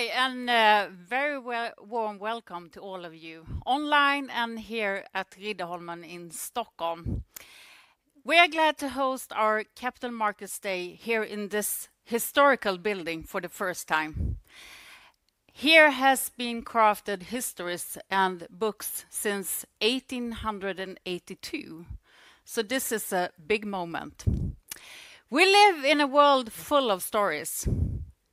Hi, and a very warm welcome to all of you online and here at Riddarholmen in Stockholm. We are glad to host our Capital Markets Day here in this historical building for the first time. Here have been crafted histories and books since 1882, so this is a big moment. We live in a world full of stories,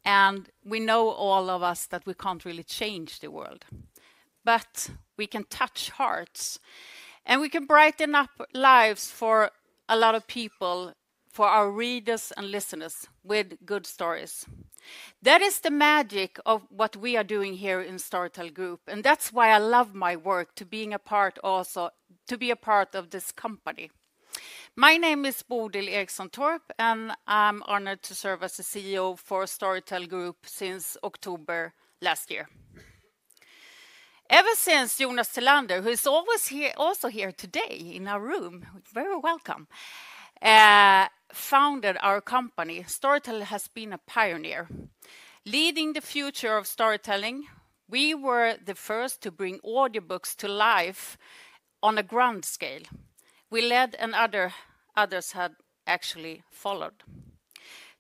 and we know all of us that we can't really change the world, but we can touch hearts, and we can brighten up lives for a lot of people, for our readers and listeners, with good stories. That is the magic of what we are doing here in Storytel Group, and that's why I love my work, to be a part also to be a part of this company. My name is Bodil Eriksson Torp, and I'm honored to serve as the CEO for Storytel Group since October last year. Ever since Jonas Tellander, who is also here today in our room, very welcome, founded our company, Storytel, we have been a pioneer. Leading the future of storytelling, we were the first to bring audiobooks to life on a grand scale. We led, and others have actually followed.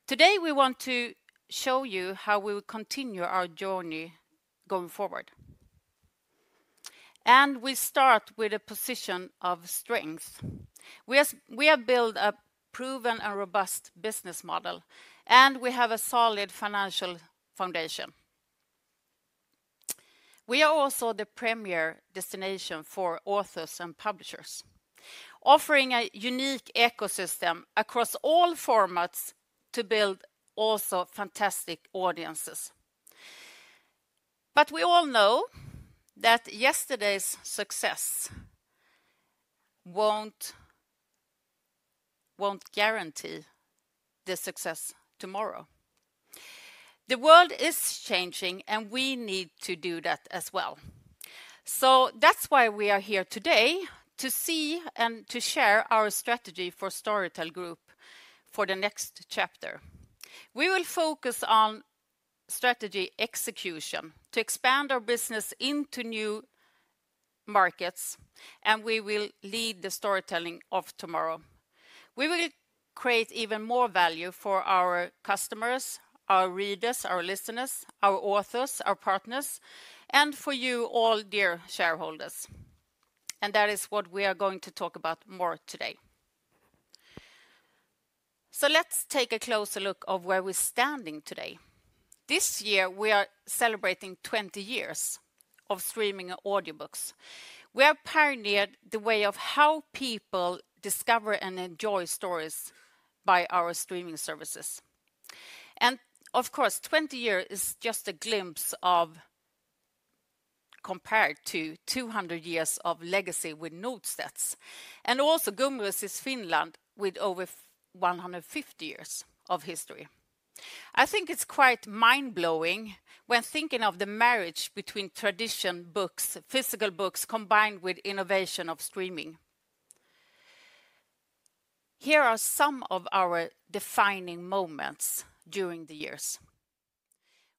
Today we want to show you how we will continue our journey going forward. We start with a position of strength. We have built a proven and robust business model, and we have a solid financial foundation. We are also the premier destination for authors and publishers, offering a unique ecosystem across all formats to build fantastic audiences. We all know that yesterday's success will not guarantee success tomorrow. The world is changing, and we need to do that as well. That is why we are here today, to see and to share our strategy for Storytel Group for the next chapter. We will focus on strategy execution to expand our business into new markets, and we will lead the storytelling of tomorrow. We will create even more value for our customers, our readers, our listeners, our authors, our partners, and for you all, dear shareholders. That is what we are going to talk about more today. Let us take a closer look at where we are standing today. This year we are celebrating 20 years of streaming audiobooks. We have pioneered the way of how people discover and enjoy stories by our streaming services. Of course, 20 years is just a glimpse compared to 200 years of legacy with Norstedts and also Gummerus in Finland with over 150 years of history. I think it's quite mind-blowing when thinking of the marriage between tradition, books, physical books combined with innovation of streaming. Here are some of our defining moments during the years.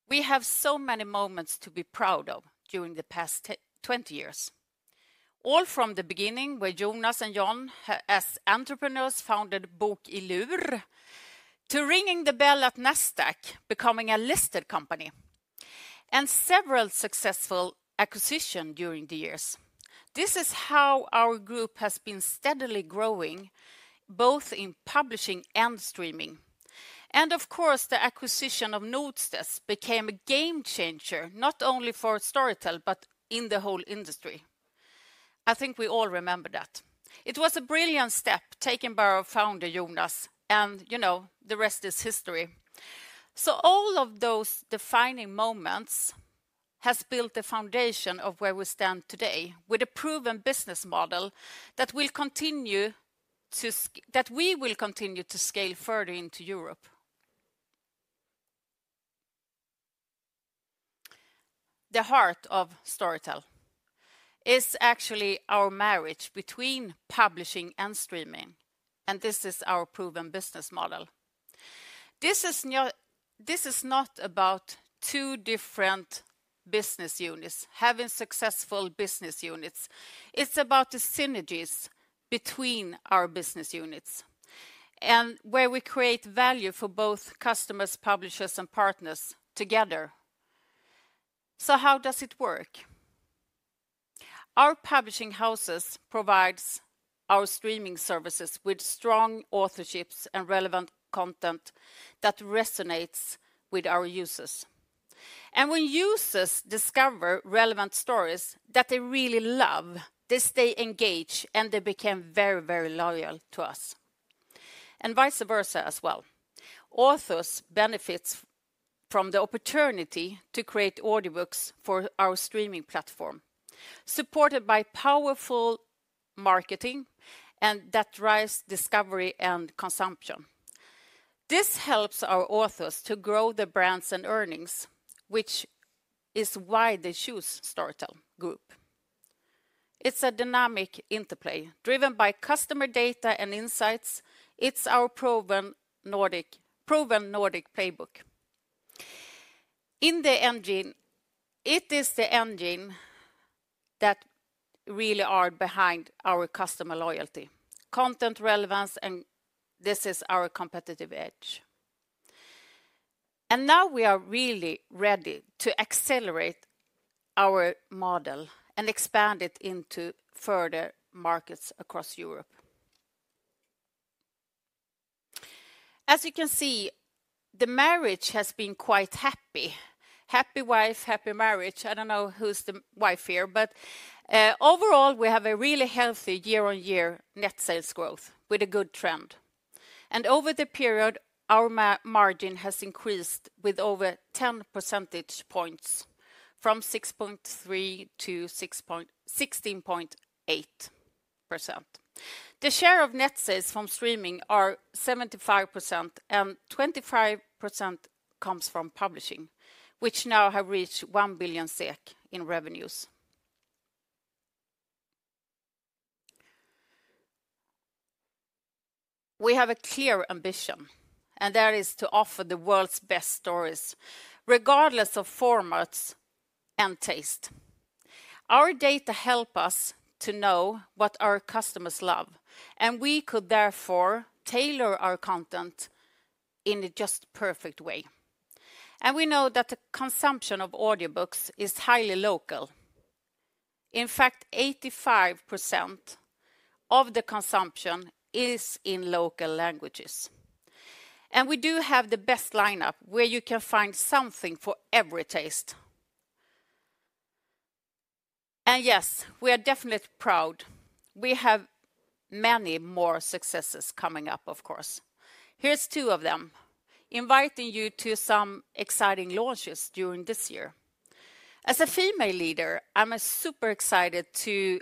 We have so many moments to be proud of during the past 20 years. All from the beginning with Jonas and John as entrepreneurs founded Bokilur, to ringing the bell at Nasdaq, becoming a listed company, and several successful acquisitions during the years. This is how our group has been steadily growing, both in publishing and streaming. Of course, the acquisition of Norstedts became a game changer not only for Storytel but in the whole industry. I think we all remember that. It was a brilliant step taken by our founder, Jonas, and you know the rest is history. All of those defining moments have built the foundation of where we stand today with a proven business model that we will continue to scale further into Europe. The heart of Storytel is actually our marriage between publishing and streaming, and this is our proven business model. This is not about two different business units having successful business units. It is about the synergies between our business units and where we create value for both customers, publishers, and partners together. How does it work? Our publishing houses provide our streaming services with strong authorships and relevant content that resonates with our users. When users discover relevant stories that they really love, they stay engaged, and they become very, very loyal to us. Vice versa as well, authors benefit from the opportunity to create audiobooks for our streaming platform, supported by powerful marketing that drives discovery and consumption. This helps our authors to grow their brands and earnings, which is why they choose Storytel Group. It is a dynamic interplay driven by customer data and insights. It is our proven Nordic playbook. In the end, it is the engine that really is behind our customer loyalty, content relevance, and this is our competitive edge. Now we are really ready to accelerate our model and expand it into further markets across Europe. As you can see, the marriage has been quite happy. Happy wife, happy marriage. I do not know who is the wife here, but overall we have a really healthy year-on-year net sales growth with a good trend. Over the period, our margin has increased with over 10 percentage points from 6.3% to 16.8%. The share of net sales from streaming is 75%, and 25% comes from publishing, which now has reached 1 billion SEK in revenues. We have a clear ambition, and that is to offer the world's best stories regardless of formats and taste. Our data help us to know what our customers love, and we could therefore tailor our content in the just perfect way. We know that the consumption of audiobooks is highly local. In fact, 85% of the consumption is in local languages. We do have the best lineup where you can find something for every taste. Yes, we are definitely proud. We have many more successes coming up, of course. Here are two of them, inviting you to some exciting launches during this year. As a female leader, I'm super excited to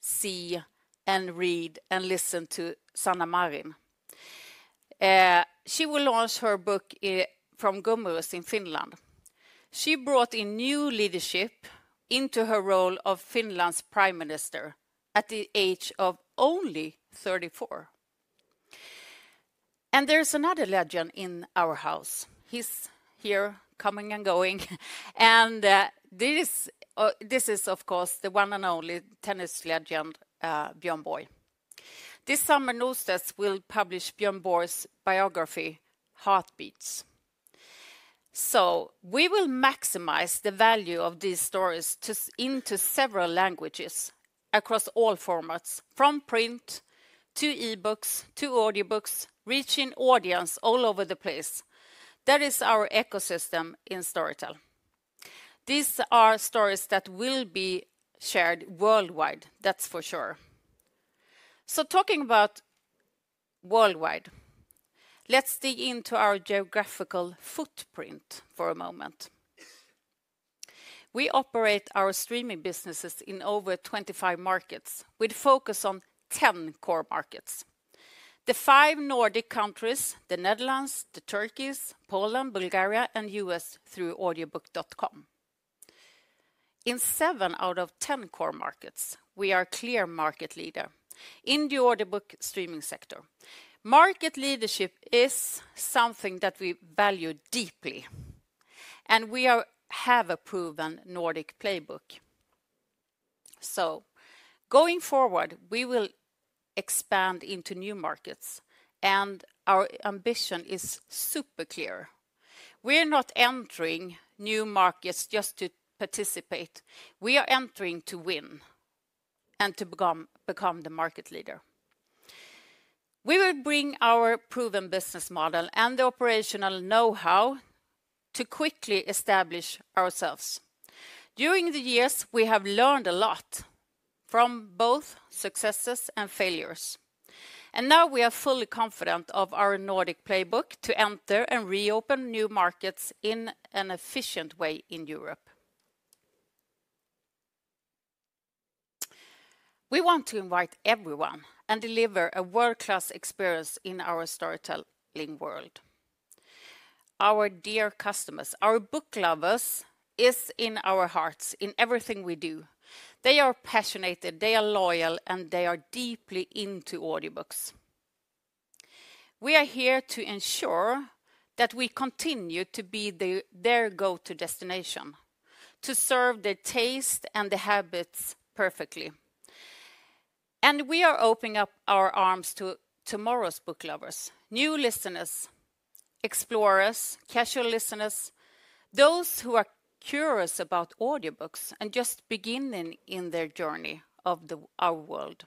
see and read and listen to Sanna Marin. She will launch her book from Gummerus in Finland. She brought in new leadership into her role of Finland's Prime Minister at the age of only 34. There is another legend in our house. He is here coming and going. This is, of course, the one and only tennis legend, Björn Borg. This summer, Norstedts will publish Björn Borg's biography, Heartbeats. We will maximize the value of these stories into several languages across all formats, from print to e-books to audiobooks, reaching audiences all over the place. That is our ecosystem in Storytel. These are stories that will be shared worldwide, that is for sure. Talking about worldwide, let's dig into our geographical footprint for a moment. We operate our streaming businesses in over 25 markets with a focus on 10 core markets: the five Nordic countries, the Netherlands, Turkey, Poland, Bulgaria, and U.S. through Audiobooks.com. In seven out of 10 core markets, we are a clear market leader in the audiobook streaming sector. Market leadership is something that we value deeply, and we have a proven Nordic playbook. Going forward, we will expand into new markets, and our ambition is super clear. We are not entering new markets just to participate. We are entering to win and to become the market leader. We will bring our proven business model and the operational know-how to quickly establish ourselves. During the years, we have learned a lot from both successes and failures. Now we are fully confident of our Nordic playbook to enter and reopen new markets in an efficient way in Europe. We want to invite everyone and deliver a world-class experience in our storytelling world. Our dear customers, our book lovers, are in our hearts in everything we do. They are passionate, they are loyal, and they are deeply into audiobooks. We are here to ensure that we continue to be their go-to destination, to serve their taste and their habits perfectly. We are opening up our arms to tomorrow's book lovers, new listeners, explorers, casual listeners, those who are curious about audiobooks and just beginning in their journey of our world.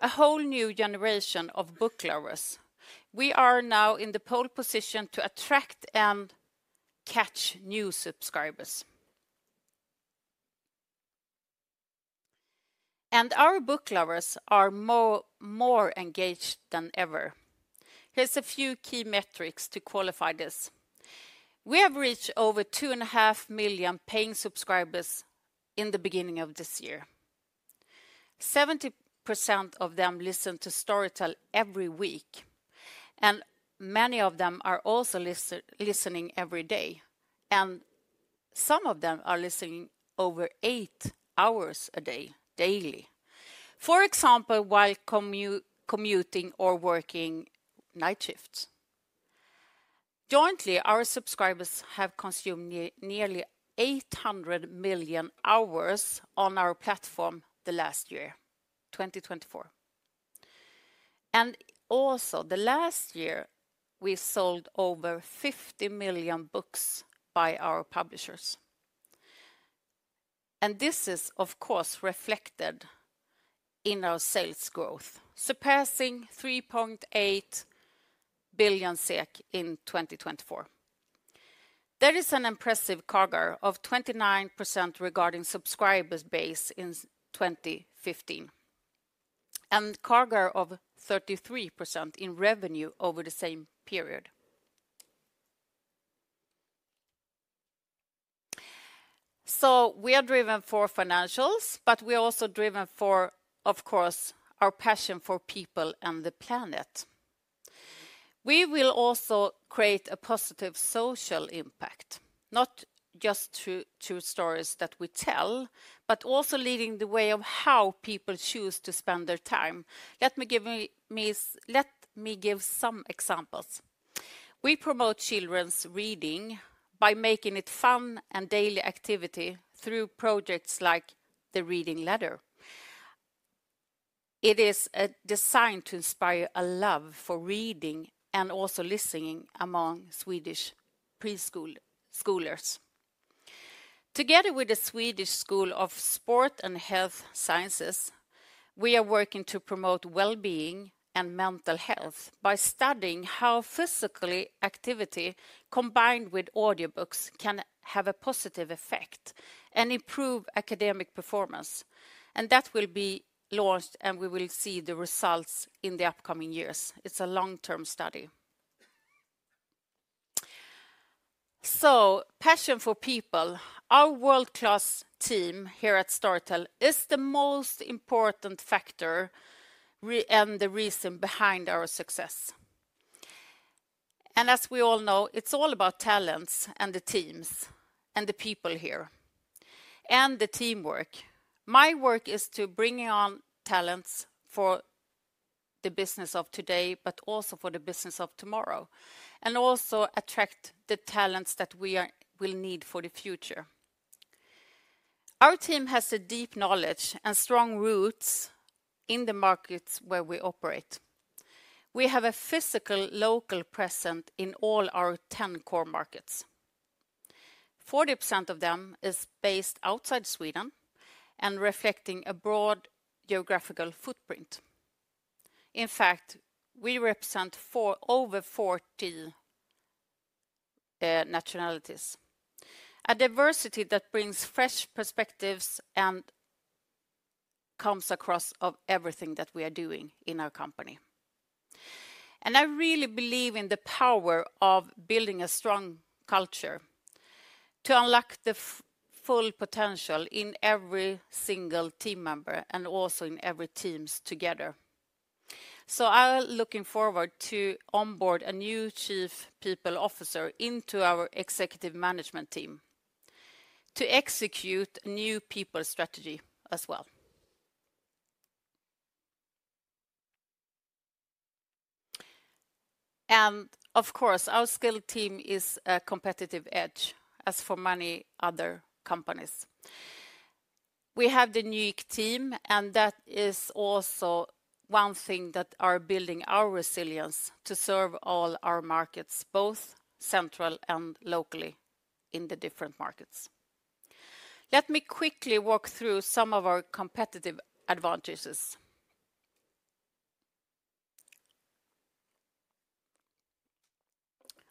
A whole new generation of book lovers. We are now in the pole position to attract and catch new subscribers. Our book lovers are more engaged than ever. Here are a few key metrics to qualify this. We have reached over 2.5 million paying subscribers in the beginning of this year. 70% of them listen to Storytel every week, and many of them are also listening every day. Some of them are listening over eight hours a day, daily, for example, while commuting or working night shifts. Jointly, our subscribers have consumed nearly 800 million hours on our platform the last year, 2024. Also, the last year, we sold over 50 million books by our publishers. This is, of course, reflected in our sales growth, surpassing SEK 3.8 billion in 2024. That is an impressive CAGR of 29% regarding subscribers' base in 2015 and a CAGR of 33% in revenue over the same period. We are driven for financials, but we are also driven for, of course, our passion for people and the planet. We will also create a positive social impact, not just through stories that we tell, but also leading the way of how people choose to spend their time. Let me give some examples. We promote children's reading by making it a fun and daily activity through projects like the Reading Ladder. It is designed to inspire a love for reading and also listening among Swedish preschoolers. Together with the Swedish School of Sport and Health Sciences, we are working to promote well-being and mental health by studying how physical activity combined with audiobooks can have a positive effect and improve academic performance. That will be launched, and we will see the results in the upcoming years. It is a long-term study. Passion for people, our world-class team here at Storytel, is the most important factor and the reason behind our success. As we all know, it is all about talents and the teams and the people here and the teamwork. My work is to bring on talents for the business of today, but also for the business of tomorrow, and also attract the talents that we will need for the future. Our team has a deep knowledge and strong roots in the markets where we operate. We have a physical local presence in all our 10 core markets. 40% of them is based outside Sweden and reflecting a broad geographical footprint. In fact, we represent over 40 nationalities, a diversity that brings fresh perspectives and comes across everything that we are doing in our company. I really believe in the power of building a strong culture to unlock the full potential in every single team member and also in every team together. I am looking forward to onboarding a new Chief People Officer into our executive management team to execute a new people strategy as well. Of course, our skilled team is a competitive edge, as for many other companies. We have the unique team, and that is also one thing that is building our resilience to serve all our markets, both central and locally in the different markets. Let me quickly walk through some of our competitive advantages.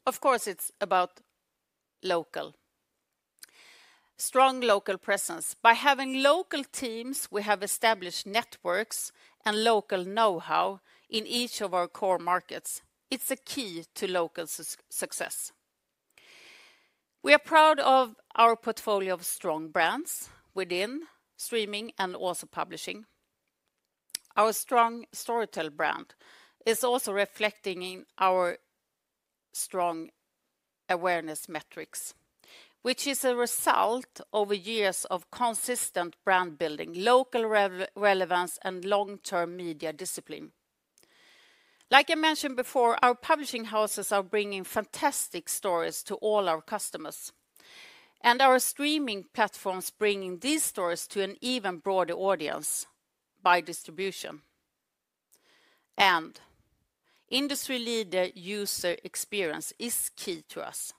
Of course, it is about local. Strong local presence. By having local teams, we have established networks and local know-how in each of our core markets. It is a key to local success. We are proud of our portfolio of strong brands within streaming and also publishing. Our strong Storytel brand is also reflecting in our strong awareness metrics, which is a result of years of consistent brand building, local relevance, and long-term media discipline. Like I mentioned before, our publishing houses are bringing fantastic stories to all our customers, and our streaming platforms are bringing these stories to an even broader audience by distribution. Industry-leader user experience is key to us.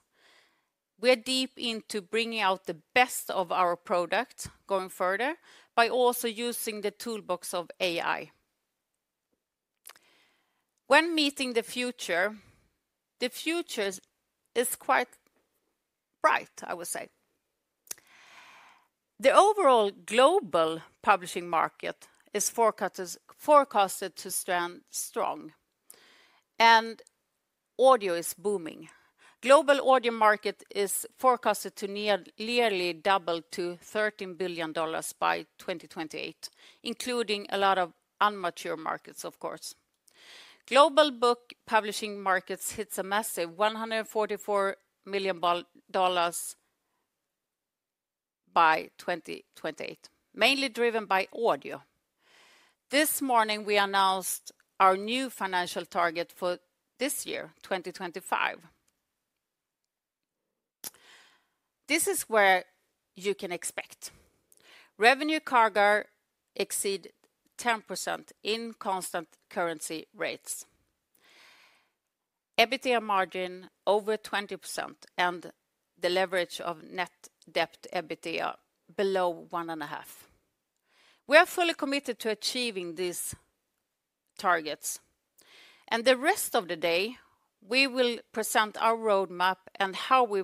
We are deep into bringing out the best of our product going further by also using the toolbox of AI. When meeting the future, the future is quite bright, I would say. The overall global publishing market is forecasted to stand strong, and audio is booming. The global audio market is forecasted to nearly double to $13 billion by 2028, including a lot of unmature markets, of course. Global book publishing markets hit a massive $144 billion by 2028, mainly driven by audio. This morning, we announced our new financial target for this year, 2025. This is where you can expect revenue CAGR to exceed 10% in constant currency rates, EBITDA margin over 20%, and the leverage of net debt EBITDA below 1.5. We are fully committed to achieving these targets. The rest of the day, we will present our roadmap and how we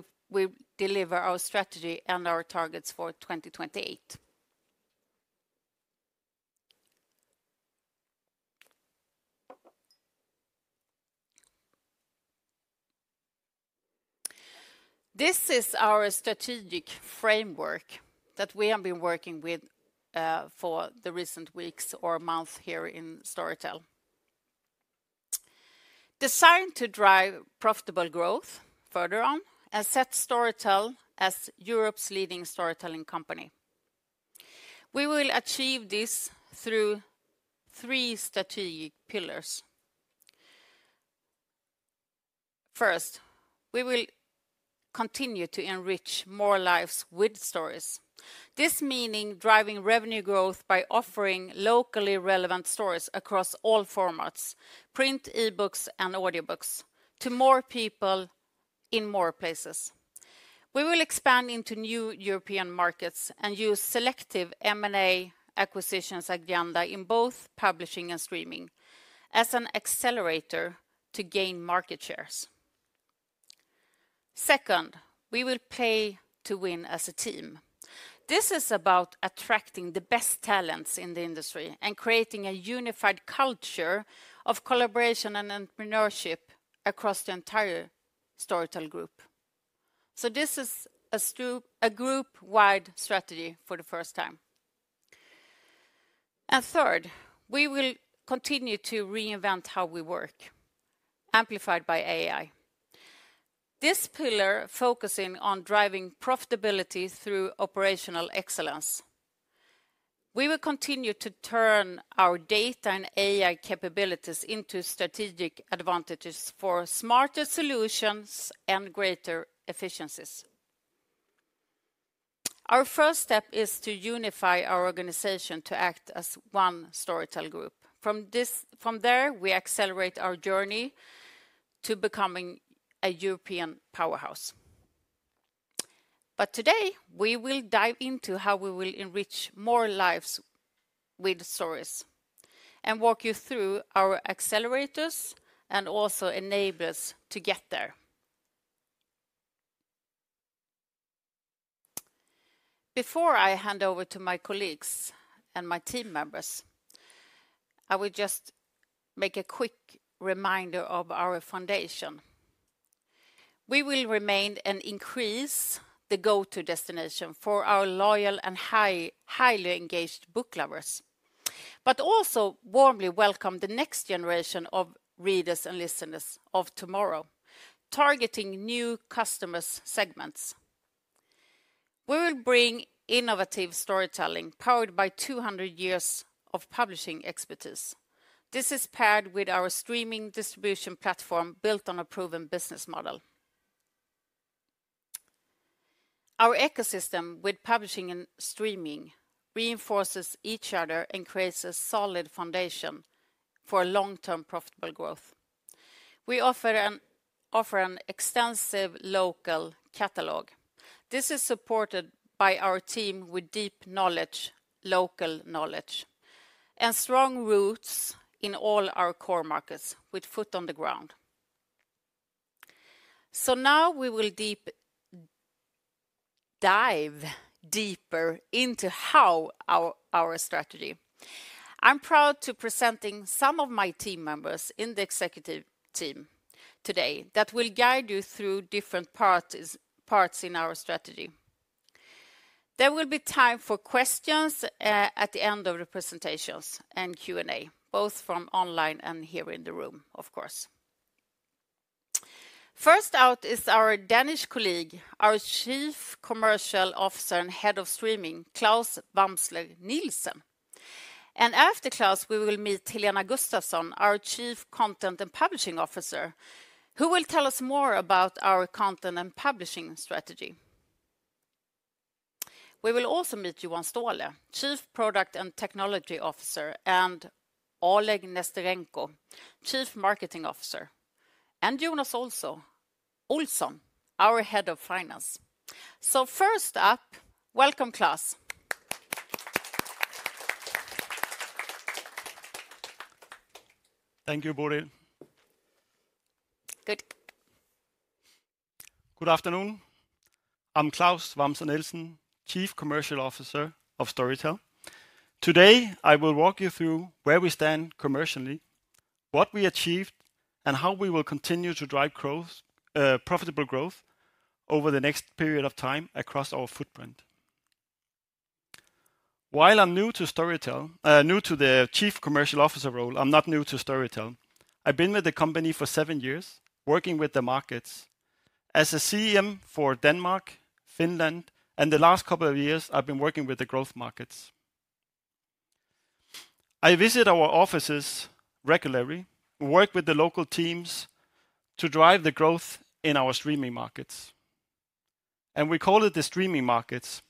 deliver our strategy and our targets for 2028. This is our strategic framework that we have been working with for the recent weeks or months here in Storytel, designed to drive profitable growth further on and set Storytel as Europe's leading storytelling company. We will achieve this through three strategic pillars. First, we will continue to enrich more lives with stories, this meaning driving revenue growth by offering locally relevant stories across all formats, print, e-books, and audiobooks to more people in more places. We will expand into new European markets and use selective M&A acquisitions agenda in both publishing and streaming as an accelerator to gain market shares. Second, we will pay to win as a team. This is about attracting the best talents in the industry and creating a unified culture of collaboration and entrepreneurship across the entire Storytel Group. This is a group-wide strategy for the first time. Third, we will continue to reinvent how we work, amplified by AI. This pillar focuses on driving profitability through operational excellence. We will continue to turn our data and AI capabilities into strategic advantages for smarter solutions and greater efficiencies. Our first step is to unify our organization to act as one Storytel Group. From there, we accelerate our journey to becoming a European powerhouse. Today, we will dive into how we will enrich more lives with stories and walk you through our accelerators and also enablers to get there. Before I hand over to my colleagues and my team members, I would just make a quick reminder of our foundation. We will remain and increase the go-to destination for our loyal and highly engaged book lovers, but also warmly welcome the next generation of readers and listeners of tomorrow, targeting new customer segments. We will bring innovative storytelling powered by 200 years of publishing expertise. This is paired with our streaming distribution platform built on a proven business model. Our ecosystem with publishing and streaming reinforces each other and creates a solid foundation for long-term profitable growth. We offer an extensive local catalog. This is supported by our team with deep knowledge, local knowledge, and strong roots in all our core markets with foot on the ground. Now we will dive deeper into how our strategy. I'm proud to present some of my team members in the executive team today that will guide you through different parts in our strategy. There will be time for questions at the end of the presentations and Q&A, both from online and here in the room, of course. First out is our Danish colleague, our Chief Commercial Officer and Head of Streaming, Claus Wamsler-Nielsen. After Claus, we will meet Helena Gustafsson, our Chief Content and Publishing Officer, who will tell us more about our content and publishing strategy. We will also meet Johan Ståhle, Chief Product and Technology Officer, and Oleh Nesterenko, Chief Marketing Officer, and Jonas Olson, our Head of Finance. First up, welcome, Claus. Thank you, Bodil. Good. Good afternoon. I'm Claus Wamsler-Nielsen, Chief Commercial Officer of Storytel. Today, I will walk you through where we stand commercially, what we achieved, and how we will continue to drive profitable growth over the next period of time across our footprint. While I'm new to Storytel, new to the Chief Commercial Officer role, I'm not new to Storytel. I've been with the company for seven years, working with the markets as a CM for Denmark, Finland, and the last couple of years, I've been working with the growth markets. I visit our offices regularly, work with the local teams to drive the growth in our streaming markets. We call it the streaming markets,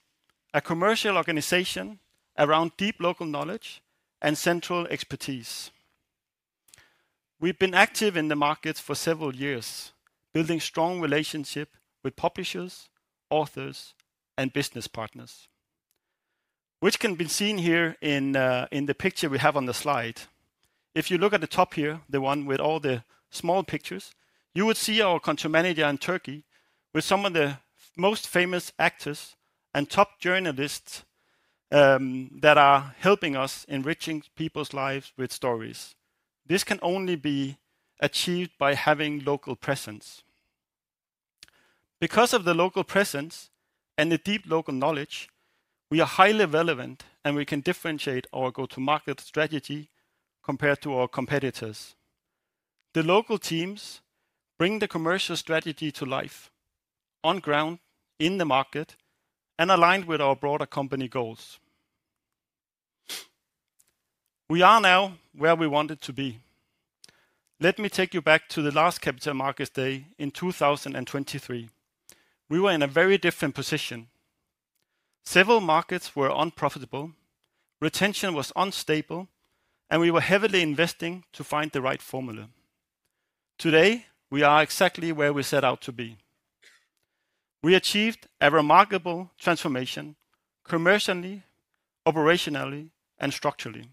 a commercial organization around deep local knowledge and central expertise. We've been active in the markets for several years, building strong relationships with publishers, authors, and business partners, which can be seen here in the picture we have on the slide. If you look at the top here, the one with all the small pictures, you would see our consumer media in Turkey with some of the most famous actors and top journalists that are helping us enrich people's lives with stories. This can only be achieved by having local presence. Because of the local presence and the deep local knowledge, we are highly relevant, and we can differentiate our go-to-market strategy compared to our competitors. The local teams bring the commercial strategy to life on ground in the market and aligned with our broader company goals. We are now where we wanted to be. Let me take you back to the last capital markets day in 2023. We were in a very different position. Several markets were unprofitable, retention was unstable, and we were heavily investing to find the right formula. Today, we are exactly where we set out to be. We achieved a remarkable transformation commercially, operationally, and structurally.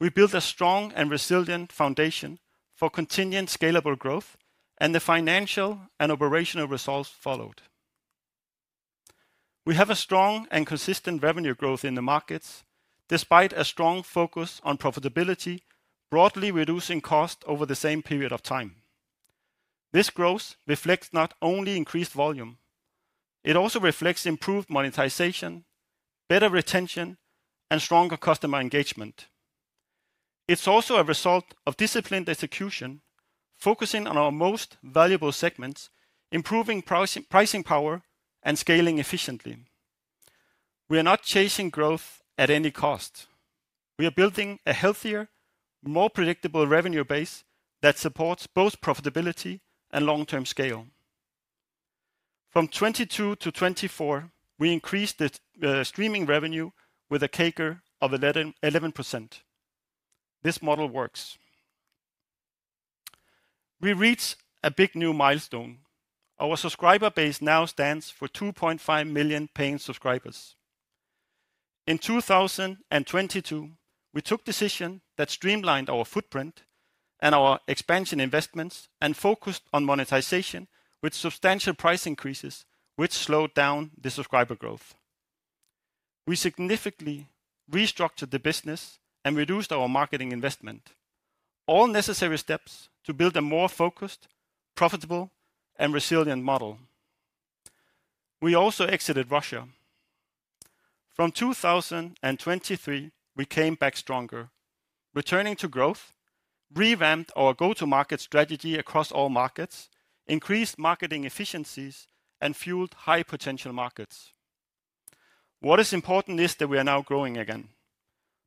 We built a strong and resilient foundation for continued scalable growth, and the financial and operational results followed. We have a strong and consistent revenue growth in the markets despite a strong focus on profitability, broadly reducing costs over the same period of time. This growth reflects not only increased volume, it also reflects improved monetization, better retention, and stronger customer engagement. It's also a result of disciplined execution, focusing on our most valuable segments, improving pricing power and scaling efficiently. We are not chasing growth at any cost. We are building a healthier, more predictable revenue base that supports both profitability and long-term scale. From 2022 to 2024, we increased the streaming revenue with a CAGR of 11%. This model works. We reached a big new milestone. Our subscriber base now stands for 2.5 million paying subscribers. In 2022, we took decisions that streamlined our footprint and our expansion investments and focused on monetization with substantial price increases, which slowed down the subscriber growth. We significantly restructured the business and reduced our marketing investment, all necessary steps to build a more focused, profitable, and resilient model. We also exited Russia. From 2023, we came back stronger, returning to growth, revamped our go-to-market strategy across all markets, increased marketing efficiencies, and fueled high-potential markets. What is important is that we are now growing again,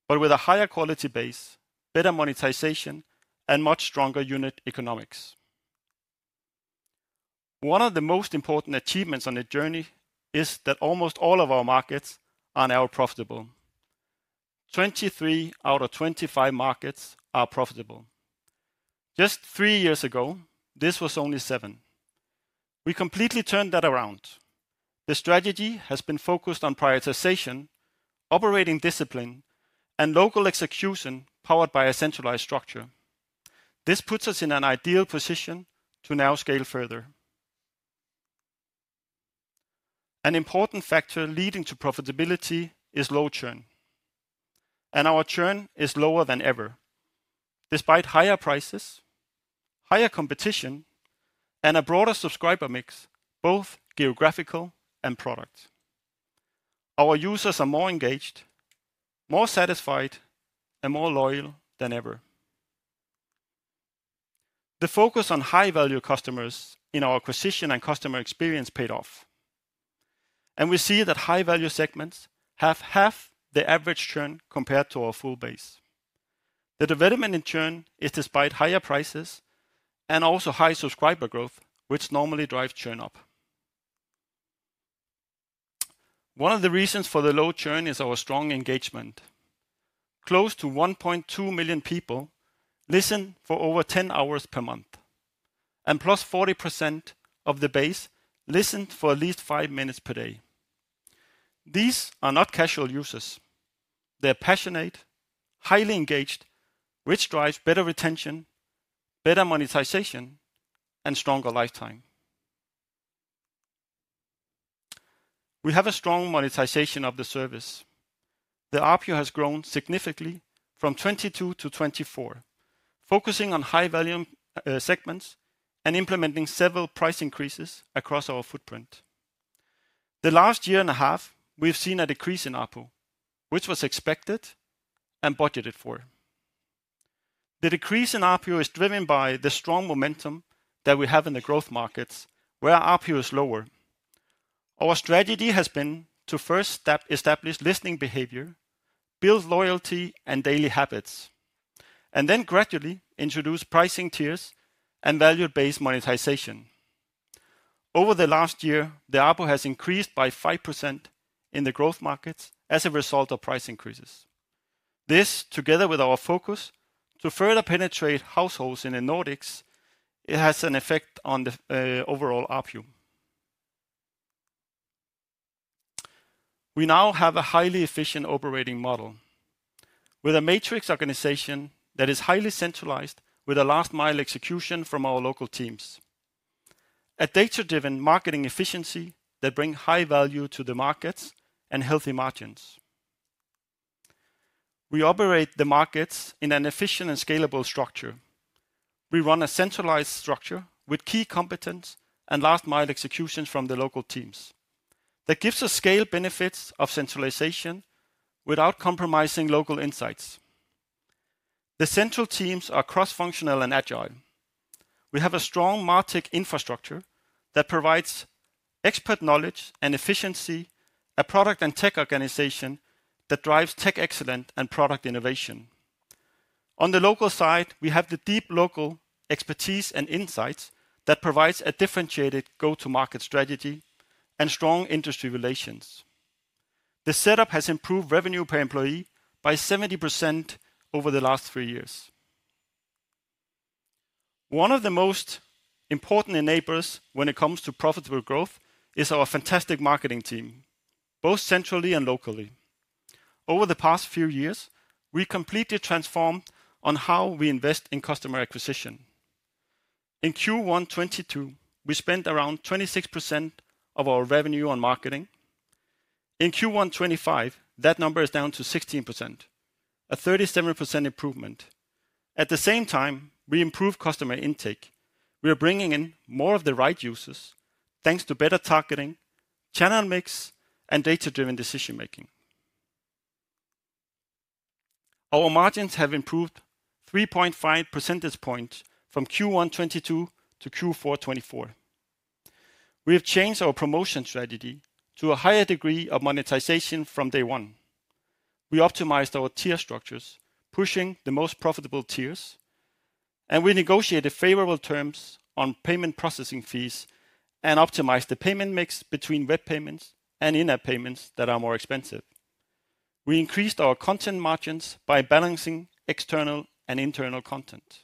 but with a higher quality base, better monetization, and much stronger unit economics. One of the most important achievements on the journey is that almost all of our markets are now profitable. 23 out of 25 markets are profitable. Just three years ago, this was only seven. We completely turned that around. The strategy has been focused on prioritization, operating discipline, and local execution powered by a centralized structure. This puts us in an ideal position to now scale further. An important factor leading to profitability is low churn. Our churn is lower than ever, despite higher prices, higher competition, and a broader subscriber mix, both geographical and product. Our users are more engaged, more satisfied, and more loyal than ever. The focus on high-value customers in our acquisition and customer experience paid off. We see that high-value segments have half the average churn compared to our full base. The development in churn is despite higher prices and also high subscriber growth, which normally drives churn up. One of the reasons for the low churn is our strong engagement. Close to 1.2 million people listen for over 10 hours per month, and plus 40% of the base listen for at least five minutes per day. These are not casual users. They're passionate, highly engaged, which drives better retention, better monetization, and stronger lifetime. We have a strong monetization of the service. The RPO has grown significantly from 2022 to 2024, focusing on high-value segments and implementing several price increases across our footprint. The last year and a half, we've seen a decrease in RPO, which was expected and budgeted for. The decrease in RPO is driven by the strong momentum that we have in the growth markets where RPO is lower. Our strategy has been to first establish listening behavior, build loyalty and daily habits, and then gradually introduce pricing tiers and value-based monetization. Over the last year, the RPO has increased by 5% in the growth markets as a result of price increases. This, together with our focus to further penetrate households in the Nordics, has an effect on the overall RPO. We now have a highly efficient operating model with a matrix organization that is highly centralized with a last-mile execution from our local teams. A data-driven marketing efficiency that brings high value to the markets and healthy margins. We operate the markets in an efficient and scalable structure. We run a centralized structure with key competence and last-mile executions from the local teams that gives us scale benefits of centralization without compromising local insights. The central teams are cross-functional and agile. We have a strong MarTech infrastructure that provides expert knowledge and efficiency, a product and tech organization that drives tech excellence and product innovation. On the local side, we have the deep local expertise and insights that provide a differentiated go-to-market strategy and strong industry relations. The setup has improved revenue per employee by 70% over the last three years. One of the most important enablers when it comes to profitable growth is our fantastic marketing team, both centrally and locally. Over the past few years, we completely transformed on how we invest in customer acquisition. In Q1 2022, we spent around 26% of our revenue on marketing. In Q1 2025, that number is down to 16%, a 37% improvement. At the same time, we improved customer intake. We are bringing in more of the right users thanks to better targeting, channel mix, and data-driven decision-making. Our margins have improved 3.5 percentage points from Q1 2022 to Q4 2024. We have changed our promotion strategy to a higher degree of monetization from day one. We optimized our tier structures, pushing the most profitable tiers, and we negotiated favorable terms on payment processing fees and optimized the payment mix between web payments and in-app payments that are more expensive. We increased our content margins by balancing external and internal content.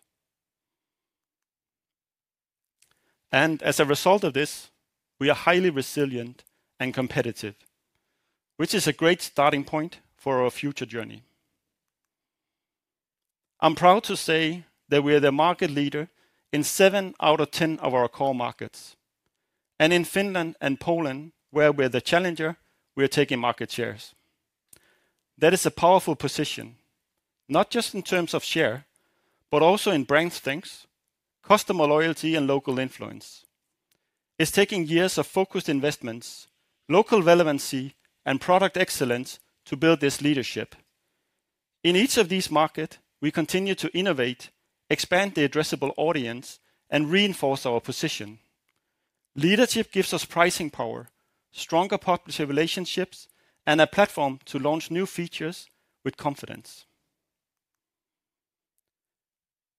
As a result of this, we are highly resilient and competitive, which is a great starting point for our future journey. I'm proud to say that we are the market leader in 7 out of 10 of our core markets. In Finland and Poland, where we're the challenger, we're taking market shares. That is a powerful position, not just in terms of share, but also in brand strength, customer loyalty, and local influence. It's taking years of focused investments, local relevancy, and product excellence to build this leadership. In each of these markets, we continue to innovate, expand the addressable audience, and reinforce our position. Leadership gives us pricing power, stronger partnership relationships, and a platform to launch new features with confidence.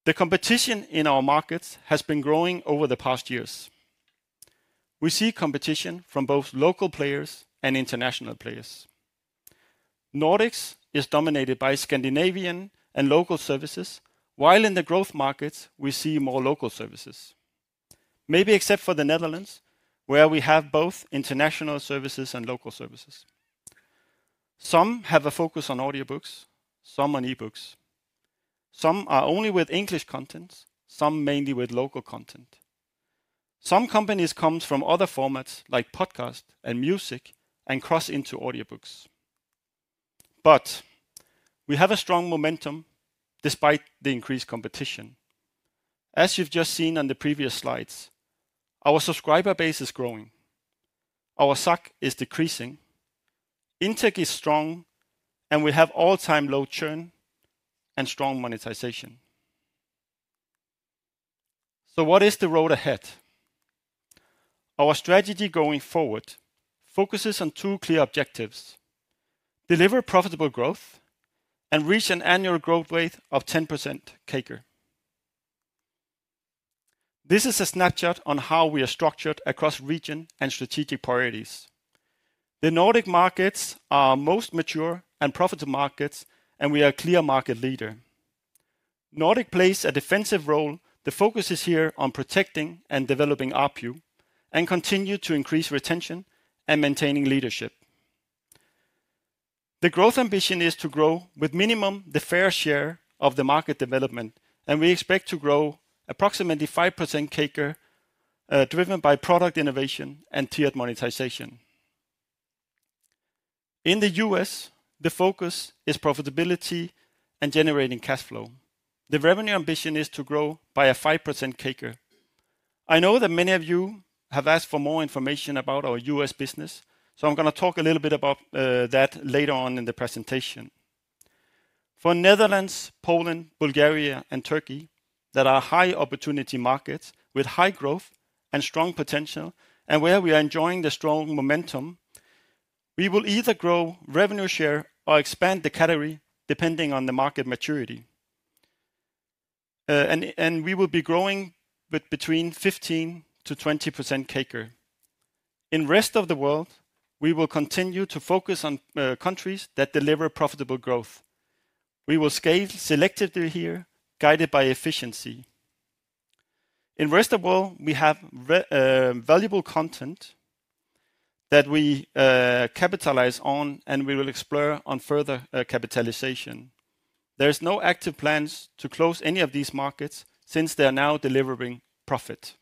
The competition in our markets has been growing over the past years. We see competition from both local players and international players. Nordics is dominated by Scandinavian and local services, while in the growth markets, we see more local services, maybe except for the Netherlands, where we have both international services and local services. Some have a focus on audiobooks, some on e-books. Some are only with English content, some mainly with local content. Some companies come from other formats like podcasts and music and cross into audiobooks. We have a strong momentum despite the increased competition. As you've just seen on the previous slides, our subscriber base is growing. Our SAC is decreasing. Intake is strong, and we have all-time low churn and strong monetization. What is the road ahead? Our strategy going forward focuses on two clear objectives: deliver profitable growth and reach an annual growth rate of 10% CAGR. This is a snapshot on how we are structured across region and strategic priorities. The Nordic markets are most mature and profitable markets, and we are a clear market leader. Nordic plays a defensive role. The focus is here on protecting and developing RPO and continuing to increase retention and maintaining leadership. The growth ambition is to grow with minimum the fair share of the market development, and we expect to grow approximately 5% CAGR driven by product innovation and tiered monetization. In the U.S., the focus is profitability and generating cash flow. The revenue ambition is to grow by a 5% CAGR. I know that many of you have asked for more information about our US business, so I'm going to talk a little bit about that later on in the presentation. For Netherlands, Poland, Bulgaria, and Turkey, that are high opportunity markets with high growth and strong potential, and where we are enjoying the strong momentum, we will either grow revenue share or expand the category depending on the market maturity. We will be growing with between 15%-20% CAGR. In the rest of the world, we will continue to focus on countries that deliver profitable growth. We will scale selectively here, guided by efficiency. In the rest of the world, we have valuable content that we capitalize on, and we will explore on further capitalization. There are no active plans to close any of these markets since they are now delivering profit.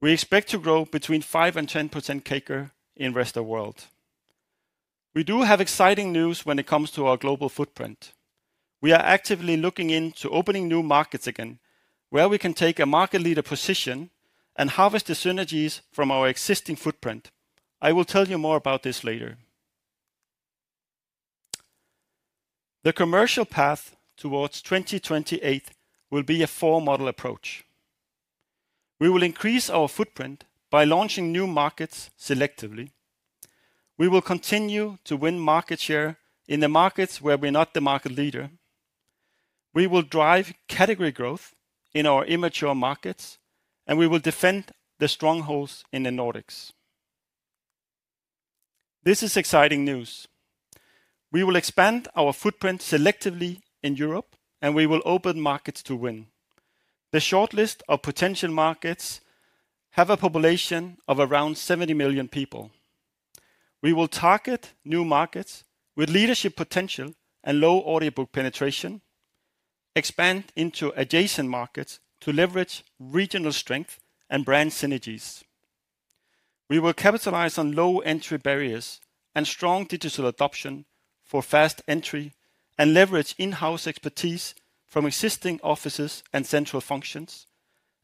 We expect to grow between 5% and 10% CAGR in the rest of the world. We do have exciting news when it comes to our global footprint. We are actively looking into opening new markets again, where we can take a market leader position and harvest the synergies from our existing footprint. I will tell you more about this later. The commercial path towards 2028 will be a four-model approach. We will increase our footprint by launching new markets selectively. We will continue to win market share in the markets where we're not the market leader. We will drive category growth in our immature markets, and we will defend the strongholds in the Nordics. This is exciting news. We will expand our footprint selectively in Europe, and we will open markets to win. The shortlist of potential markets has a population of around 70 million people. We will target new markets with leadership potential and low audiobook penetration, expand into adjacent markets to leverage regional strength and brand synergies. We will capitalize on low entry barriers and strong digital adoption for fast entry and leverage in-house expertise from existing offices and central functions,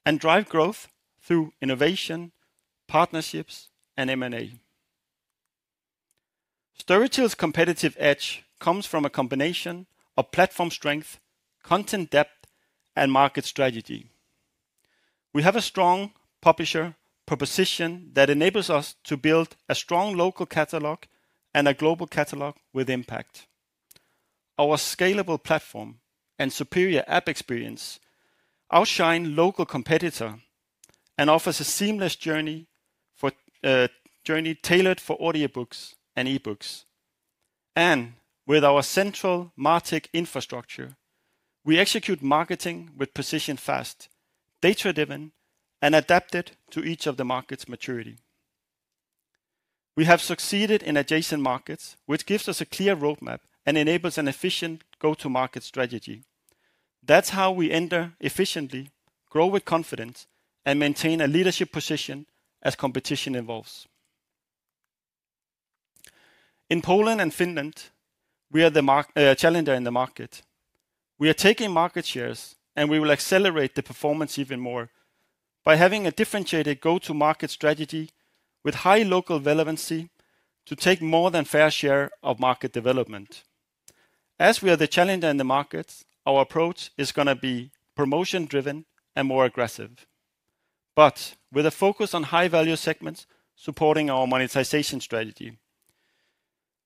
and drive growth through innovation, partnerships, and M&A. Storytel's competitive edge comes from a combination of platform strength, content depth, and market strategy. We have a strong publisher proposition that enables us to build a strong local catalog and a global catalog with impact. Our scalable platform and superior app experience outshine local competitors and offer a seamless journey tailored for audiobooks and e-books. With our central MarTech infrastructure, we execute marketing with precision, fast, data-driven, and adapted to each of the markets' maturity. We have succeeded in adjacent markets, which gives us a clear roadmap and enables an efficient go-to-market strategy. That's how we enter efficiently, grow with confidence, and maintain a leadership position as competition evolves. In Poland and Finland, we are the challenger in the market. We are taking market shares, and we will accelerate the performance even more by having a differentiated go-to-market strategy with high local relevancy to take more than fair share of market development. As we are the challenger in the markets, our approach is going to be promotion-driven and more aggressive, but with a focus on high-value segments supporting our monetization strategy.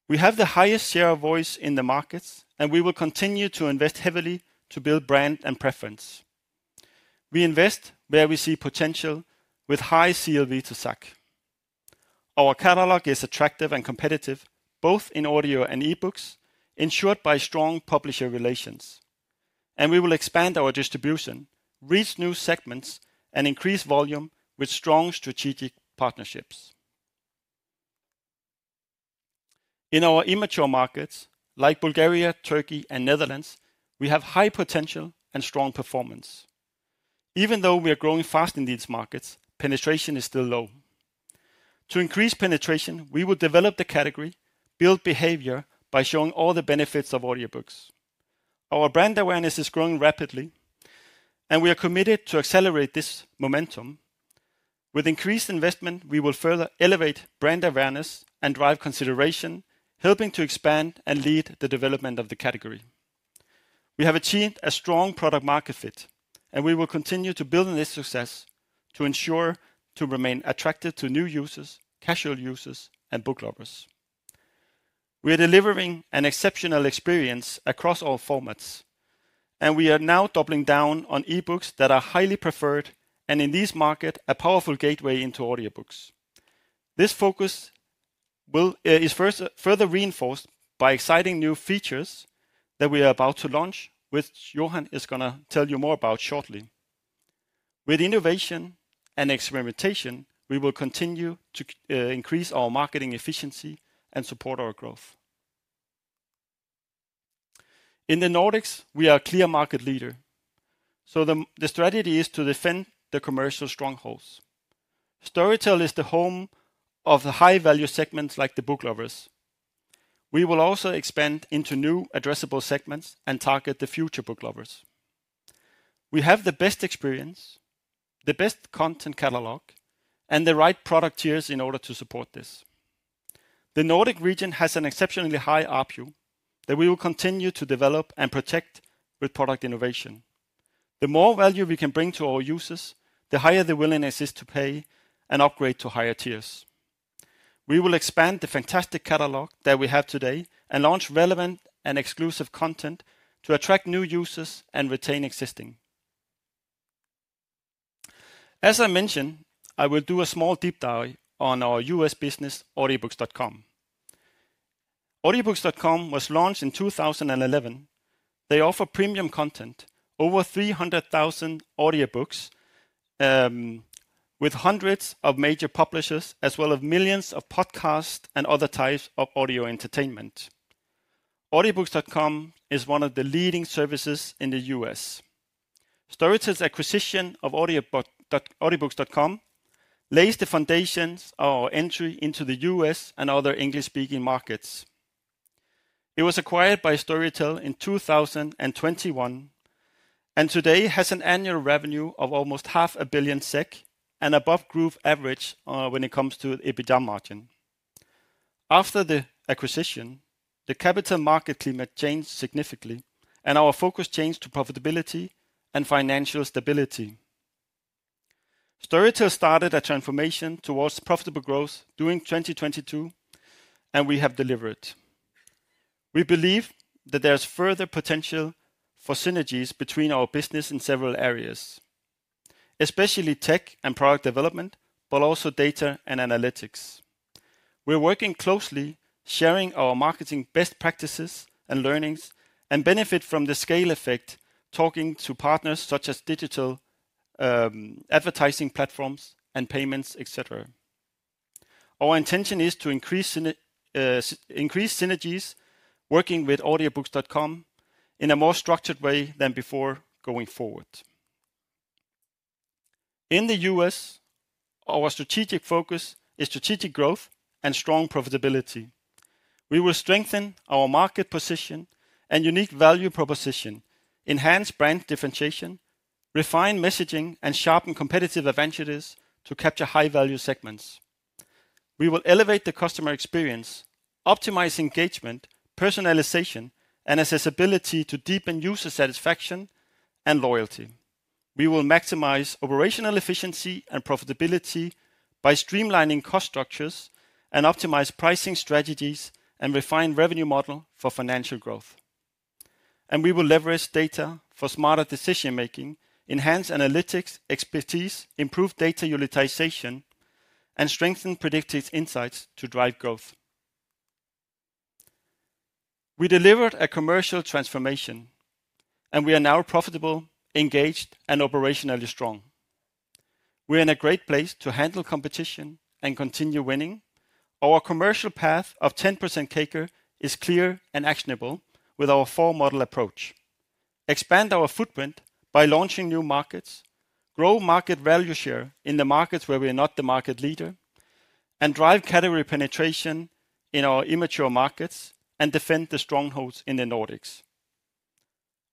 We have the highest share of voice in the markets, and we will continue to invest heavily to build brand and preference. We invest where we see potential with high CLV to SAC. Our catalog is attractive and competitive, both in audio and e-books, ensured by strong publisher relations. We will expand our distribution, reach new segments, and increase volume with strong strategic partnerships. In our immature markets, like Bulgaria, Turkey, and Netherlands, we have high potential and strong performance. Even though we are growing fast in these markets, penetration is still low. To increase penetration, we will develop the category, build behavior by showing all the benefits of audiobooks. Our brand awareness is growing rapidly, and we are committed to accelerate this momentum. With increased investment, we will further elevate brand awareness and drive consideration, helping to expand and lead the development of the category. We have achieved a strong product-market fit, and we will continue to build on this success to ensure we remain attractive to new users, casual users, and book lovers. We are delivering an exceptional experience across all formats, and we are now doubling down on e-books that are highly preferred and, in this market, a powerful gateway into audiobooks. This focus is further reinforced by exciting new features that we are about to launch, which Johan is going to tell you more about shortly. With innovation and experimentation, we will continue to increase our marketing efficiency and support our growth. In the Nordics, we are a clear market leader. The strategy is to defend the commercial strongholds. Storytel is the home of high-value segments like the book lovers. We will also expand into new addressable segments and target the future book lovers. We have the best experience, the best content catalog, and the right product tiers in order to support this. The Nordic region has an exceptionally high RPO that we will continue to develop and protect with product innovation. The more value we can bring to our users, the higher the willingness is to pay and upgrade to higher tiers. We will expand the fantastic catalog that we have today and launch relevant and exclusive content to attract new users and retain existing. As I mentioned, I will do a small deep dive on our US business, Audiobooks.com. Audiobooks.com was launched in 2011. They offer premium content, over 300,000 audiobooks with hundreds of major publishers, as well as millions of podcasts and other types of audio entertainment. Audiobooks.com is one of the leading services in the U.S. Storytel's acquisition of Audiobooks.com lays the foundations of our entry into the US and other English-speaking markets. It was acquired by Storytel in 2021 and today has an annual revenue of almost 500,000,000 SEK and above the growth average when it comes to EBITDA margin. After the acquisition, the capital market climate changed significantly, and our focus changed to profitability and financial stability. Storytel started a transformation towards profitable growth during 2022, and we have delivered. We believe that there is further potential for synergies between our business in several areas, especially tech and product development, but also data and analytics. We're working closely, sharing our marketing best practices and learnings, and benefit from the scale effect, talking to partners such as digital advertising platforms and payments, etc. Our intention is to increase synergies, working with Audiobooks.com in a more structured way than before going forward. In the U.S., our strategic focus is strategic growth and strong profitability. We will strengthen our market position and unique value proposition, enhance brand differentiation, refine messaging, and sharpen competitive advantages to capture high-value segments. We will elevate the customer experience, optimize engagement, personalization, and accessibility to deepen user satisfaction and loyalty. We will maximize operational efficiency and profitability by streamlining cost structures and optimize pricing strategies and refine the revenue model for financial growth. We will leverage data for smarter decision-making, enhance analytics expertise, improve data utilization, and strengthen predictive insights to drive growth. We delivered a commercial transformation, and we are now profitable, engaged, and operationally strong. We are in a great place to handle competition and continue winning. Our commercial path of 10% CAGR is clear and actionable with our four-model approach. Expand our footprint by launching new markets, grow market value share in the markets where we are not the market leader, drive category penetration in our immature markets, and defend the strongholds in the Nordics.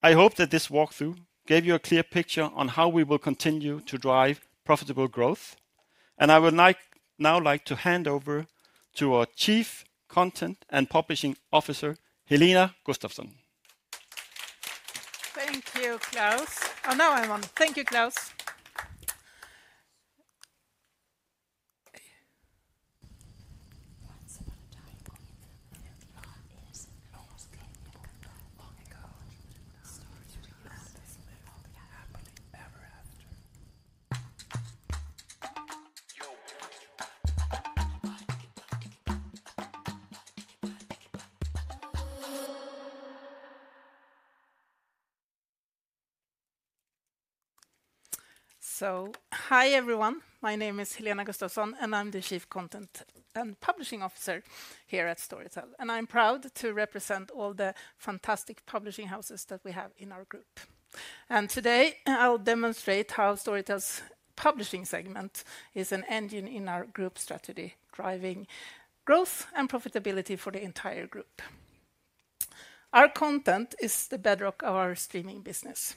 I hope that this walkthrough gave you a clear picture on how we will continue to drive profitable growth. I would now like to hand over to our Chief Content and Publishing Officer, Helena Gustafsson. Thank you, Claus. Oh, no, I am on. Thank you, Claus. Once upon a time, a new thought is almost gone. Long ago, it started to use this movement happening ever after. Hi everyone. My name is Helena Gustafsson, and I am the Chief Content and Publishing Officer here at Storytel. I am proud to represent all the fantastic publishing houses that we have in our group. Today, I'll demonstrate how Storytel's publishing segment is an engine in our group strategy, driving growth and profitability for the entire group. Our content is the bedrock of our streaming business,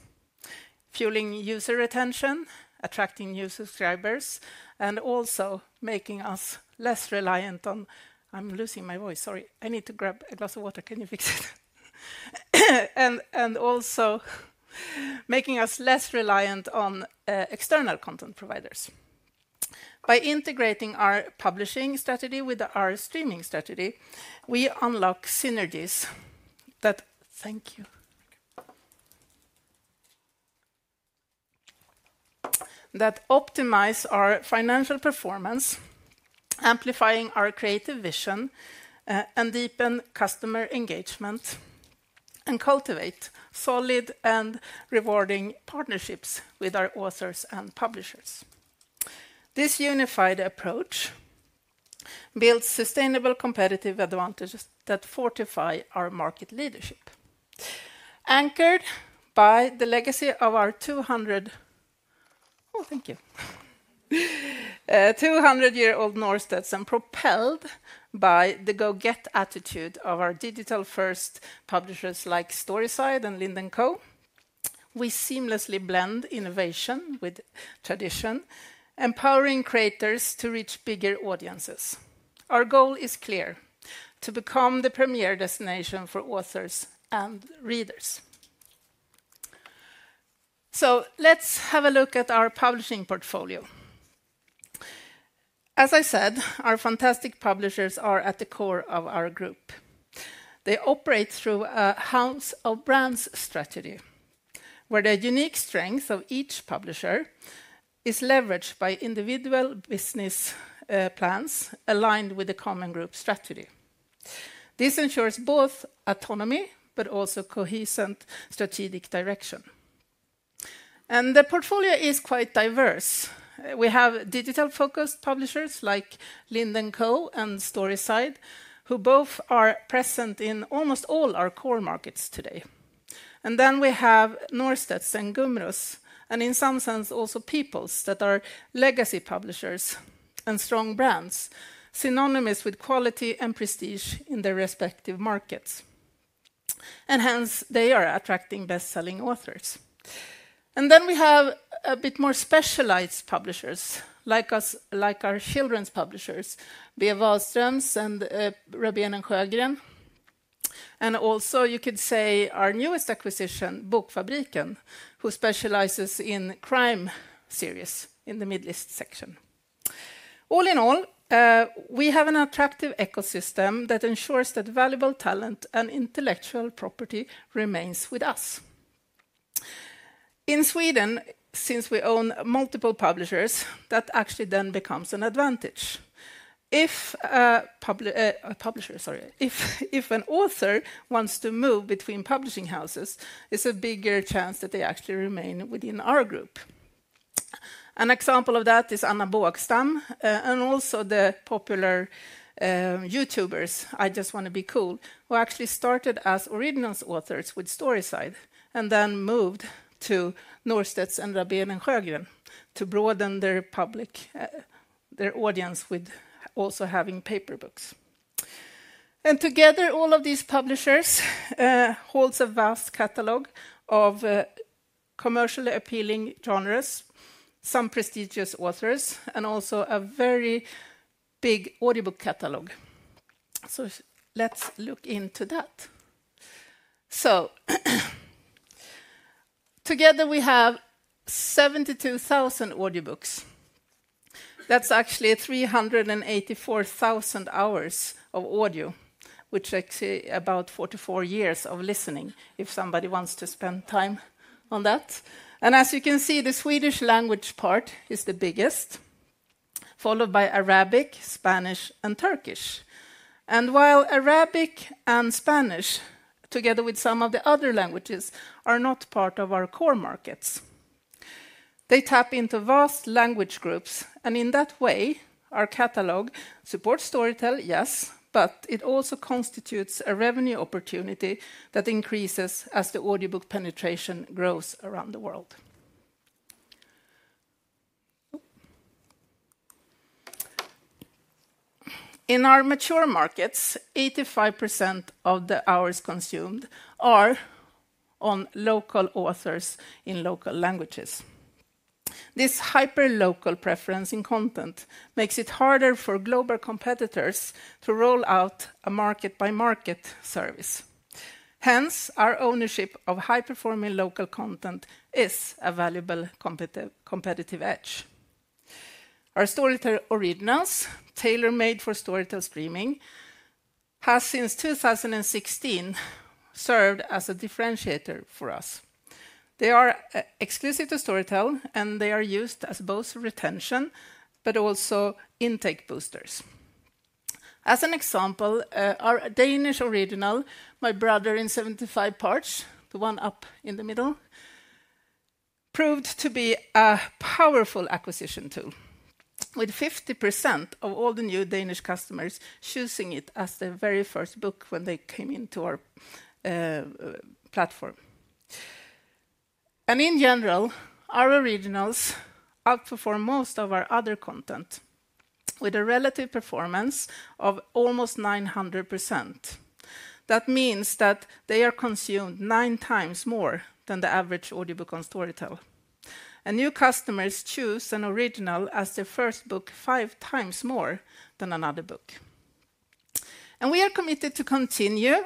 fueling user retention, attracting new subscribers, and also making us less reliant on—I'm losing my voice, sorry. I need to grab a glass of water. Can you fix it? Also making us less reliant on external content providers. By integrating our publishing strategy with our streaming strategy, we unlock synergies that—thank you—that optimize our financial performance, amplify our creative vision, deepen customer engagement, and cultivate solid and rewarding partnerships with our authors and publishers. This unified approach builds sustainable competitive advantages that fortify our market leadership, anchored by the legacy of our 200—oh, thank you—200-year-old Norstedts and propelled by the go-get attitude of our digital-first publishers like Storyside and Linden Co. We seamlessly blend innovation with tradition, empowering creators to reach bigger audiences. Our goal is clear: to become the premier destination for authors and readers. Let's have a look at our publishing portfolio. As I said, our fantastic publishers are at the core of our group. They operate through a house-of-brands strategy, where the unique strength of each publisher is leveraged by individual business plans aligned with the common group strategy. This ensures both autonomy but also cohesive strategic direction. The portfolio is quite diverse. We have digital-focused publishers like Linden Co and Storyside, who both are present in almost all our core markets today. We have Norstedts and Gummerus, and in some sense, also People's that are legacy publishers and strong brands, synonymous with quality and prestige in their respective markets. Hence, they are attracting best-selling authors. We have a bit more specialized publishers, like our children's publishers, Björn Wahlströms and Robin & Sjögren. Also, you could say our newest acquisition, Bokfabriken, who specializes in crime series in the Middle East section. All in all, we have an attractive ecosystem that ensures that valuable talent and intellectual property remains with us. In Sweden, since we own multiple publishers, that actually then becomes an advantage. If a publisher, sorry, if an author wants to move between publishing houses, it's a bigger chance that they actually remain within our group. An example of that is Anna Bågstam and also the popular YouTubers, I Just Want to Be Cool, who actually started as original authors with Storyside and then moved to Norstedts and Robin & Sjögren to broaden their audience with also having paper books. Together, all of these publishers hold a vast catalog of commercially appealing genres, some prestigious authors, and also a very big audiobook catalog. Let's look into that. Together, we have 72,000 audiobooks. That is actually 384,000 hours of audio, which takes about 44 years of listening if somebody wants to spend time on that. As you can see, the Swedish language part is the biggest, followed by Arabic, Spanish, and Turkish. While Arabic and Spanish, together with some of the other languages, are not part of our core markets, they tap into vast language groups. In that way, our catalog supports Storytel, yes, but it also constitutes a revenue opportunity that increases as the audiobook penetration grows around the world. In our mature markets, 85% of the hours consumed are on local authors in local languages. This hyper-local preference in content makes it harder for global competitors to roll out a market-by-market service. Hence, our ownership of high-performing local content is a valuable competitive edge. Our Storytel Originals, tailor-made for Storytel streaming, have since 2016 served as a differentiator for us. They are exclusive to Storytel, and they are used as both retention but also intake boosters. For example, our Danish original, My Brother in 75 Parts, the one up in the middle, proved to be a powerful acquisition tool, with 50% of all the new Danish customers choosing it as their very first book when they came into our platform. In general, our originals outperform most of our other content with a relative performance of almost 900%. That means that they are consumed nine times more than the average audiobook on Storytel. New customers choose an original as their first book five times more than another book. We are committed to continue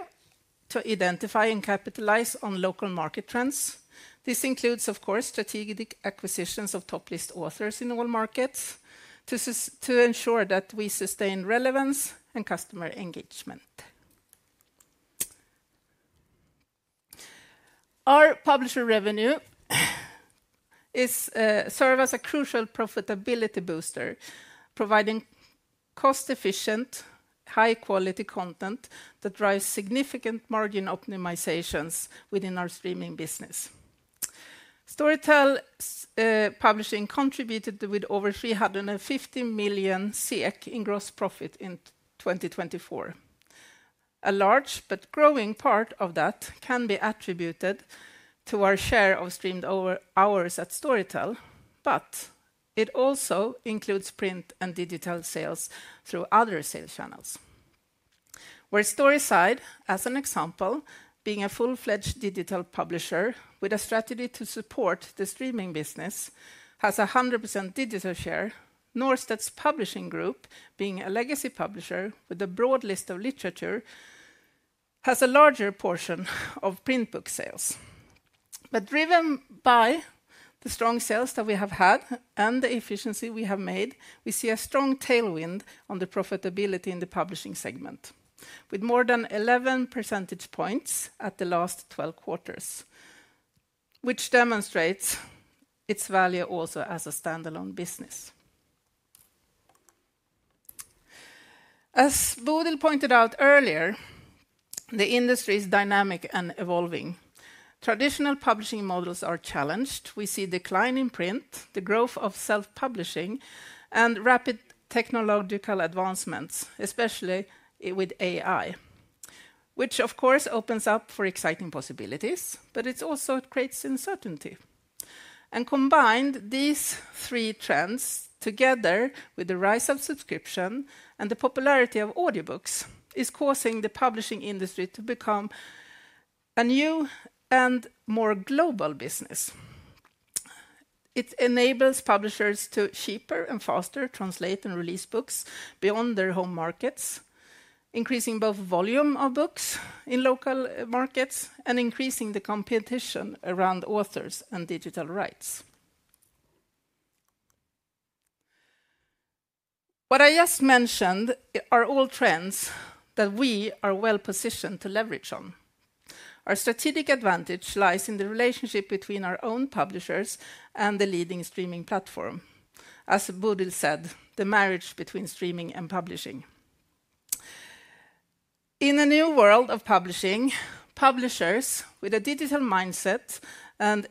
to identify and capitalize on local market trends. This includes, of course, strategic acquisitions of top-list authors in all markets to ensure that we sustain relevance and customer engagement. Our publisher revenue serves as a crucial profitability booster, providing cost-efficient, high-quality content that drives significant margin optimizations within our streaming business. Storytel Publishing contributed with over 350 million SEK in gross profit in 2024. A large but growing part of that can be attributed to our share of streamed hours at Storytel, but it also includes print and digital sales through other sales channels. Where Storyside, as an example, being a full-fledged digital publisher with a strategy to support the streaming business, has a 100% digital share, Norstedts Publishing Group, being a legacy publisher with a broad list of literature, has a larger portion of print book sales. Driven by the strong sales that we have had and the efficiency we have made, we see a strong tailwind on the profitability in the publishing segment, with more than 11 percentage points at the last 12 quarters, which demonstrates its value also as a standalone business. As Bodil pointed out earlier, the industry is dynamic and evolving. Traditional publishing models are challenged. We see a decline in print, the growth of self-publishing, and rapid technological advancements, especially with AI, which, of course, opens up for exciting possibilities, but it also creates uncertainty. Combined, these three trends, together with the rise of subscription and the popularity of audiobooks, are causing the publishing industry to become a new and more global business. It enables publishers to cheaper and faster translate and release books beyond their home markets, increasing both the volume of books in local markets and increasing the competition around authors and digital rights. What I just mentioned are all trends that we are well-positioned to leverage on. Our strategic advantage lies in the relationship between our own publishers and the leading streaming platform. As Bodil said, the marriage between streaming and publishing. In a new world of publishing, publishers with a digital mindset and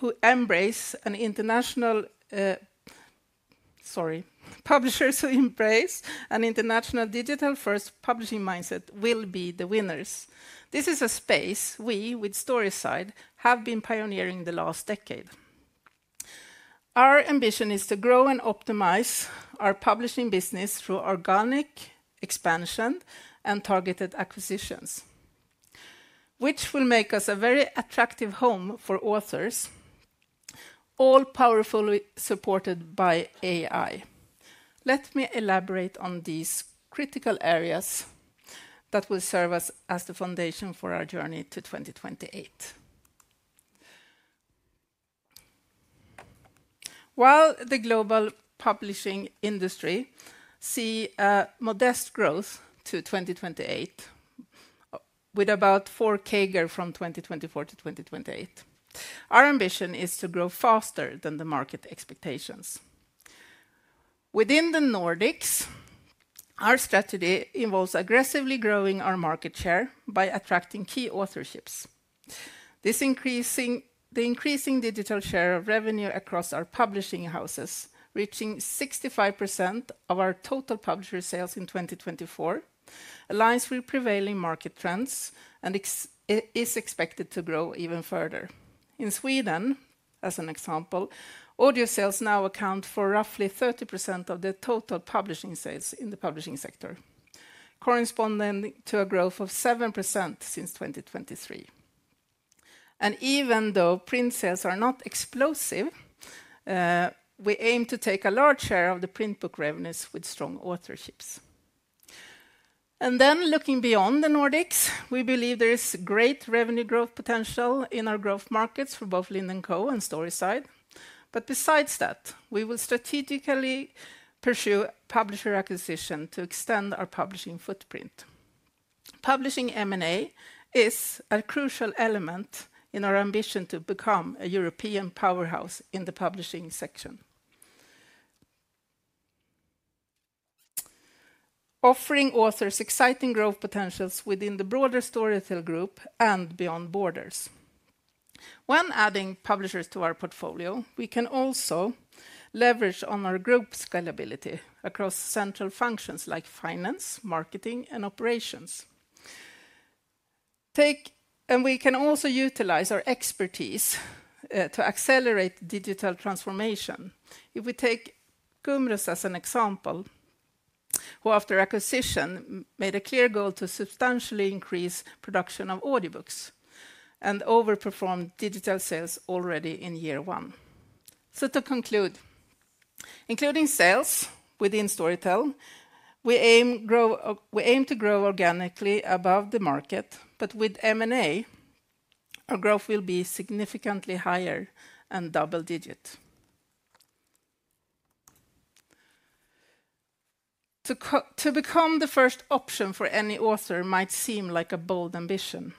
who embrace an international, sorry, publishers who embrace an international digital-first publishing mindset will be the winners. This is a space we, with Storyside, have been pioneering the last decade. Our ambition is to grow and optimize our publishing business through organic expansion and targeted acquisitions, which will make us a very attractive home for authors, all powerfully supported by AI. Let me elaborate on these critical areas that will serve us as the foundation for our journey to 2028. While the global publishing industry sees a modest growth to 2028, with about 4% CAGR from 2024 to 2028, our ambition is to grow faster than the market expectations. Within the Nordics, our strategy involves aggressively growing our market share by attracting key authorships. The increasing digital share of revenue across our publishing houses, reaching 65% of our total publisher sales in 2024, aligns with prevailing market trends and is expected to grow even further. In Sweden, as an example, audio sales now account for roughly 30% of the total publishing sales in the publishing sector, corresponding to a growth of 7% since 2023. Even though print sales are not explosive, we aim to take a large share of the print book revenues with strong authorships. Looking beyond the Nordics, we believe there is great revenue growth potential in our growth markets for both Linden Co and Storyside. Besides that, we will strategically pursue publisher acquisition to extend our publishing footprint. Publishing M&A is a crucial element in our ambition to become a European powerhouse in the publishing section, offering authors exciting growth potentials within the broader Storytel Group and beyond borders. When adding publishers to our portfolio, we can also leverage our group's scalability across central functions like finance, marketing, and operations. We can also utilize our expertise to accelerate digital transformation. If we take Gummerus as an example, who after acquisition made a clear goal to substantially increase production of audiobooks and overperformed digital sales already in year one. To conclude, including sales within Storytel, we aim to grow organically above the market, but with M&A, our growth will be significantly higher and double-digit. To become the first option for any author might seem like a bold ambition,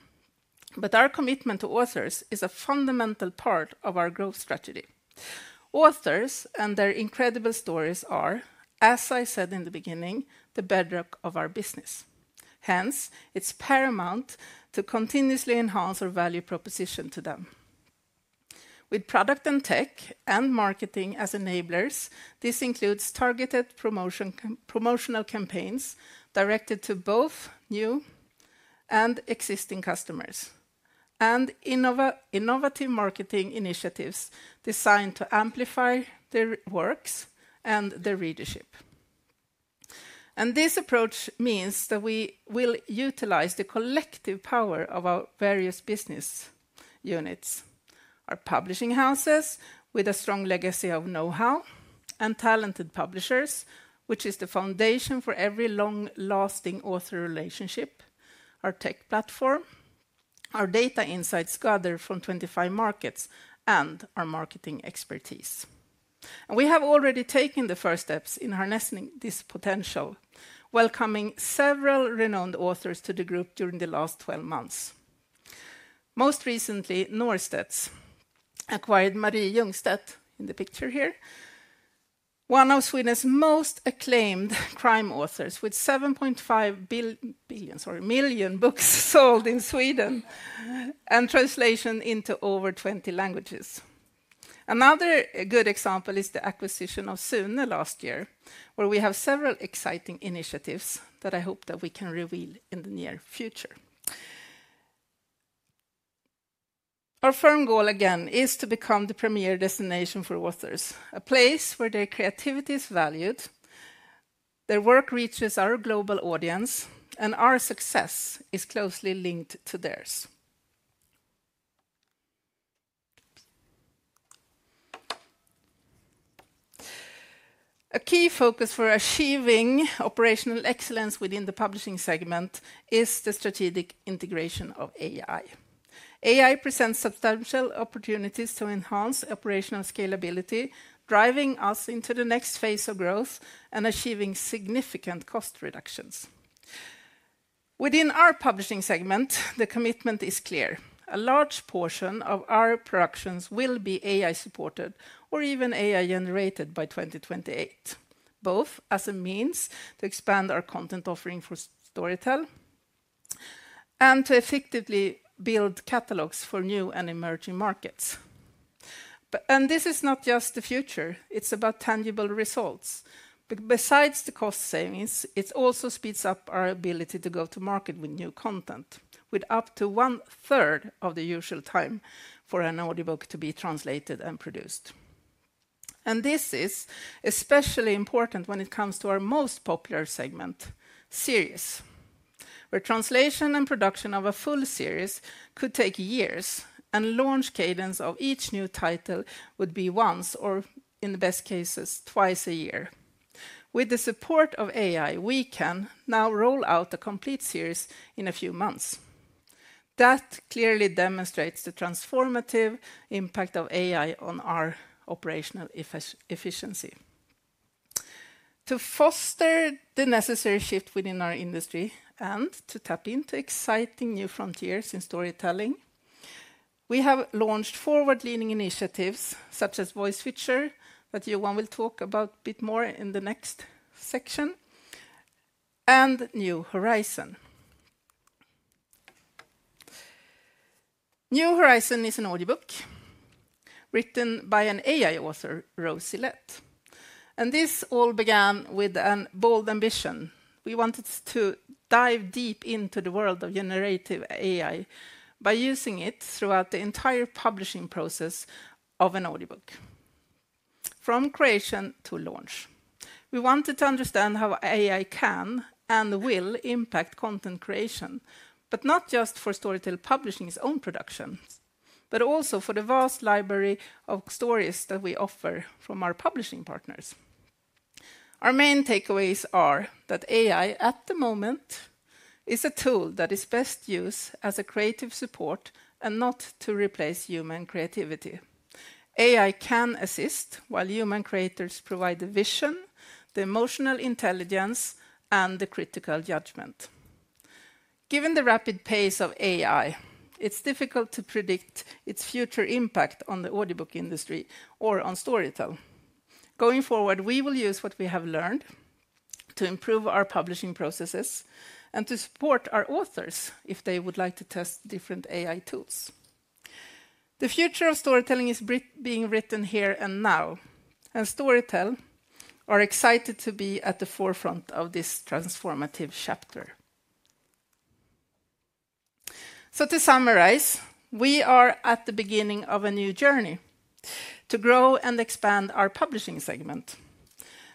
but our commitment to authors is a fundamental part of our growth strategy. Authors and their incredible stories are, as I said in the beginning, the bedrock of our business. Hence, it is paramount to continuously enhance our value proposition to them. With product and tech and marketing as enablers, this includes targeted promotional campaigns directed to both new and existing customers and innovative marketing initiatives designed to amplify their works and their readership. This approach means that we will utilize the collective power of our various business units, our publishing houses with a strong legacy of know-how and talented publishers, which is the foundation for every long-lasting author relationship, our tech platform, our data insights gathered from 25 markets, and our marketing expertise. We have already taken the first steps in harnessing this potential, welcoming several renowned authors to the group during the last 12 months. Most recently, Norstedts acquired Mari Ljungstedt in the picture here, one of Sweden's most acclaimed crime authors with 7.5 million books sold in Sweden and translation into over 20 languages. Another good example is the acquisition of Sune last year, where we have several exciting initiatives that I hope that we can reveal in the near future. Our firm goal again is to become the premier destination for authors, a place where their creativity is valued, their work reaches our global audience, and our success is closely linked to theirs. A key focus for achieving operational excellence within the publishing segment is the strategic integration of AI. AI presents substantial opportunities to enhance operational scalability, driving us into the next phase of growth and achieving significant cost reductions. Within our publishing segment, the commitment is clear. A large portion of our productions will be AI supported or even AI generated by 2028, both as a means to expand our content offering for Storytel and to effectively build catalogs for new and emerging markets. This is not just the future. It's about tangible results. Besides the cost savings, it also speeds up our ability to go to market with new content, with up to one-third of the usual time for an audiobook to be translated and produced. This is especially important when it comes to our most popular segment, series, where translation and production of a full series could take years and launch cadence of each new title would be once or, in the best cases, twice a year. With the support of AI, we can now roll out a complete series in a few months. That clearly demonstrates the transformative impact of AI on our operational efficiency. To foster the necessary shift within our industry and to tap into exciting new frontiers in storytelling, we have launched forward-leaning initiatives such as Voice Switcher that Johan will talk about a bit more in the next section, and New Horizon. New Horizon is an audiobook written by an AI author, Rosy Lett. This all began with a bold ambition. We wanted to dive deep into the world of generative AI by using it throughout the entire publishing process of an audiobook, from creation to launch. We wanted to understand how AI can and will impact content creation, not just for Storytel Publishing's own production, but also for the vast library of stories that we offer from our publishing partners. Our main takeaways are that AI at the moment is a tool that is best used as a creative support and not to replace human creativity. AI can assist while human creators provide the vision, the emotional intelligence, and the critical judgment. Given the rapid pace of AI, it's difficult to predict its future impact on the audiobook industry or on Storytel. Going forward, we will use what we have learned to improve our publishing processes and to support our authors if they would like to test different AI tools. The future of storytelling is being written here and now, and Storytel is excited to be at the forefront of this transformative chapter. To summarize, we are at the beginning of a new journey to grow and expand our publishing segment.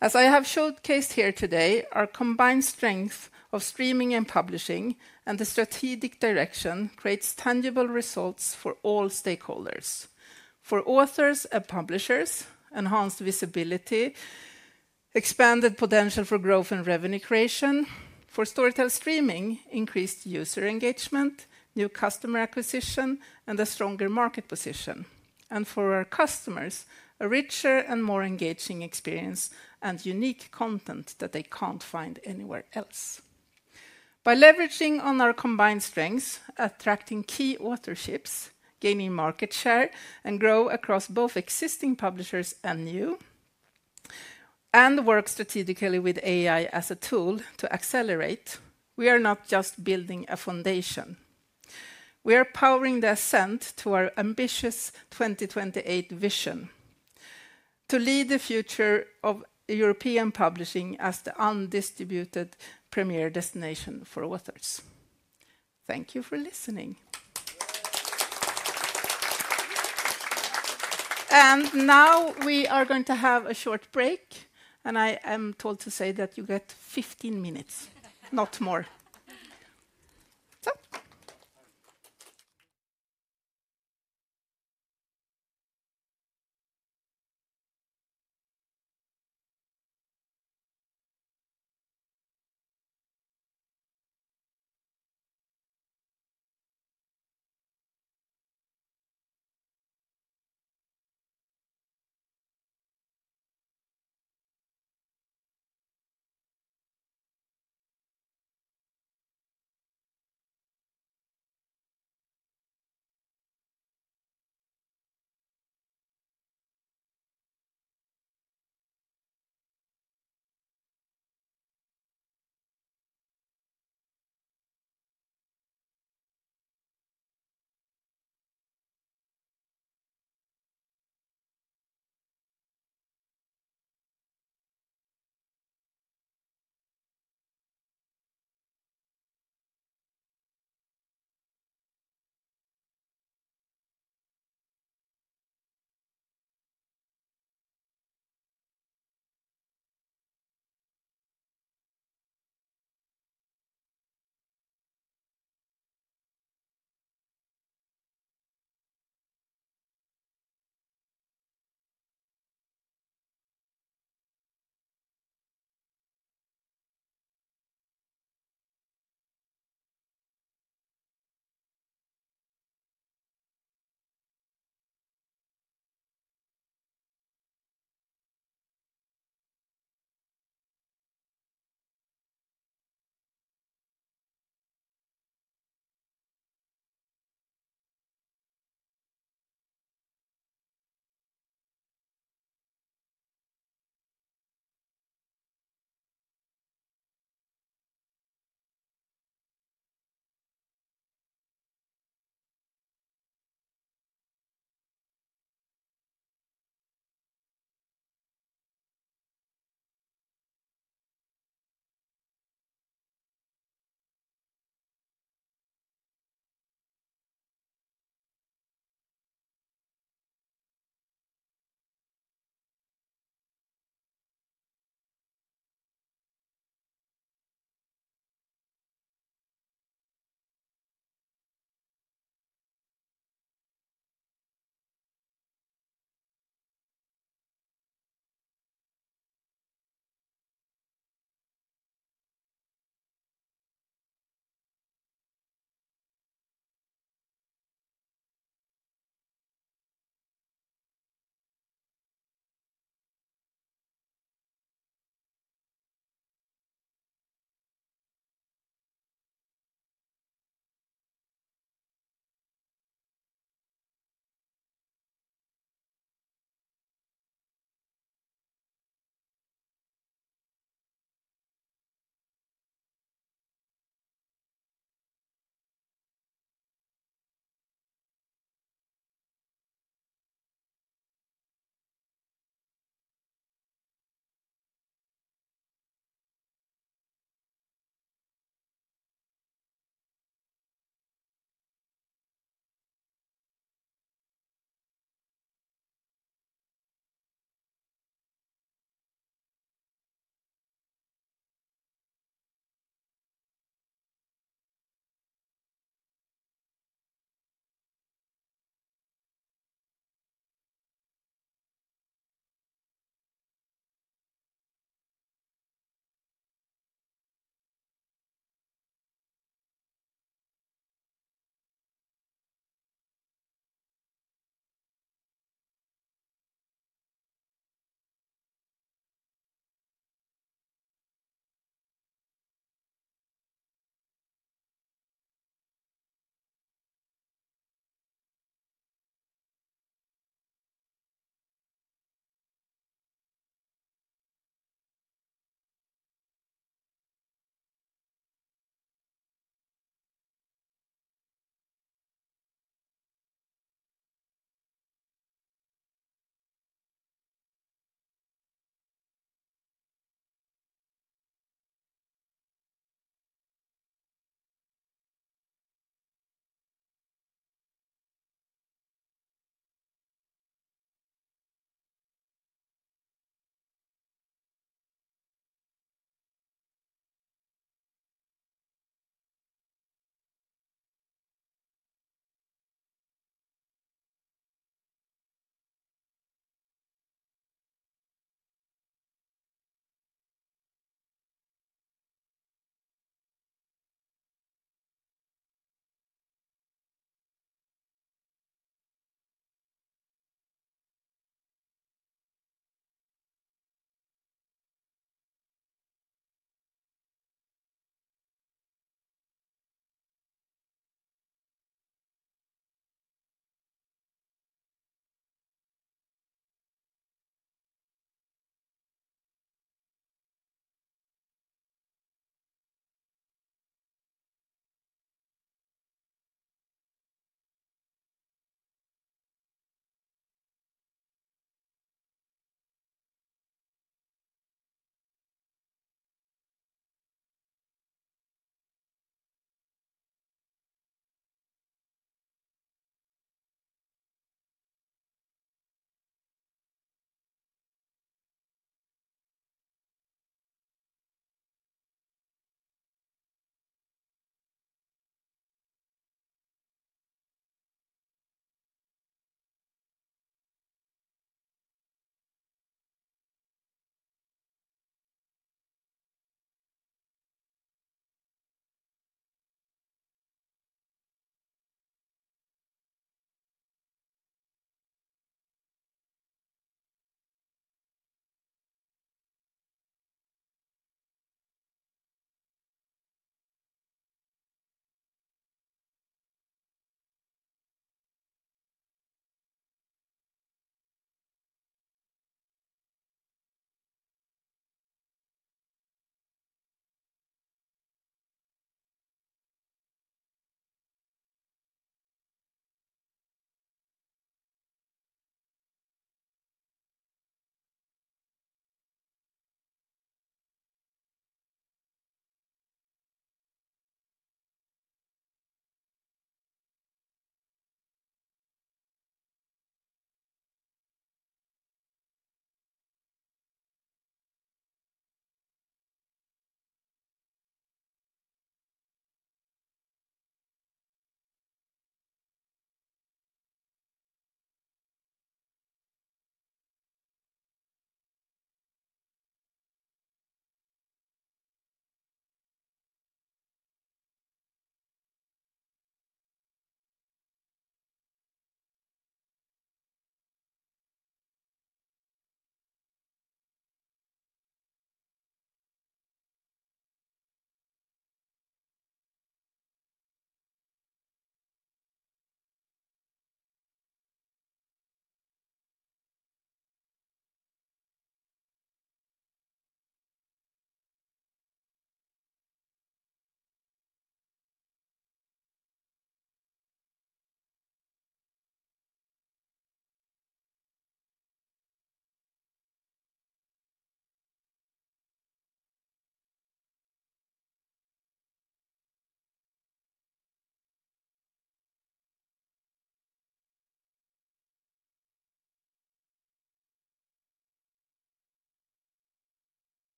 As I have showcased here today, our combined strength of streaming and publishing and the strategic direction creates tangible results for all stakeholders. For authors and publishers, enhanced visibility, expanded potential for growth and revenue creation. For Storytel streaming, increased user engagement, new customer acquisition, and a stronger market position. For our customers, a richer and more engaging experience and unique content that they cannot find anywhere else. By leveraging on our combined strengths, attracting key authorships, gaining market share, and growing across both existing publishers and new, and working strategically with AI as a tool to accelerate, we are not just building a foundation. We are powering the ascent to our ambitious 2028 vision to lead the future of European publishing as the undisputed premier destination for authors. Thank you for listening. Now we are going to have a short break, and I am told to say that you get 15 minutes, not more.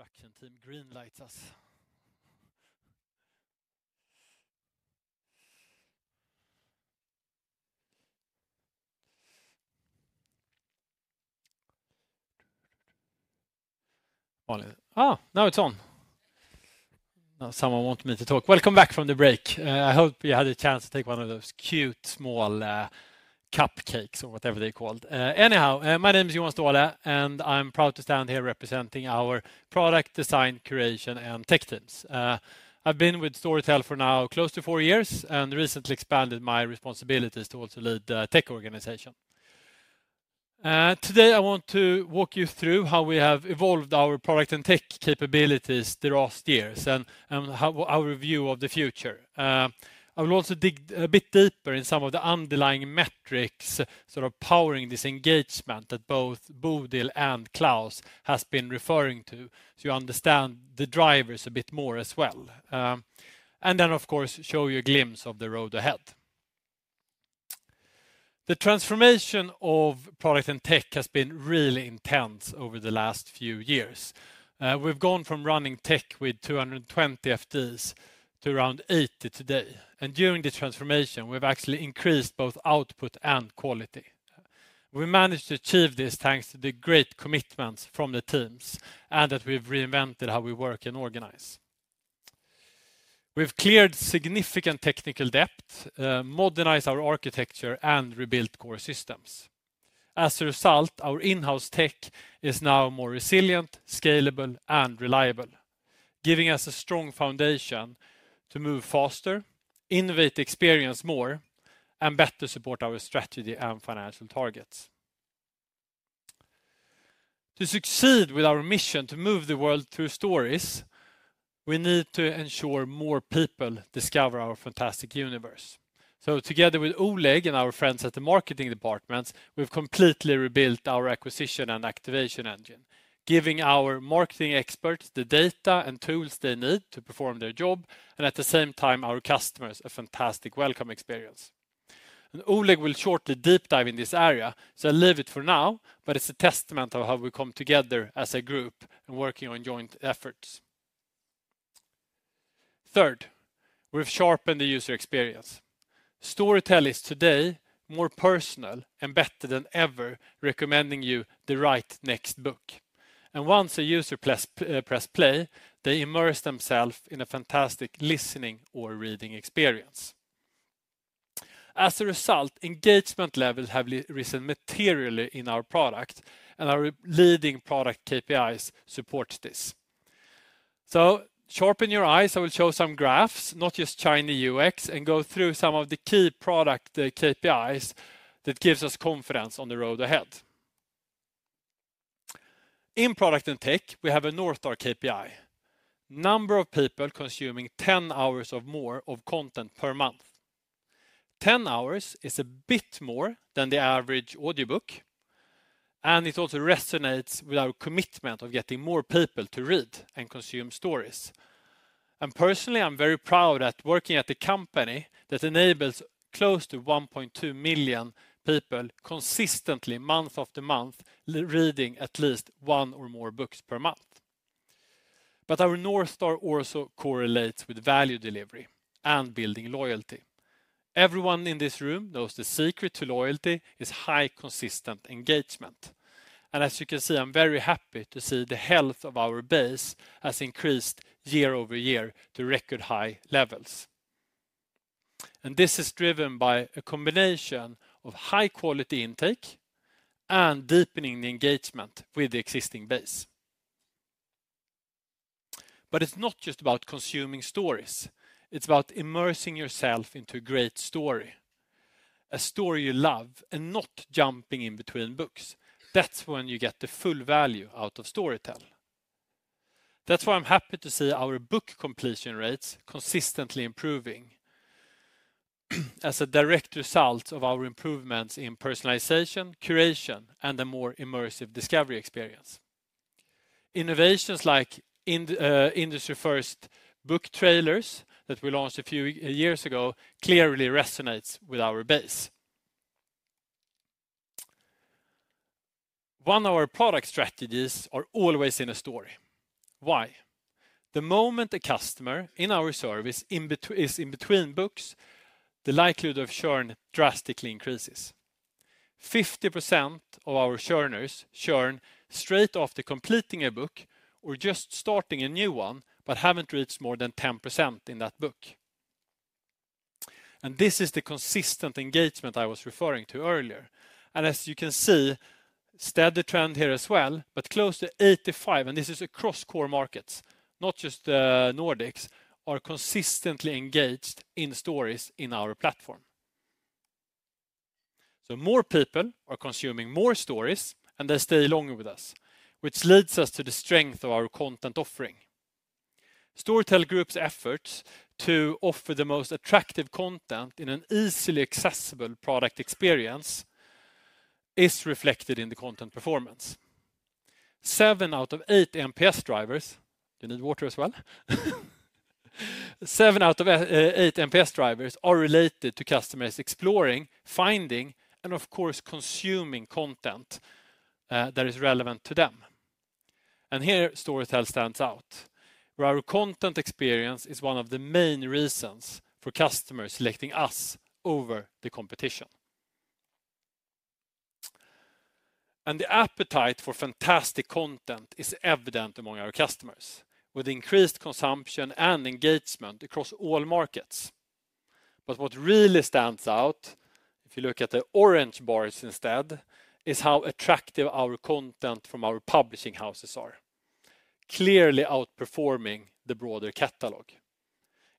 Let's see, are we—I see someone on? No. Maybe the production team, green light us. Now it's on. Someone wanted me to talk. Welcome back from the break. I hope you had a chance to take one of those cute small cupcakes or whatever they're called. Anyhow, my name is Johan Ståhle, and I'm proud to stand here representing our product design, curation, and tech teams. I've been with Storytel for now close to four years and recently expanded my responsibilities to also lead the tech organization. Today, I want to walk you through how we have evolved our product and tech capabilities the last years and our view of the future. I will also dig a bit deeper in some of the underlying metrics that are powering this engagement that both Bodil and Claus have been referring to, so you understand the drivers a bit more as well. Of course, show you a glimpse of the road ahead. The transformation of product and tech has been really intense over the last few years. We've gone from running tech with 220 FTs to around 80 today. During the transformation, we have actually increased both output and quality. We managed to achieve this thanks to the great commitments from the teams and that we have reinvented how we work and organize. We have cleared significant technical debt, modernized our architecture, and rebuilt core systems. As a result, our in-house tech is now more resilient, scalable, and reliable, giving us a strong foundation to move faster, innovate experience more, and better support our strategy and financial targets. To succeed with our mission to move the world through stories, we need to ensure more people discover our fantastic universe. Together with Oleh and our friends at the marketing departments, we have completely rebuilt our acquisition and activation engine, giving our marketing experts the data and tools they need to perform their job, and at the same time, our customers a fantastic welcome experience. Oleh will shortly deep dive into this area, so I'll leave it for now, but it's a testament of how we come together as a group and working on joint efforts. Third, we've sharpened the user experience. Storytel is today more personal and better than ever, recommending you the right next book. Once a user presses play, they immerse themselves in a fantastic listening or reading experience. As a result, engagement levels have risen materially in our product, and our leading product KPIs support this. Sharpen your eyes. I will show some graphs, not just shiny UX, and go through some of the key product KPIs that give us confidence on the road ahead. In product and tech, we have a North Star KPI: number of people consuming 10 hours or more of content per month. Ten hours is a bit more than the average audiobook, and it also resonates with our commitment of getting more people to read and consume stories. Personally, I'm very proud at working at a company that enables close to 1.2 million people consistently, month after month, reading at least one or more books per month. Our North Star also correlates with value delivery and building loyalty. Everyone in this room knows the secret to loyalty is high consistent engagement. As you can see, I'm very happy to see the health of our base has increased year over year to record high levels. This is driven by a combination of high quality intake and deepening the engagement with the existing base. It is not just about consuming stories. It is about immersing yourself into a great story, a story you love, and not jumping in between books. That's when you get the full value out of Storytel. That's why I'm happy to see our book completion rates consistently improving as a direct result of our improvements in personalization, curation, and a more immersive discovery experience. Innovations like industry-first Book Trailers that we launched a few years ago clearly resonate with our base. One of our product strategies is always in a story. Why? The moment a customer in our service is in between books, the likelihood of churn drastically increases. 50% of our churners churn straight after completing a book or just starting a new one, but have not reached more than 10% in that book. This is the consistent engagement I was referring to earlier. As you can see, steady trend here as well, but close to 85%, and this is across core markets, not just Nordics, are consistently engaged in stories in our platform. More people are consuming more stories, and they stay longer with us, which leads us to the strength of our content offering. Storytel Group's efforts to offer the most attractive content in an easily accessible product experience is reflected in the content performance. Seven out of eight NPS drivers, you need water as well. Seven out of eight NPS drivers are related to customers exploring, finding, and of course consuming content that is relevant to them. Here Storytel stands out, where our content experience is one of the main reasons for customers selecting us over the competition. The appetite for fantastic content is evident among our customers with increased consumption and engagement across all markets. What really stands out, if you look at the orange bars instead, is how attractive our content from our publishing houses are, clearly outperforming the broader catalog.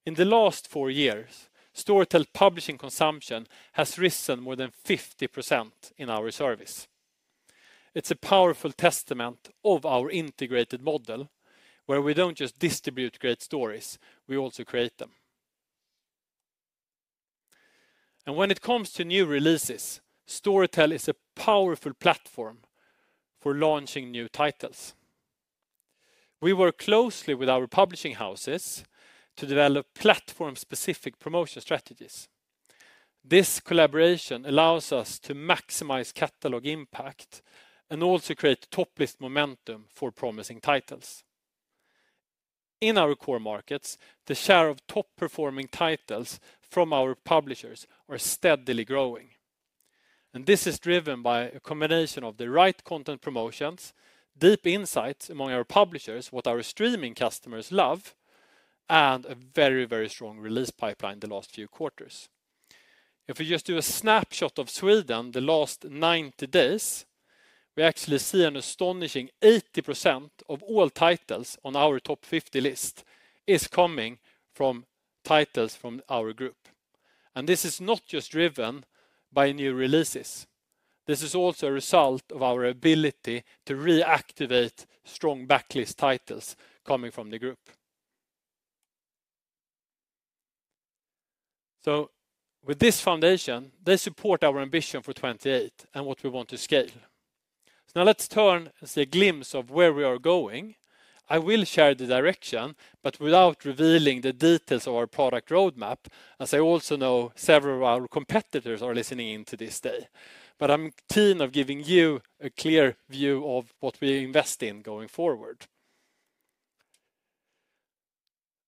In the last four years, Storytel publishing consumption has risen more than 50% in our service. It is a powerful testament of our integrated model, where we do not just distribute great stories, we also create them. When it comes to new releases, Storytel is a powerful platform for launching new titles. We work closely with our publishing houses to develop platform-specific promotion strategies. This collaboration allows us to maximize catalog impact and also create top-list momentum for promising titles. In our core markets, the share of top-performing titles from our publishers is steadily growing. This is driven by a combination of the right content promotions, deep insights among our publishers, what our streaming customers love, and a very, very strong release pipeline in the last few quarters. If we just do a snapshot of Sweden the last 90 days, we actually see an astonishing 80% of all titles on our top 50 list is coming from titles from our group. This is not just driven by new releases. This is also a result of our ability to reactivate strong backlist titles coming from the group. With this foundation, they support our ambition for 2028 and what we want to scale. Now let's turn and see a glimpse of where we are going. I will share the direction, but without revealing the details of our product roadmap, as I also know several of our competitors are listening in to this day. I am keen on giving you a clear view of what we invest in going forward.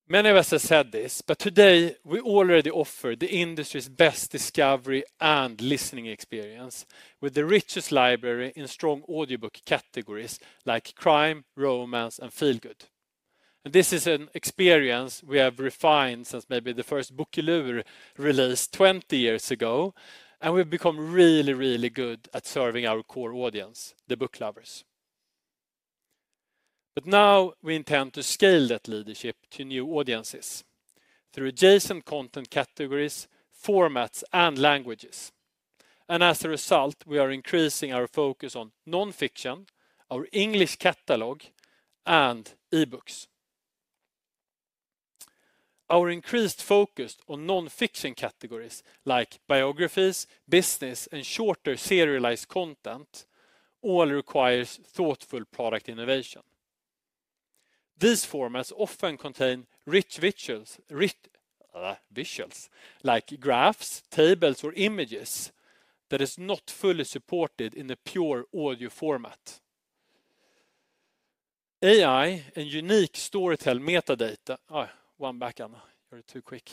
Many of us have said this, but today we already offer the industry's best discovery and listening experience with the richest library in strong audiobook categories like crime, romance, and feel good. This is an experience we have refined since maybe the first Bokilur released 20 years ago, and we've become really, really good at serving our core audience, the book lovers. Now we intend to scale that leadership to new audiences through adjacent content categories, formats, and languages. As a result, we are increasing our focus on non-fiction, our English catalog, and e-books. Our increased focus on non-fiction categories like biographies, business, and shorter serialized content all requires thoughtful product innovation. These formats often contain rich visuals like graphs, tables, or images that are not fully supported in the pure audio format. AI and unique Storytel metadata—oh, one back, Anna, you're too quick.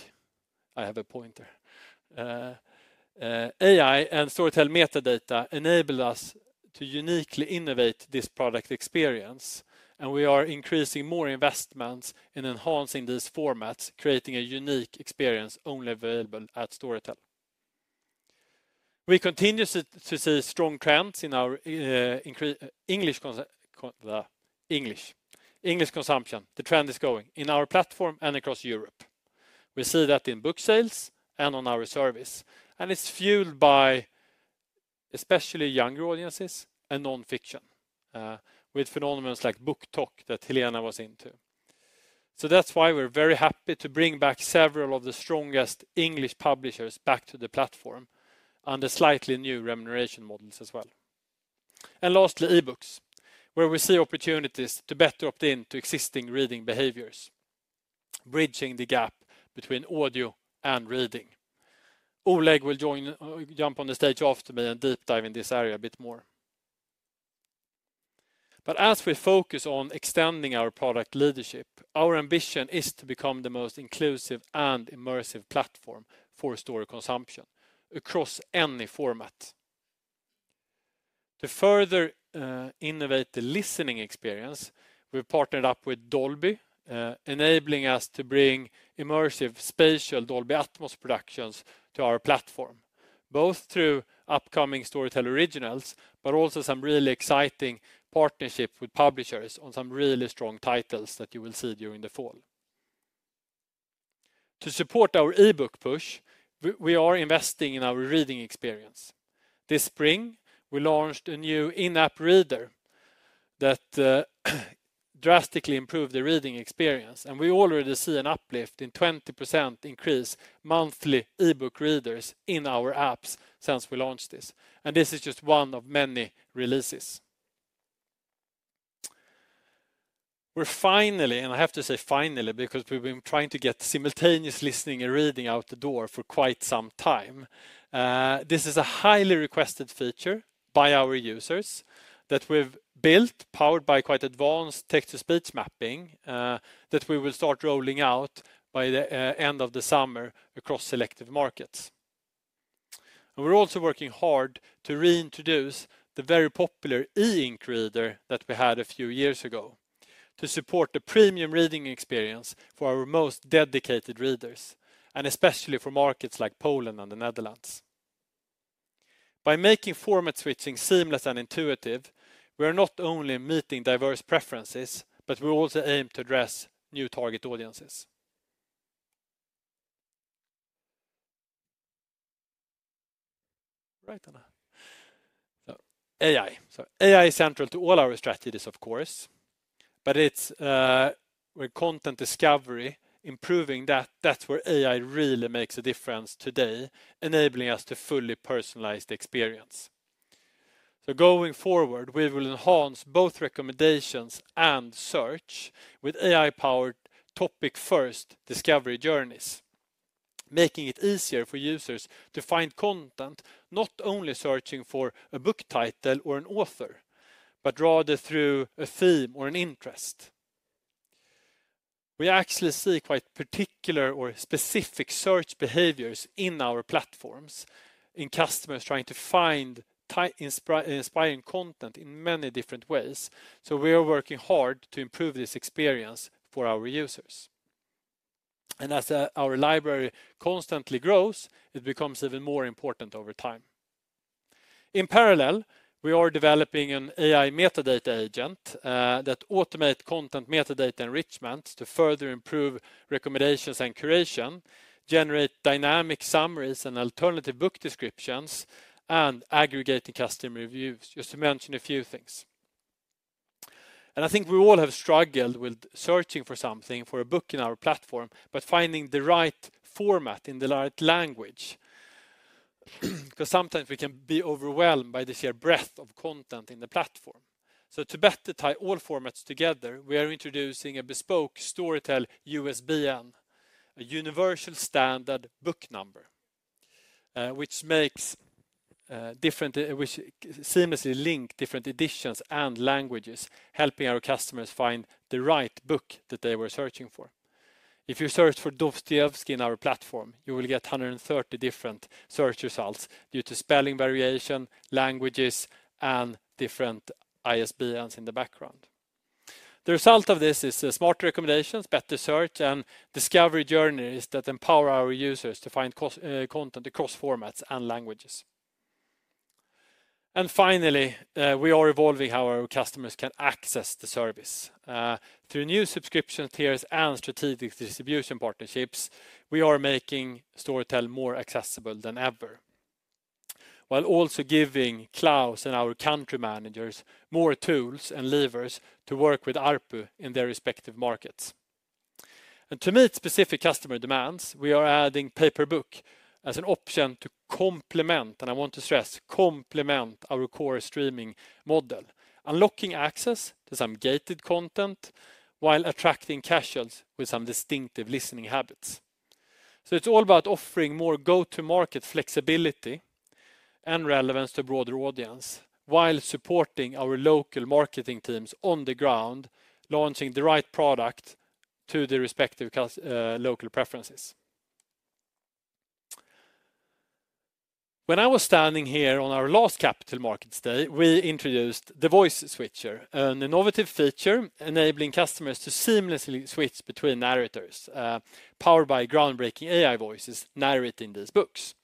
I have a pointer. AI and Storytel metadata enable us to uniquely innovate this product experience, and we are increasing more investments in enhancing these formats, creating a unique experience only available at Storytel. We continuously see strong trends in our English consumption. The trend is going in our platform and across Europe. We see that in book sales and on our service, and it's fueled by especially younger audiences and non-fiction, with phenomenons like BookTok that Helena was into. That is why we are very happy to bring back several of the strongest English publishers back to the platform under slightly new remuneration models as well. Lastly, e-books, where we see opportunities to better opt into existing reading behaviors, bridging the gap between audio and reading. Oleh will jump on the stage after me and deep dive in this area a bit more. As we focus on extending our product leadership, our ambition is to become the most inclusive and immersive platform for Storytel consumption across any format. To further innovate the listening experience, we've partnered up with Dolby, enabling us to bring immersive spatial Dolby Atmos productions to our platform, both through upcoming Storytel Originals, but also some really exciting partnerships with publishers on some really strong titles that you will see during the fall. To support our e-book push, we are investing in our reading experience. This spring, we launched a new in-app reader that drastically improved the reading experience, and we already see an uplift in a 20% increase in monthly e-book readers in our apps since we launched this. This is just one of many releases. We're finally, and I have to say finally because we've been trying to get simultaneous listening and reading out the door for quite some time. This is a highly requested feature by our users that we've built, powered by quite advanced text-to-speech mapping, that we will start rolling out by the end of the summer across selective markets. We're also working hard to reintroduce the very popular e-ink reader that we had a few years ago to support the premium reading experience for our most dedicated readers, especially for markets like Poland and the Netherlands. By making format switching seamless and intuitive, we are not only meeting diverse preferences, but we also aim to address new target audiences. Right, Anna. AI. AI is central to all our strategies, of course, but it's with content discovery, improving that. That's where AI really makes a difference today, enabling us to fully personalize the experience. Going forward, we will enhance both recommendations and search with AI-powered topic-first discovery journeys, making it easier for users to find content, not only searching for a book title or an author, but rather through a theme or an interest. We actually see quite particular or specific search behaviors in our platforms, in customers trying to find inspiring content in many different ways. We are working hard to improve this experience for our users. As our library constantly grows, it becomes even more important over time. In parallel, we are developing an AI metadata agent that automates content metadata enrichment to further improve recommendations and curation, generates dynamic summaries and alternative book descriptions, and aggregates customer reviews, just to mention a few things. I think we all have struggled with searching for something for a book in our platform, but finding the right format in the right language. Sometimes we can be overwhelmed by the sheer breadth of content in the platform. To better tie all formats together, we are introducing a bespoke Storytel USBN, a universal standard book number, which makes different editions and languages seamlessly link, helping our customers find the right book that they were searching for. If you search for Dostoyevsky in our platform, you will get 130 different search results due to spelling variation, languages, and different ISBNs in the background. The result of this is smarter recommendations, better search, and discovery journeys that empower our users to find content across formats and languages. Finally, we are evolving how our customers can access the service. Through new subscription tiers and strategic distribution partnerships, we are making Storytel more accessible than ever, while also giving clouds and our country managers more tools and levers to work with ARPU in their respective markets. To meet specific customer demands, we are adding paperback as an option to complement, and I want to stress, complement our core streaming model, unlocking access to some gated content while attracting casuals with some distinctive listening habits. It is all about offering more go-to-market flexibility and relevance to a broader audience while supporting our local marketing teams on the ground, launching the right product to their respective local preferences. When I was standing here on our last Capital Markets Day, we introduced the Voice Switcher, an innovative feature enabling customers to seamlessly switch between narrators, powered by groundbreaking AI voices narrating these books.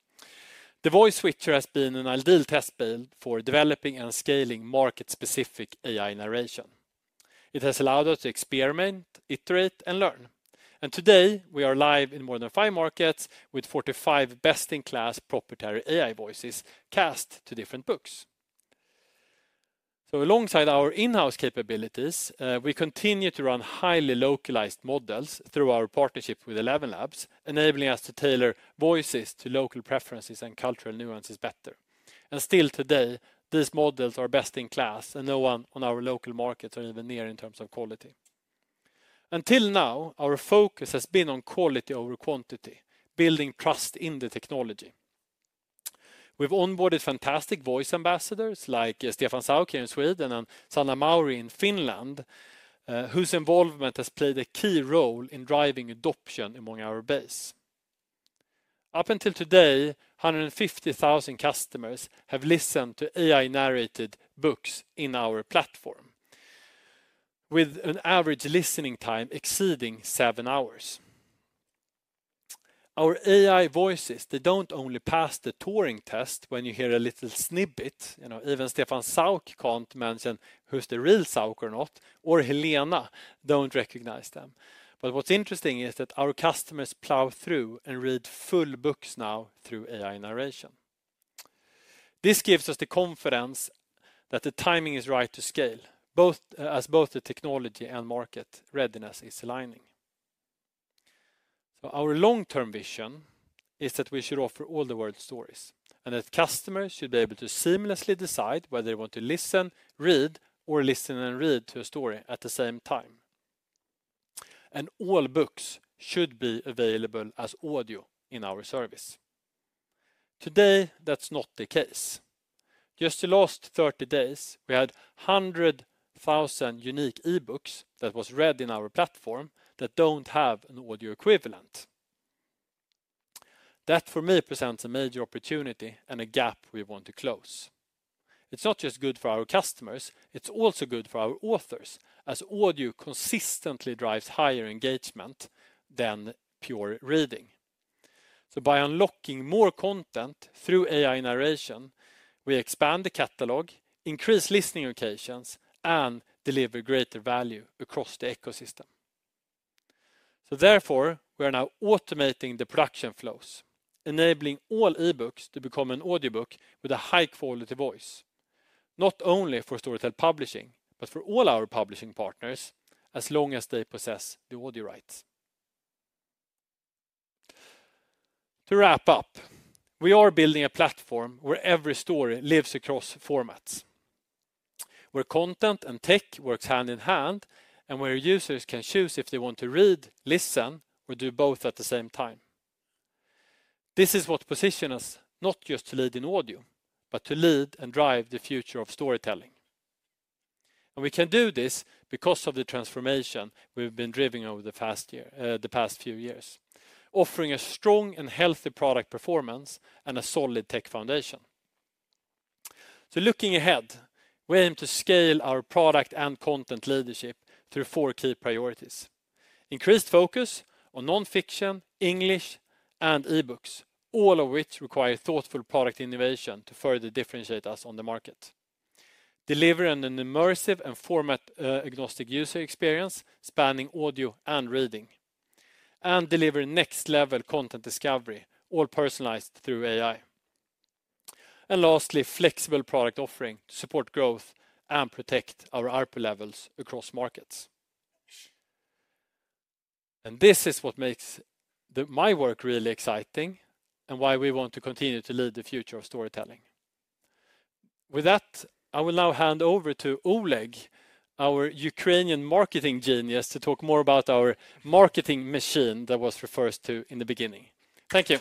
The Voice Switcher has been an ideal test build for developing and scaling market-specific AI narration. It has allowed us to experiment, iterate, and learn. Today, we are live in more than five markets with 45 best-in-class proprietary AI voices cast to different books. Alongside our in-house capabilities, we continue to run highly localized models through our partnership with ElevenLabs, enabling us to tailor voices to local preferences and cultural nuances better. Still today, these models are best in class, and no one in our local markets is even near in terms of quality. Until now, our focus has been on quality over quantity, building trust in the technology. We have onboarded fantastic voice ambassadors like Stefan Sauk here in Sweden and Sanna Marin in Finland, whose involvement has played a key role in driving adoption among our base. Up until today, 150,000 customers have listened to AI-narrated books in our platform, with an average listening time exceeding seven hours. Our AI voices, they do not only pass the Turing test when you hear a little snippet. You know, even Stefan Sauk cannot mention who is the real Sauk or not, or Helena does not recognize them. What is interesting is that our customers plow through and read full books now through AI narration. This gives us the confidence that the timing is right to scale, as both the technology and market readiness is aligning. Our long-term vision is that we should offer all the world's stories, and that customers should be able to seamlessly decide whether they want to listen, read, or listen and read to a story at the same time. All books should be available as audio in our service. Today, that is not the case. Just the last 30 days, we had 100,000 unique e-books that were read in our platform that do not have an audio equivalent. That, for me, presents a major opportunity and a gap we want to close. It is not just good for our customers; it is also good for our authors, as audio consistently drives higher engagement than pure reading. By unlocking more content through AI narration, we expand the catalog, increase listening occasions, and deliver greater value across the ecosystem. Therefore, we are now automating the production flows, enabling all e-books to become an audiobook with a high-quality voice, not only for Storytel Publishing, but for all our publishing partners as long as they possess the audio rights. To wrap up, we are building a platform where every story lives across formats, where content and tech work hand in hand, and where users can choose if they want to read, listen, or do both at the same time. This is what positions us not just to lead in audio, but to lead and drive the future of storytelling. We can do this because of the transformation we have been driving over the past few years, offering a strong and healthy product performance and a solid tech foundation. Looking ahead, we aim to scale our product and content leadership through four key priorities: increased focus on non-fiction, English, and e-books, all of which require thoughtful product innovation to further differentiate us on the market. Delivering an immersive and format-agnostic user experience spanning audio and reading, and delivering next-level content discovery, all personalized through AI, and lastly, flexible product offering to support growth and protect our ARPU levels across markets. This is what makes my work really exciting and why we want to continue to lead the future of storytelling. With that, I will now hand over to Oleh, our Ukrainian marketing genius, to talk more about our marketing machine that was referred to in the beginning. Thank you.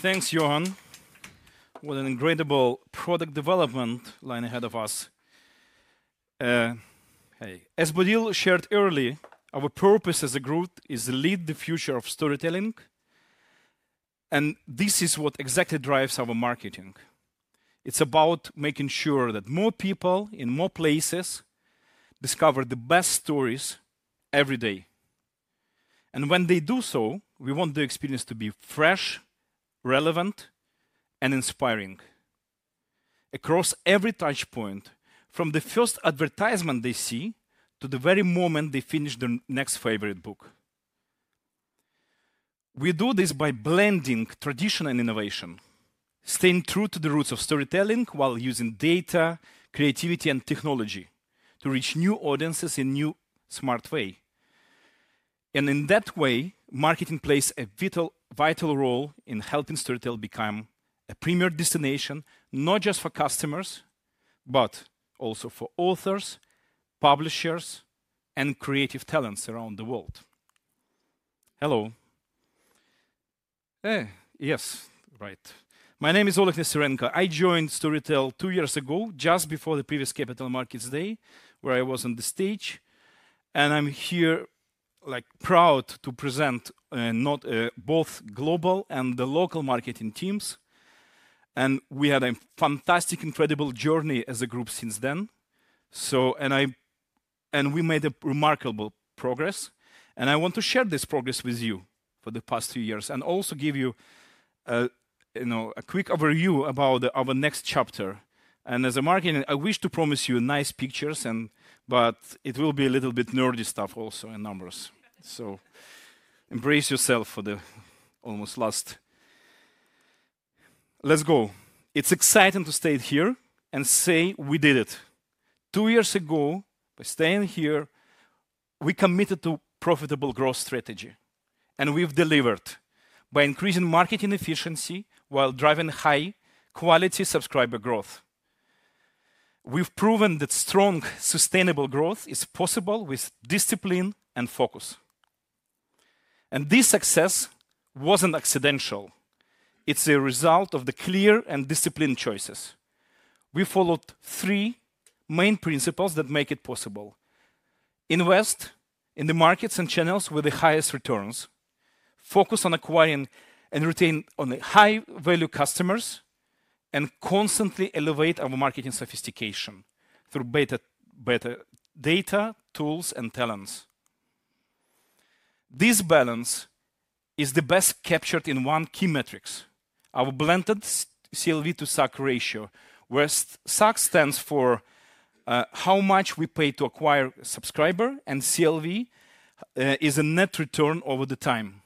Thanks, Johan. What an incredible product development line ahead of us. As Bodil shared earlier, our purpose as a group is to lead the future of storytelling, and this is what exactly drives our marketing. It is about making sure that more people in more places discover the best stories every day. When they do so, we want the experience to be fresh, relevant, and inspiring across every touchpoint, from the first advertisement they see to the very moment they finish their next favorite book. We do this by blending tradition and innovation, staying true to the roots of storytelling while using data, creativity, and technology to reach new audiences in a new, smart way. In that way, marketing plays a vital role in helping Storytel become a premier destination, not just for customers, but also for authors, publishers, and creative talents around the world. Hello. Yes, right. My name is Oleh Nesterenko. I joined Storytel two years ago, just before the previous Capital Markets Day, where I was on the stage. I am here proud to present both global and the local marketing teams. We had a fantastic, incredible journey as a group since then. We made remarkable progress. I want to share this progress with you for the past few years and also give you a quick overview about our next chapter. As a marketing, I wish to promise you nice pictures, but it will be a little bit nerdy stuff also in numbers. Embrace yourself for the almost last. Let's go. It is exciting to stay here and say we did it. Two years ago, by staying here, we committed to a profitable growth strategy. We have delivered by increasing marketing efficiency while driving high-quality subscriber growth. We've proven that strong, sustainable growth is possible with discipline and focus. This success was not accidental. It is a result of the clear and disciplined choices. We followed three main principles that make it possible: invest in the markets and channels with the highest returns, focus on acquiring and retaining high-value customers, and constantly elevate our marketing sophistication through better data, tools, and talents. This balance is best captured in one key metric: our blended CLV to SAC ratio, where SAC stands for how much we pay to acquire a subscriber, and CLV is a net return over the time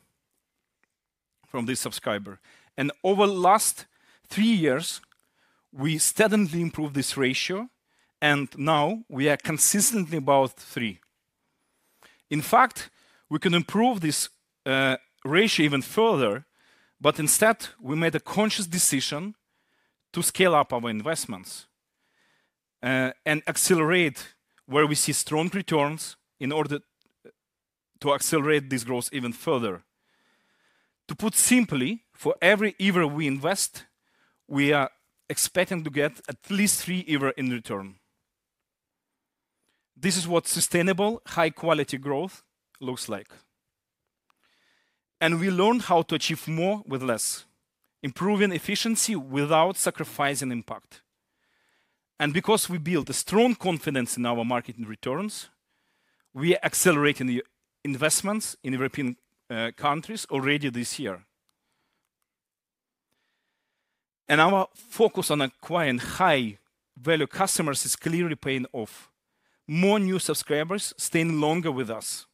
from this subscriber. Over the last three years, we steadily improved this ratio, and now we are consistently above three. In fact, we can improve this ratio even further. Instead, we made a conscious decision to scale up our investments and accelerate where we see strong returns in order to accelerate this growth even further. To put it simply, for every SEK we invest, we are expecting to get at least three SEK in return. This is what sustainable, high-quality growth looks like. We learned how to achieve more with less, improving efficiency without sacrificing impact. Because we built a strong confidence in our marketing returns, we are accelerating investments in European countries already this year. Our focus on acquiring high-value customers is clearly paying off. More new subscribers are staying longer with us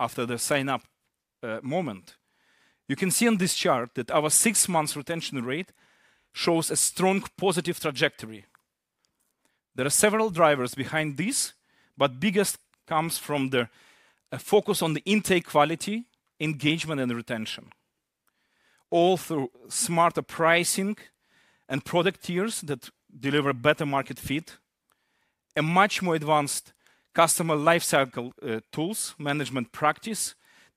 after the sign-up moment. You can see on this chart that our six-month retention rate shows a strong positive trajectory. There are several drivers behind this, but the biggest comes from the focus on the intake quality, engagement, and retention, all through smarter pricing and product tiers that deliver better market fit, much more advanced customer lifecycle tools, management practice,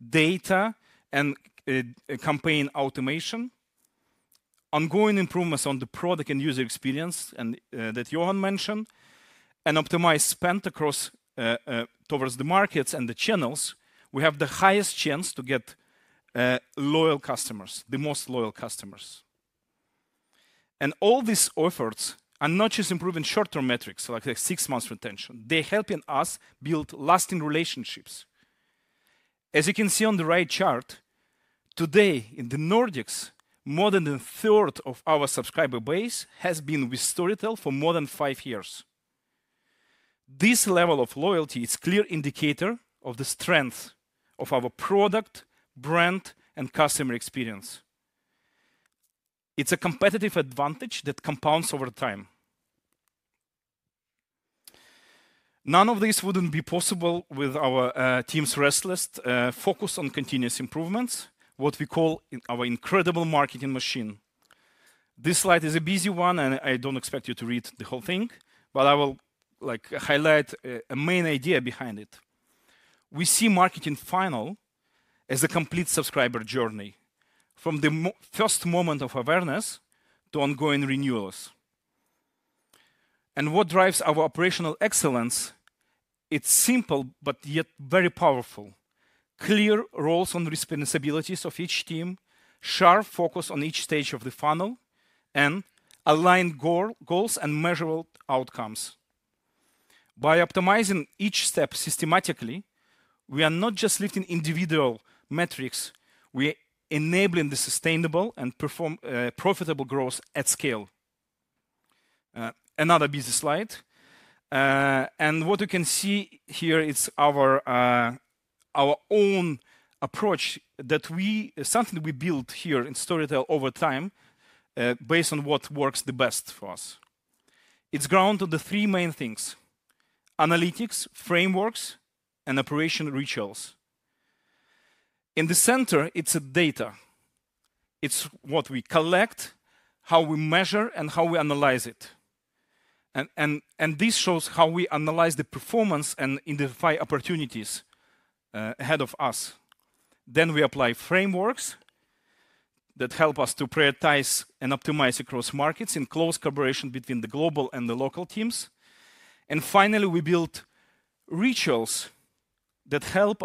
data, and campaign automation, ongoing improvements on the product and user experience that Johan mentioned, and optimized spend across towards the markets and the channels we have the highest chance to get loyal customers, the most loyal customers. All these efforts are not just improving short-term metrics like the six-month retention. They are helping us build lasting relationships. As you can see on the right chart, today in the Nordics, more than a third of our subscriber base has been with Storytel for more than five years. This level of loyalty is a clear indicator of the strength of our product, brand, and customer experience. It's a competitive advantage that compounds over time. None of this would be possible without our team's restless focus on continuous improvements, what we call our incredible marketing machine. This slide is a busy one, and I don't expect you to read the whole thing, but I will highlight a main idea behind it. We see marketing funnel as a complete subscriber journey from the first moment of awareness to ongoing renewals. What drives our operational excellence? It's simple, but yet very powerful: clear roles and responsibilities of each team, sharp focus on each stage of the funnel, and aligned goals and measurable outcomes. By optimizing each step systematically, we are not just lifting individual metrics; we are enabling the sustainable and profitable growth at scale. Another busy slide. What you can see here is our own approach that we—something we built here in Storytel over time based on what works the best for us. It is grounded in three main things: analytics, frameworks, and operation rituals. In the center, it is data. It is what we collect, how we measure, and how we analyze it. This shows how we analyze the performance and identify opportunities ahead of us. We apply frameworks that help us to prioritize and optimize across markets in close collaboration between the global and the local teams. Finally, we build rituals that help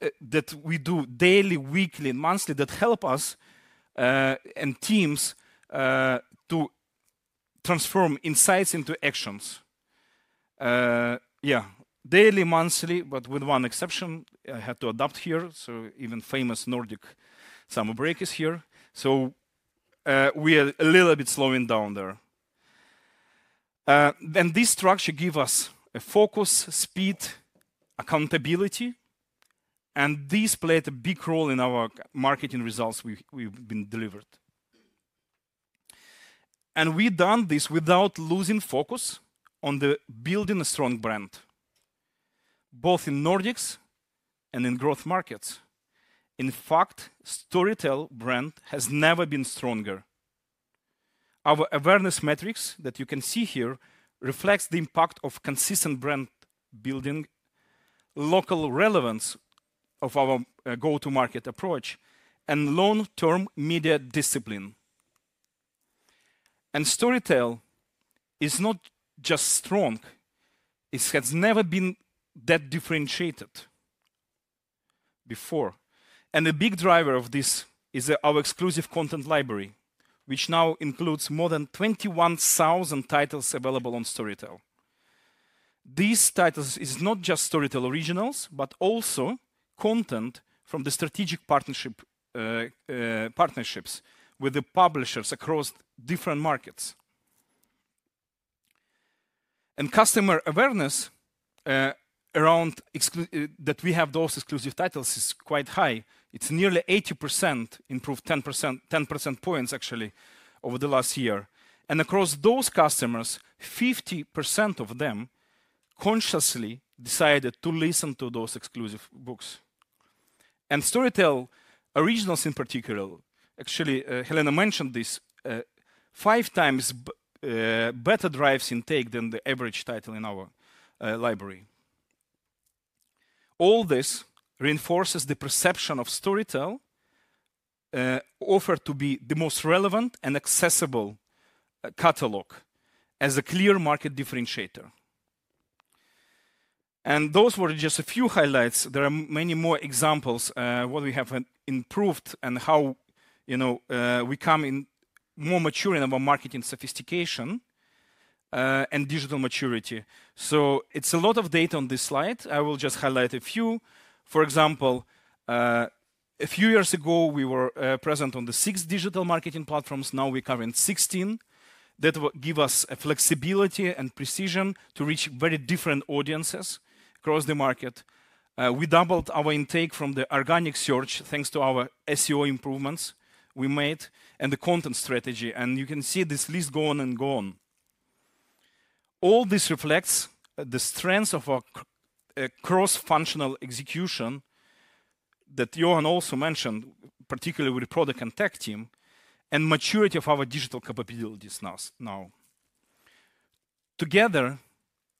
us—that we do daily, weekly, and monthly—that help us and teams to transform insights into actions. Yeah, daily, monthly, but with one exception I had to adopt here. Even famous Nordic summer break is here. We are a little bit slowing down there. This structure gives us focus, speed, accountability. This played a big role in our marketing results we have delivered. We have done this without losing focus on building a strong brand, both in the Nordics and in growth markets. In fact, the Storytel brand has never been stronger. Our awareness metrics that you can see here reflect the impact of consistent brand building, local relevance of our go-to-market approach, and long-term media discipline. Storytel is not just strong; it has never been that differentiated before. A big driver of this is our exclusive content library, which now includes more than 21,000 titles available on Storytel. These titles are not just Storytel Originals, but also content from the strategic partnerships with publishers across different markets. Customer awareness around the fact that we have those exclusive titles is quite high. It's nearly 80%, improved 10 percentage points actually over the last year. Across those customers, 50% of them consciously decided to listen to those exclusive books. Storytel Originals in particular, actually, Helena mentioned this, five times better drives intake than the average title in our library. All this reinforces the perception of Storytel offer to be the most relevant and accessible catalog as a clear market differentiator. Those were just a few highlights. There are many more examples of what we have improved and how we come in more mature in our marketing sophistication and digital maturity. It's a lot of data on this slide. I will just highlight a few. For example, a few years ago, we were present on six digital marketing platforms. Now we're covering 16. That gives us flexibility and precision to reach very different audiences across the market. We doubled our intake from the organic search thanks to our SEO improvements we made and the content strategy. You can see this list going and going. All this reflects the strength of our cross-functional execution that Johan also mentioned, particularly with the product and tech team, and maturity of our digital capabilities now. Together,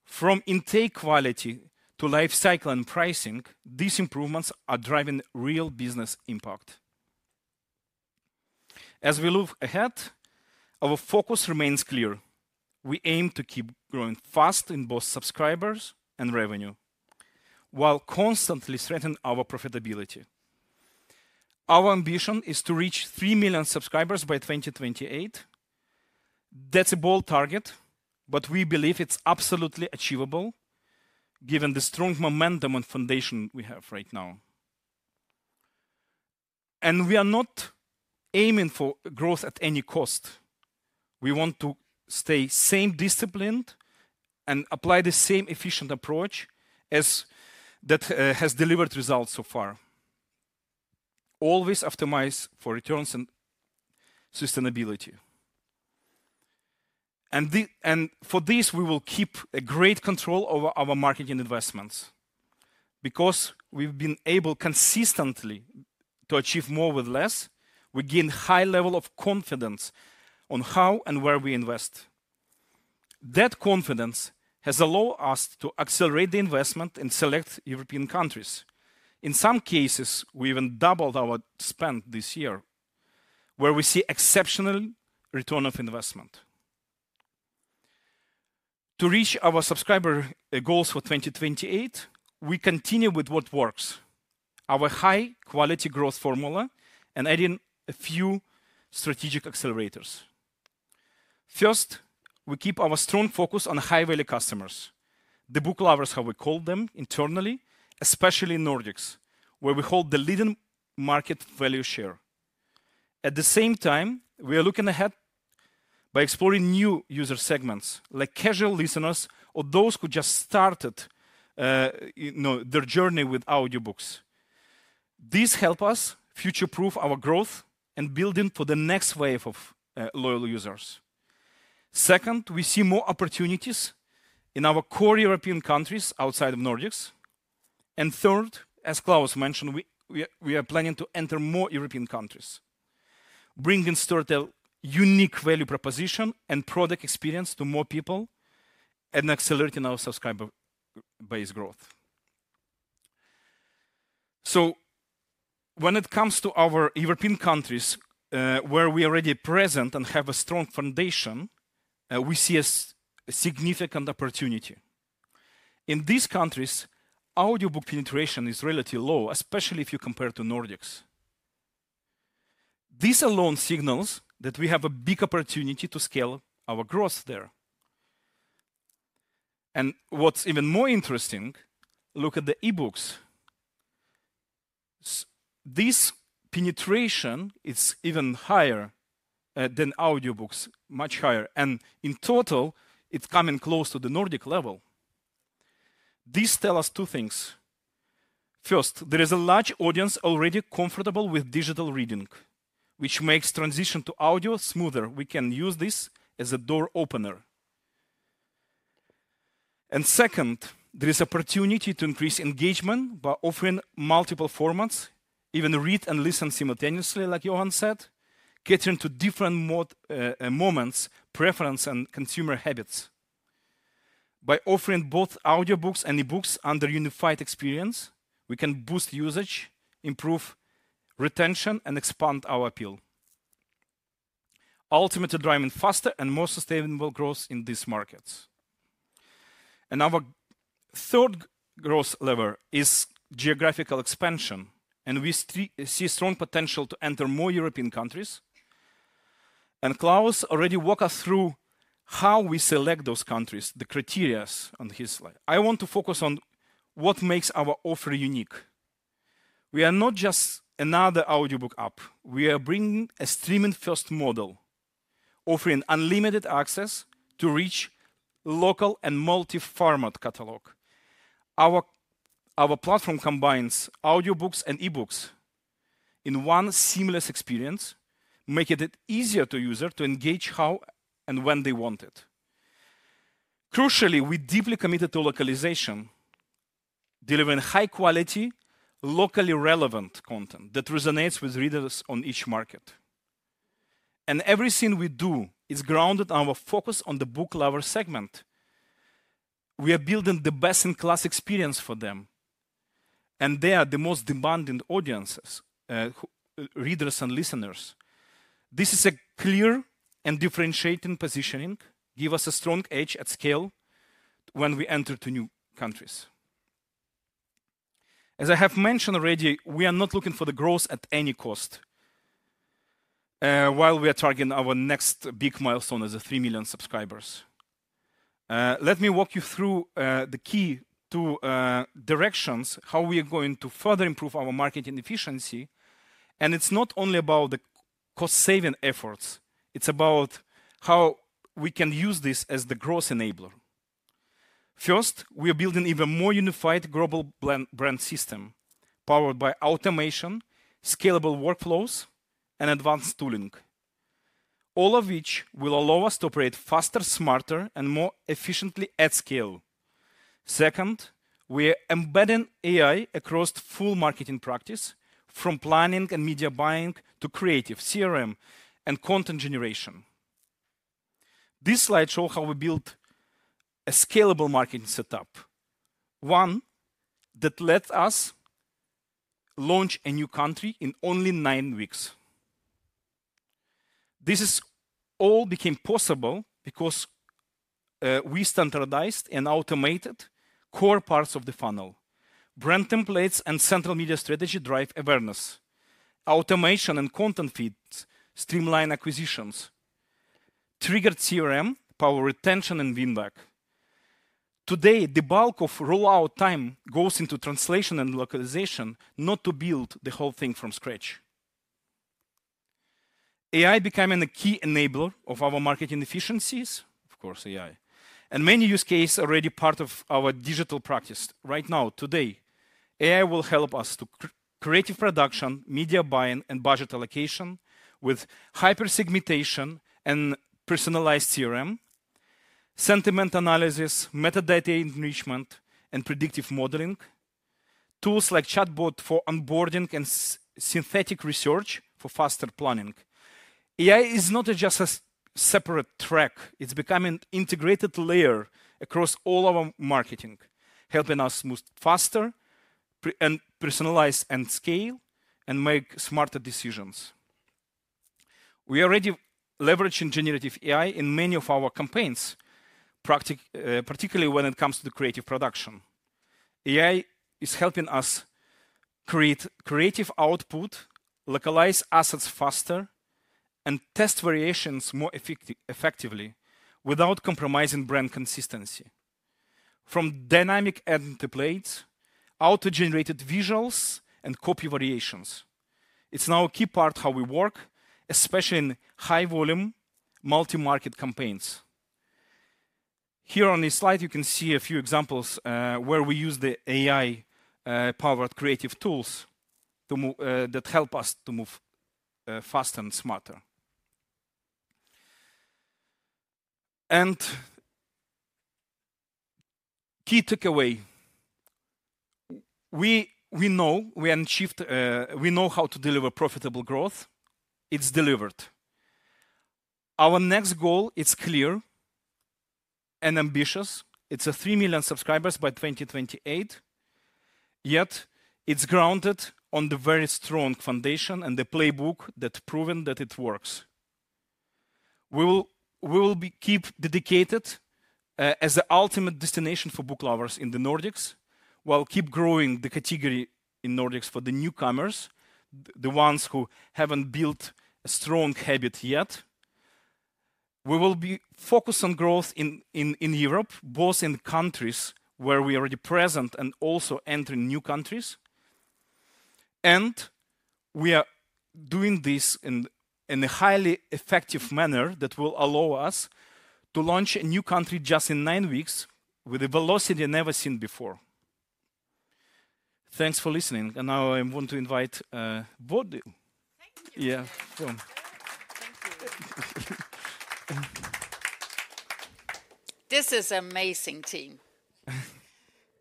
from intake quality to lifecycle and pricing, these improvements are driving real business impact. As we look ahead, our focus remains clear. We aim to keep growing fast in both subscribers and revenue, while constantly strengthening our profitability. Our ambition is to reach 3 million subscribers by 2028. That is a bold target, but we believe it is absolutely achievable given the strong momentum and foundation we have right now. We are not aiming for growth at any cost. We want to stay same discipline and apply the same efficient approach that has delivered results so far. Always optimize for returns and sustainability. For this, we will keep a great control over our marketing investments. Because we've been able consistently to achieve more with less, we gain a high level of confidence on how and where we invest. That confidence has allowed us to accelerate the investment in select European countries. In some cases, we even doubled our spend this year, where we see exceptional return of investment. To reach our subscriber goals for 2028, we continue with what works: our high-quality growth formula and adding a few strategic accelerators. First, we keep our strong focus on high-value customers, the book lovers, how we call them internally, especially Nordics, where we hold the leading market value share. At the same time, we are looking ahead by exploring new user segments, like casual listeners or those who just started their journey with audiobooks. This helps us future-proof our growth and build in for the next wave of loyal users. Second, we see more opportunities in our core European countries outside of Nordics. Third, as Claus mentioned, we are planning to enter more European countries, bringing Storytel's unique value proposition and product experience to more people and accelerating our subscriber base growth. When it comes to our European countries, where we are already present and have a strong foundation, we see a significant opportunity. In these countries, audiobook penetration is relatively low, especially if you compare to Nordics. This alone signals that we have a big opportunity to scale our growth there. What's even more interesting, look at the e-books. This penetration is even higher than audiobooks, much higher. In total, it is coming close to the Nordic level. This tells us two things. First, there is a large audience already comfortable with digital reading, which makes transition to audio smoother. We can use this as a door opener. Second, there is an opportunity to increase engagement by offering multiple formats, even read and listen simultaneously, like Johan said, catering to different moments, preferences, and consumer habits. By offering both audiobooks and e-books under a unified experience, we can boost usage, improve retention, and expand our appeal, ultimately driving faster and more sustainable growth in these markets. Our third growth lever is geographical expansion. We see strong potential to enter more European countries. Claus already walked us through how we select those countries, the criteria on his slide. I want to focus on what makes our offer unique. We are not just another audiobook app. We are bringing a streaming-first model, offering unlimited access to a rich local and multi-format catalog. Our platform combines audiobooks and e-books in one seamless experience, making it easier for users to engage how and when they want it. Crucially, we're deeply committed to localization, delivering high-quality, locally relevant content that resonates with readers in each market. Everything we do is grounded in our focus on the book lover segment. We are building the best-in-class experience for them. They are the most demanding audiences, readers and listeners. This is a clear and differentiating positioning, giving us a strong edge at scale when we enter new countries. As I have mentioned already, we are not looking for growth at any cost while we are targeting our next big milestone as 3 million subscribers. Let me walk you through the key two directions: how we are going to further improve our marketing efficiency. It is not only about the cost-saving efforts. It is about how we can use this as the growth enabler. First, we are building an even more unified global brand system powered by automation, scalable workflows, and advanced tooling, all of which will allow us to operate faster, smarter, and more efficiently at scale. Second, we are embedding AI across full marketing practices, from planning and media buying to creative CRM and content generation. This slide shows how we built a scalable marketing setup, one that lets us launch a new country in only nine weeks. This all became possible because we standardized and automated core parts of the funnel. Brand templates and central media strategy drive awareness. Automation and content feeds streamline acquisitions, trigger CRM, power retention, and win-back. Today, the bulk of rollout time goes into translation and localization, not to build the whole thing from scratch. AI is becoming a key enabler of our marketing efficiencies, of course, AI. Many use cases are already part of our digital practice. Right now, today, AI will help us to create production, media buying, and budget allocation with hyper-segmentation and personalized CRM, sentiment analysis, metadata enrichment, and predictive modeling, tools like chatbots for onboarding and synthetic research for faster planning. AI is not just a separate track. It is becoming an integrated layer across all our marketing, helping us move faster and personalize and scale and make smarter decisions. We are already leveraging generative AI in many of our campaigns, particularly when it comes to creative production. AI is helping us create creative output, localize assets faster, and test variations more effectively without compromising brand consistency, from dynamic enterprise out to generated visuals and copy variations. It is now a key part of how we work, especially in high-volume, multi-market campaigns. Here on this slide, you can see a few examples where we use the AI-powered creative tools that help us to move faster and smarter. Key takeaway: we know we achieved, we know how to deliver profitable growth. It is delivered. Our next goal is clear and ambitious. It is 3 million subscribers by 2028. Yet it is grounded on the very strong foundation and the playbook that has proven that it works. We will keep dedicated as the ultimate destination for book lovers in the Nordics, while keeping growing the category in Nordics for the newcomers, the ones who have not built a strong habit yet. We will be focused on growth in Europe, both in countries where we are already present and also entering new countries. We are doing this in a highly effective manner that will allow us to launch a new country just in nine weeks with a velocity never seen before. Thanks for listening. Now I want to invite Bodil. Thank you. Yeah. Thank you. This is an amazing team.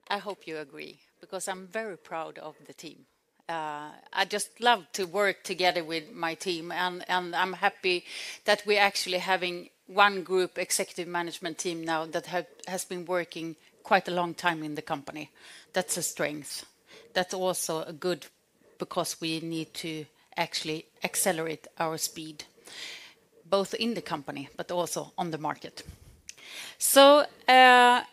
I hope you agree because I am very proud of the team. I just love to work together with my team. I am happy that we are actually having one group, the executive management team now, that has been working quite a long time in the company. That's a strength. That's also good because we need to actually accelerate our speed, both in the company but also on the market. There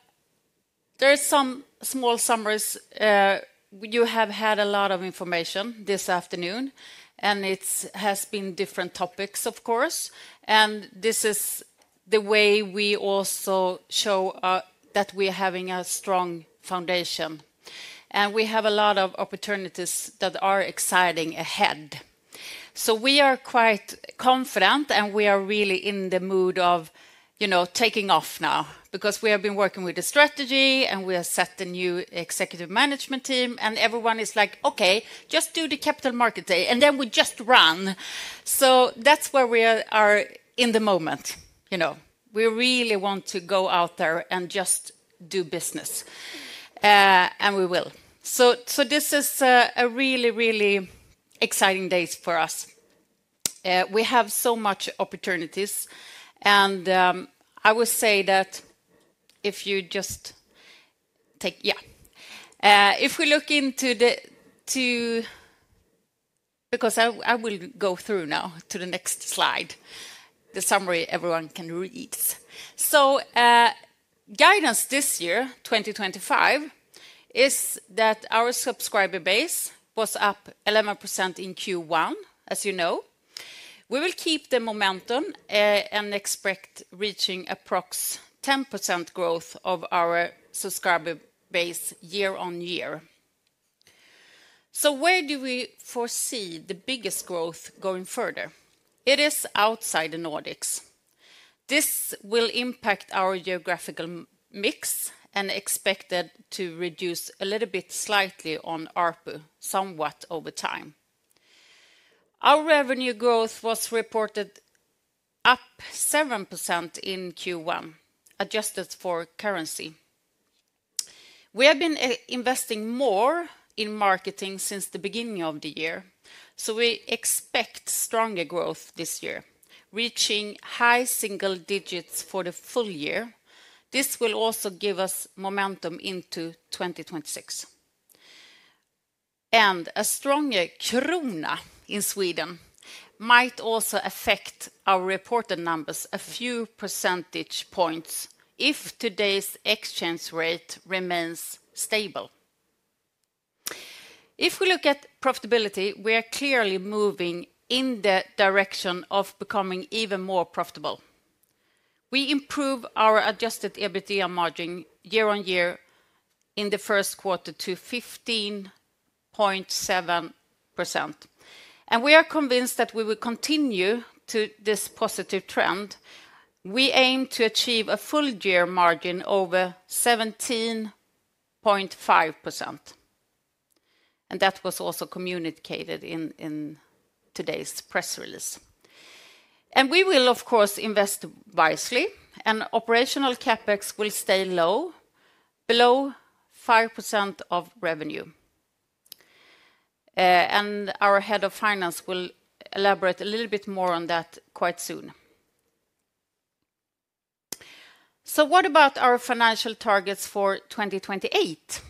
are some small summaries. You have had a lot of information this afternoon. It has been different topics, of course. This is the way we also show that we are having a strong foundation. We have a lot of opportunities that are exciting ahead. We are quite confident. We are really in the mood of taking off now because we have been working with the strategy. We have set the new executive management team. Everyone is like, "Okay, just do the capital market day. And then we just run." That's where we are in the moment. We really want to go out there and just do business. We will. This is a really, really exciting day for us. We have so many opportunities. I would say that if you just take—yeah. If we look into the two—because I will go through now to the next slide, the summary everyone can read. Guidance this year, 2025, is that our subscriber base was up 11% in Q1, as you know. We will keep the momentum and expect reaching approximately 10% growth of our subscriber base year on year. Where do we foresee the biggest growth going further? It is outside the Nordics. This will impact our geographical mix and is expected to reduce a little bit slightly on ARPU somewhat over time. Our revenue growth was reported up 7% in Q1, adjusted for currency. We have been investing more in marketing since the beginning of the year. We expect stronger growth this year, reaching high single digits for the full year. This will also give us momentum into 2026. A stronger krona in Sweden might also affect our reported numbers a few percentage points if today's exchange rate remains stable. If we look at profitability, we are clearly moving in the direction of becoming even more profitable. We improve our adjusted EBITDA margin year on year in the first quarter to 15.7%. We are convinced that we will continue this positive trend. We aim to achieve a full-year margin of over 17.5%. That was also communicated in today's press release. We will, of course, invest wisely. Operational CapEx will stay low, below 5% of revenue. Our Head of Finance will elaborate a little bit more on that quite soon. What about our financial targets for 2028?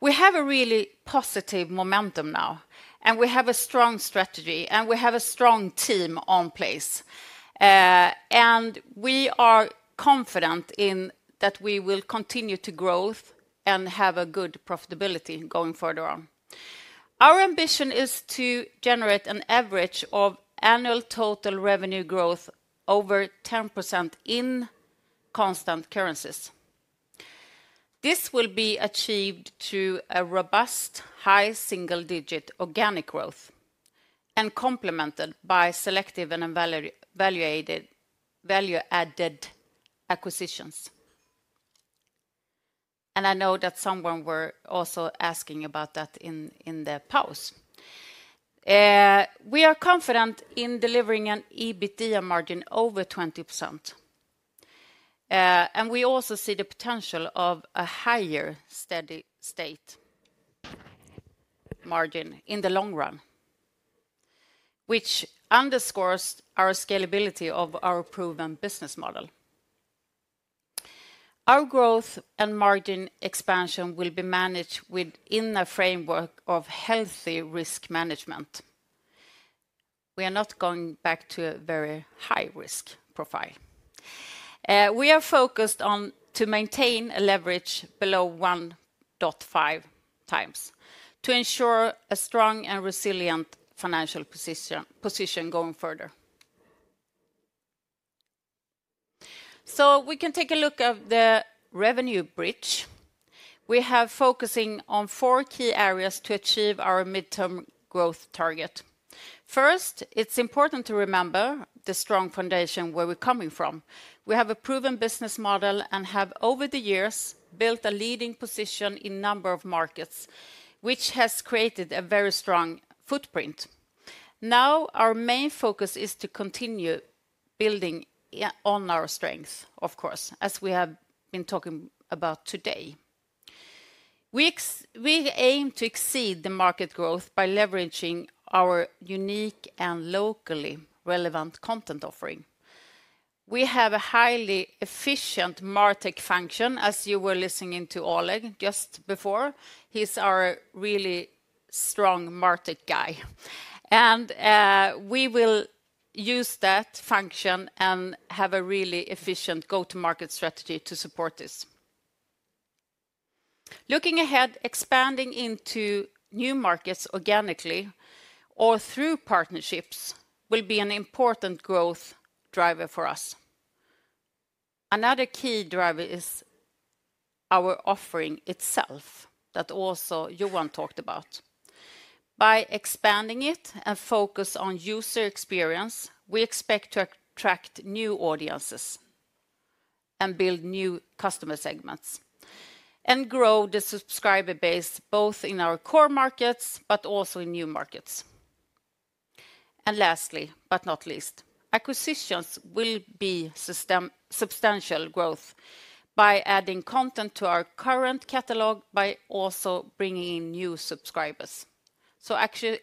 We have a really positive momentum now. We have a strong strategy. We have a strong team in place. We are confident that we will continue to grow and have good profitability going further on. Our ambition is to generate an average of annual total revenue growth of over 10% in constant currencies. This will be achieved through a robust, high single-digit organic growth and complemented by selective and value-added acquisitions. I know that someone was also asking about that in the pause. We are confident in delivering an EBITDA margin of over 20%. We also see the potential of a higher steady-state margin in the long run, which underscores our scalability of our proven business model. Our growth and margin expansion will be managed within a framework of healthy risk management. We are not going back to a very high-risk profile. We are focused on maintaining a leverage below 1.5 times to ensure a strong and resilient financial position going further. We can take a look at the revenue bridge. We have focused on four key areas to achieve our midterm growth target. First, it is important to remember the strong foundation where we are coming from. We have a proven business model and have, over the years, built a leading position in a number of markets, which has created a very strong footprint. Our main focus is to continue building on our strengths, of course, as we have been talking about today. We aim to exceed the market growth by leveraging our unique and locally relevant content offering. We have a highly efficient MarTech function, as you were listening to Oleh just before. He is our really strong MarTech guy. We will use that function and have a really efficient go-to-market strategy to support this. Looking ahead, expanding into new markets organically or through partnerships will be an important growth driver for us. Another key driver is our offering itself that also Johan talked about. By expanding it and focusing on user experience, we expect to attract new audiences and build new customer segments and grow the subscriber base both in our core markets but also in new markets. Lastly, but not least, acquisitions will be substantial growth by adding content to our current catalog, by also bringing in new subscribers.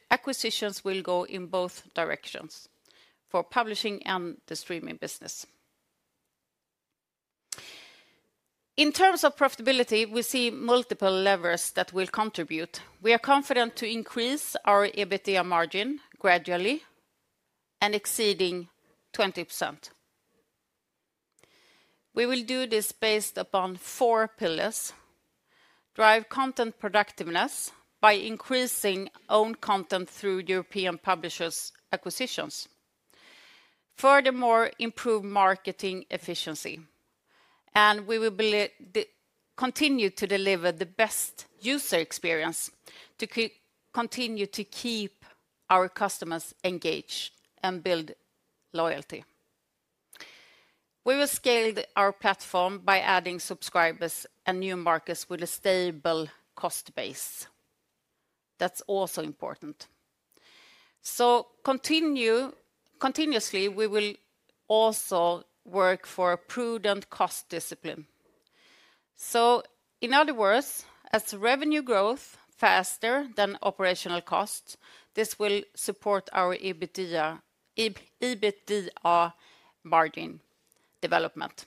Acquisitions will go in both directions for publishing and the streaming business. In terms of profitability, we see multiple levers that will contribute. We are confident to increase our EBITDA margin gradually and exceeding 20%. We will do this based upon four pillars: drive content productiveness by increasing own content through European publishers' acquisitions, furthermore improve marketing efficiency, and we will continue to deliver the best user experience to continue to keep our customers engaged and build loyalty. We will scale our platform by adding subscribers and new markets with a stable cost base. That is also important. Continuously, we will also work for prudent cost discipline. In other words, as revenue grows faster than operational costs, this will support our EBITDA margin development.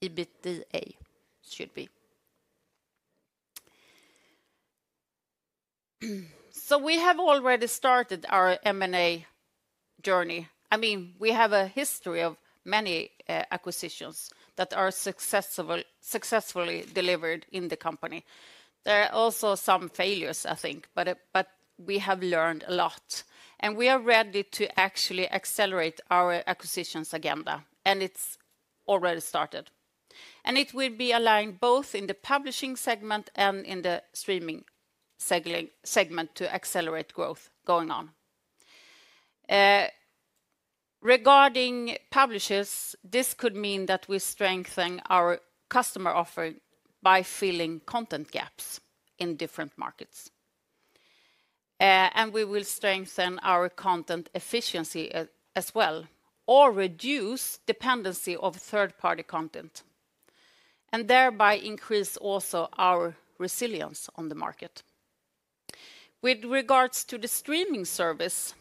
EBITDA should be. We have already started our M&A journey. I mean, we have a history of many acquisitions that are successfully delivered in the company. There are also some failures, I think, but we have learned a lot. We are ready to actually accelerate our acquisitions agenda. It is already started. It will be aligned both in the publishing segment and in the streaming segment to accelerate growth going on. Regarding publishers, this could mean that we strengthen our customer offering by filling content gaps in different markets. We will strengthen our content efficiency as well or reduce dependency on third-party content and thereby increase also our resilience on the market. With regards to the streaming service,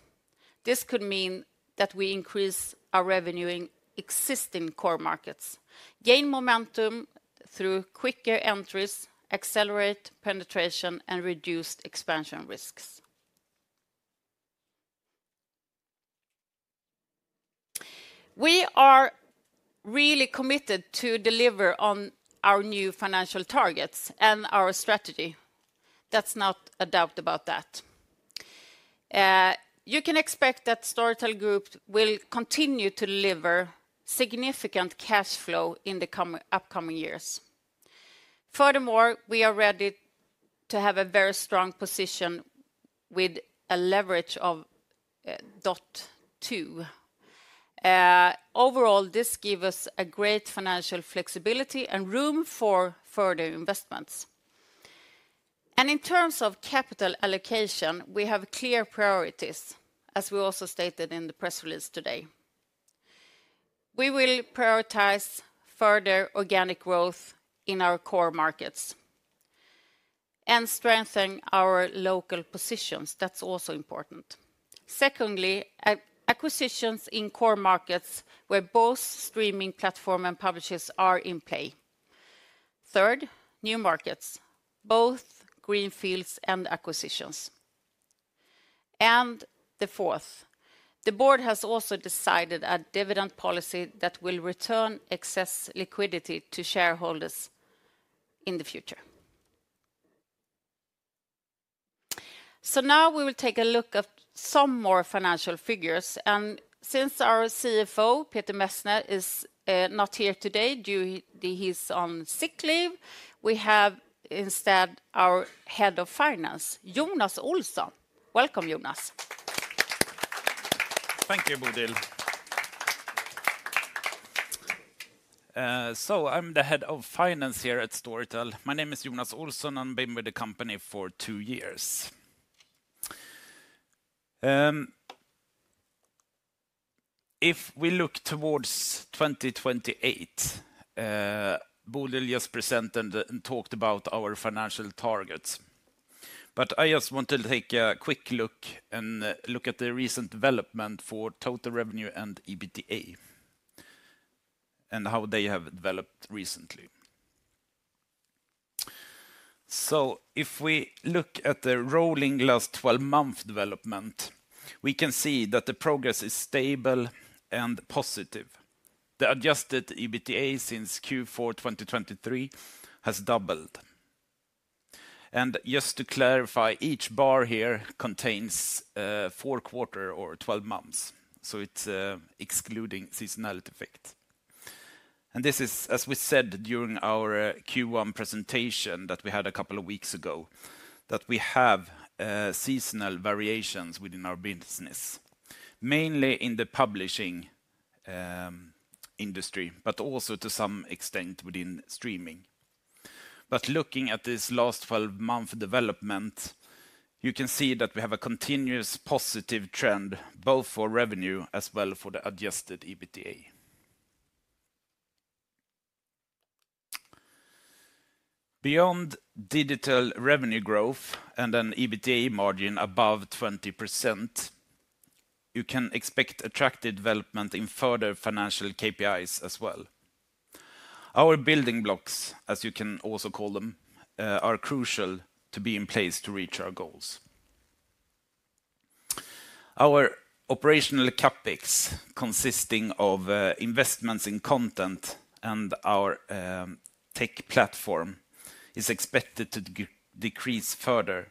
this could mean that we increase our revenue in existing core markets, gain momentum through quicker entries, accelerate penetration, and reduce expansion risks. We are really committed to deliver on our new financial targets and our strategy. There is not a doubt about that. You can expect that Storytel Group will continue to deliver significant cash flow in the upcoming years. Furthermore, we are ready to have a very strong position with a leverage of 0.2. Overall, this gives us great financial flexibility and room for further investments. In terms of capital allocation, we have clear priorities, as we also stated in the press release today. We will prioritize further organic growth in our core markets and strengthen our local positions. That is also important. Secondly, acquisitions in core markets where both streaming platform and publishers are in play. Third, new markets, both greenfields and acquisitions. Fourth, the board has also decided a dividend policy that will return excess liquidity to shareholders in the future. Now we will take a look at some more financial figures. Since our CFO, Peter Messner, is not here today due to his sick leave, we have instead our Head of Finance, Jonas Olsson. Welcome, Jonas. Thank you, Bodil. I am the Head of Finance here at Storytel. My name is Jonas Olsson. I've been with the company for two years. If we look towards 2028, Bodil just presented and talked about our financial targets. I just want to take a quick look and look at the recent development for total revenue and EBITDA and how they have developed recently. If we look at the rolling last 12-month development, we can see that the progress is stable and positive. The adjusted EBITDA since Q4 2023 has doubled. Just to clarify, each bar here contains four quarters or 12 months. It is excluding seasonality effect. This is, as we said during our Q1 presentation that we had a couple of weeks ago, that we have seasonal variations within our business, mainly in the publishing industry, but also to some extent within streaming. Looking at this last 12-month development, you can see that we have a continuous positive trend both for revenue as well as for the adjusted EBITDA. Beyond digital revenue growth and an EBITDA margin above 20%, you can expect attractive development in further financial KPIs as well. Our building blocks, as you can also call them, are crucial to be in place to reach our goals. Our operational CapEx, consisting of investments in content and our tech platform, is expected to decrease further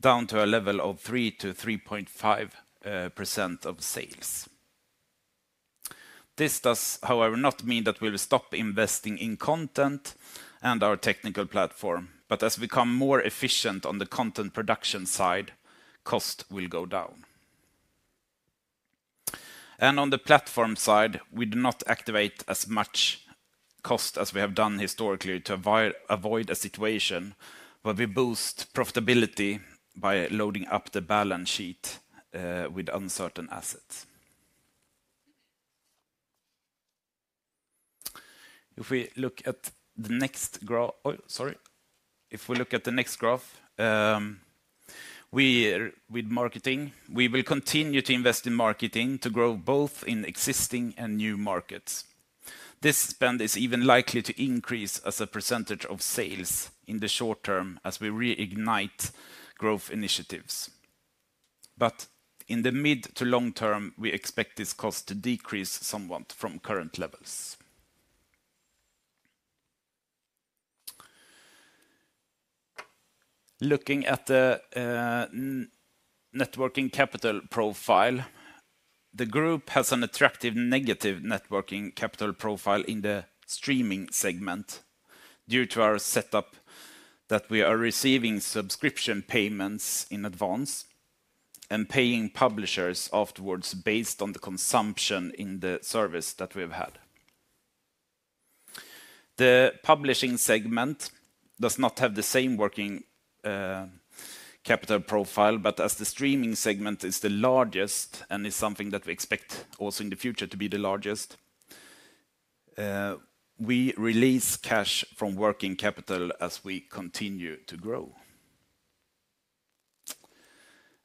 down to a level of 3-3.5% of sales. This does, however, not mean that we will stop investing in content and our technical platform. As we become more efficient on the content production side, costs will go down. On the platform side, we do not activate as much cost as we have done historically to avoid a situation where we boost profitability by loading up the balance sheet with uncertain assets. If we look at the next graph, with marketing, we will continue to invest in marketing to grow both in existing and new markets. This spend is even likely to increase as a percentage of sales in the short term as we reignite growth initiatives. In the mid to long term, we expect this cost to decrease somewhat from current levels. Looking at the networking capital profile, the group has an attractive negative networking capital profile in the streaming segment due to our setup that we are receiving subscription payments in advance and paying publishers afterwards based on the consumption in the service that we have had. The publishing segment does not have the same working capital profile, but as the streaming segment is the largest and is something that we expect also in the future to be the largest, we release cash from working capital as we continue to grow.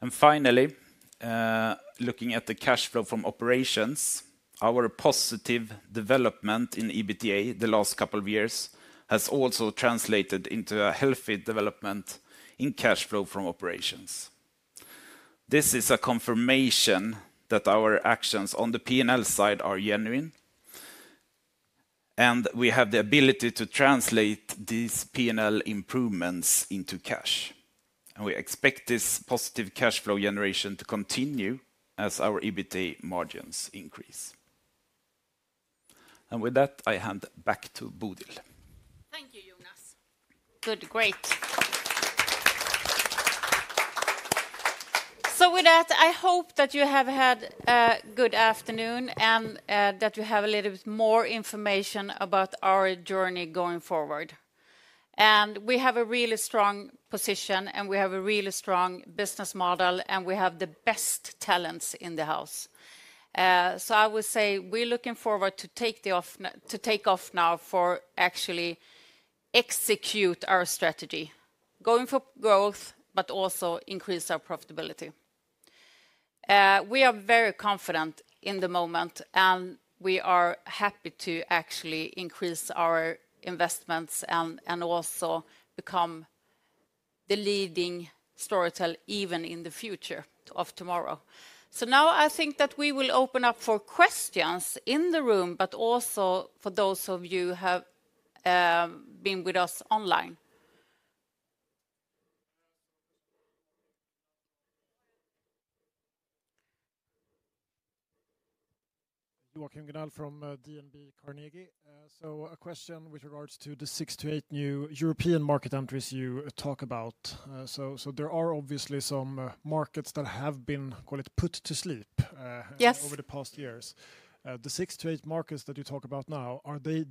Finally, looking at the cash flow from operations, our positive development in EBITDA the last couple of years has also translated into a healthy development in cash flow from operations. This is a confirmation that our actions on the P&L side are genuine, and we have the ability to translate these P&L improvements into cash. We expect this positive cash flow generation to continue as our EBITDA margins increase. With that, I hand back to Bodil. Thank you, Jonas. Good, great. With that, I hope that you have had a good afternoon and that you have a little bit more information about our journey going forward. We have a really strong position, we have a really strong business model, and we have the best talents in the house. I would say we're looking forward to take off now for actually executing our strategy, going for growth, but also increasing our profitability. We are very confident in the moment, and we are happy to actually increase our investments and also become the leading Storytel even in the future of tomorrow. I think that we will open up for questions in the room, but also for those of you who have been with us online. Joachim Gunell from DNB Carnegie. A question with regards to the six to eight new European market entries you talk about. There are obviously some markets that have been put to sleep over the past years. The six to eight markets that you talk about now, are they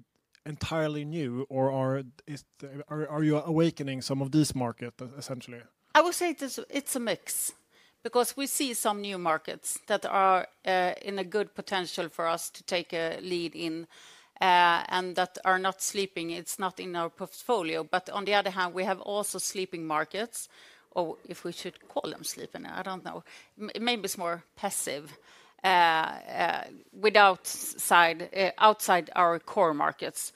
entirely new, or are you awakening some of these markets, essentially? I would say it's a mix because we see some new markets that are in a good potential for us to take a lead in and that are not sleeping. It's not in our portfolio. On the other hand, we have also sleeping markets, or if we should call them sleeping, I don't know. Maybe it's more passive outside our core markets.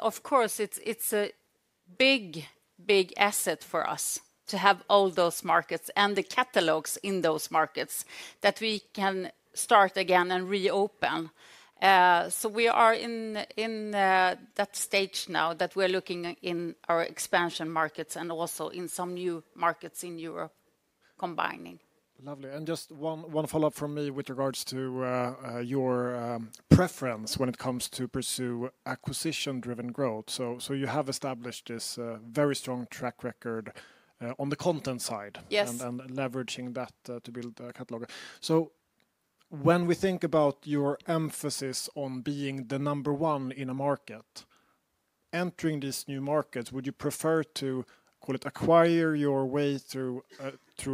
Of course, it's a big, big asset for us to have all those markets and the catalogs in those markets that we can start again and reopen. We are in that stage now that we're looking in our expansion markets and also in some new markets in Europe combining. Lovely. Just one follow-up from me with regards to your preference when it comes to pursue acquisition-driven growth. You have established this very strong track record on the content side and leveraging that to build a catalog. When we think about your emphasis on being the number one in a market, entering these new markets, would you prefer to acquire your way through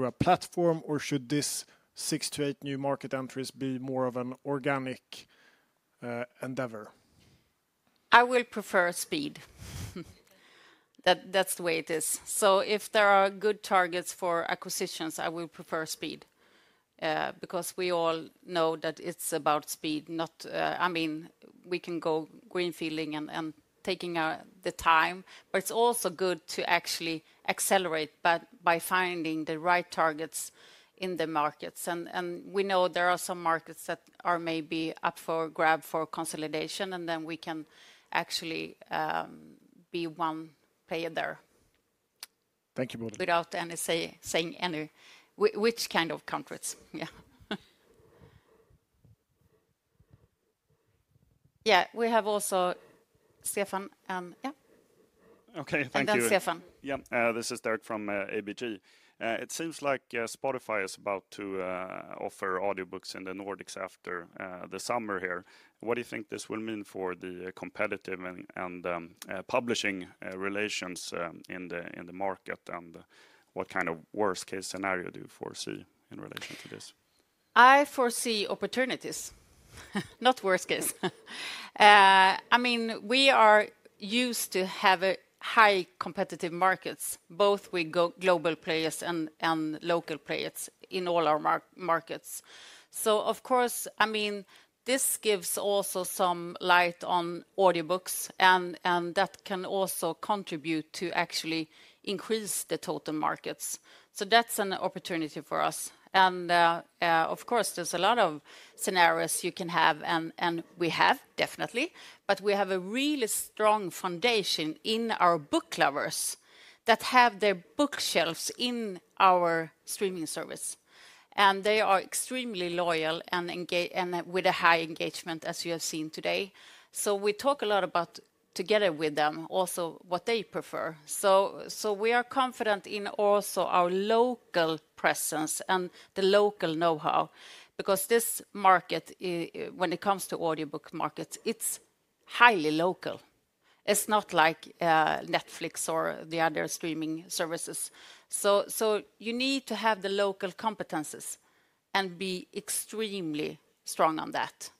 a platform, or should these six to eight new market entries be more of an organic endeavor? I will prefer speed. That's the way it is. If there are good targets for acquisitions, I will prefer speed because we all know that it's about speed. I mean, we can go greenfielding and taking the time, but it's also good to actually accelerate by finding the right targets in the markets. We know there are some markets that are maybe up for grab for consolidation, and then we can actually be one player there. Thank you, Bodil. Without saying any, which kind of countries. Yeah. We have also Stefan and yeah. Okay, thank you. Then Stefan. Yeah, this is Derek from ABG. It seems like Spotify is about to offer audiobooks in the Nordics after the summer here. What do you think this will mean for the competitive and publishing relations in the market, and what kind of worst-case scenario do you foresee in relation to this? I foresee opportunities, not worst-case. I mean, we are used to having high competitive markets, both with global players and local players in all our markets. Of course, I mean, this gives also some light on audiobooks, and that can also contribute to actually increase the total markets. That is an opportunity for us. There are a lot of scenarios you can have, and we have definitely, but we have a really strong foundation in our book lovers that have their bookshelves in our streaming service. They are extremely loyal and with a high engagement, as you have seen today. We talk a lot together with them also what they prefer. We are confident in also our local presence and the local know-how because this market, when it comes to audiobook markets, is highly local. It is not like Netflix or the other streaming services. You need to have the local competencies and be extremely strong on that.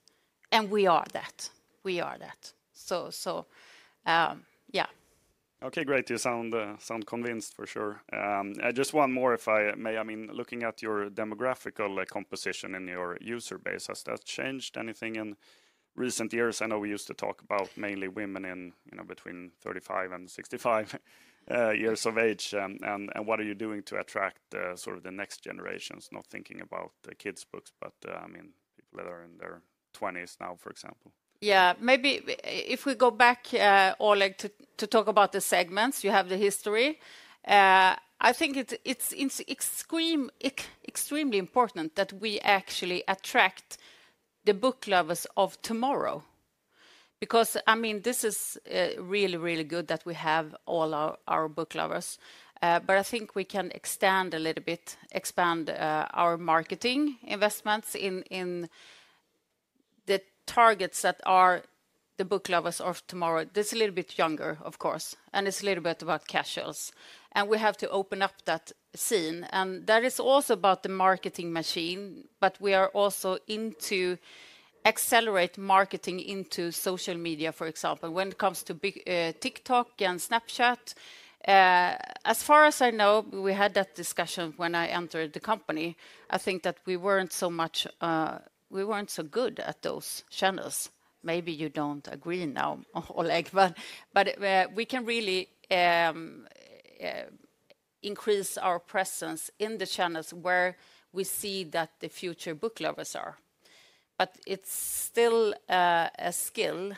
We are that. We are that. Yeah. Okay, great. You sound convinced for sure. Just one more, if I may. I mean, looking at your demographical composition in your user base, has that changed anything in recent years? I know we used to talk about mainly women in between 35 and 65 years of age. What are you doing to attract sort of the next generations, not thinking about the kids' books, but I mean, people that are in their 20s now, for example? Yeah, maybe if we go back, Oleh, to talk about the segments, you have the history. I think it is extremely important that we actually attract the book lovers of tomorrow because, I mean, this is really, really good that we have all our book lovers. I think we can extend a little bit, expand our marketing investments in the targets that are the book lovers of tomorrow. This is a little bit younger, of course, and it's a little bit about cash shells. We have to open up that scene. That is also about the marketing machine, but we are also into accelerating marketing into social media, for example, when it comes to TikTok and Snapchat. As far as I know, we had that discussion when I entered the company. I think that we were not so much, we were not so good at those channels. Maybe you do not agree now, Oleh, but we can really increase our presence in the channels where we see that the future book lovers are. It is still a skill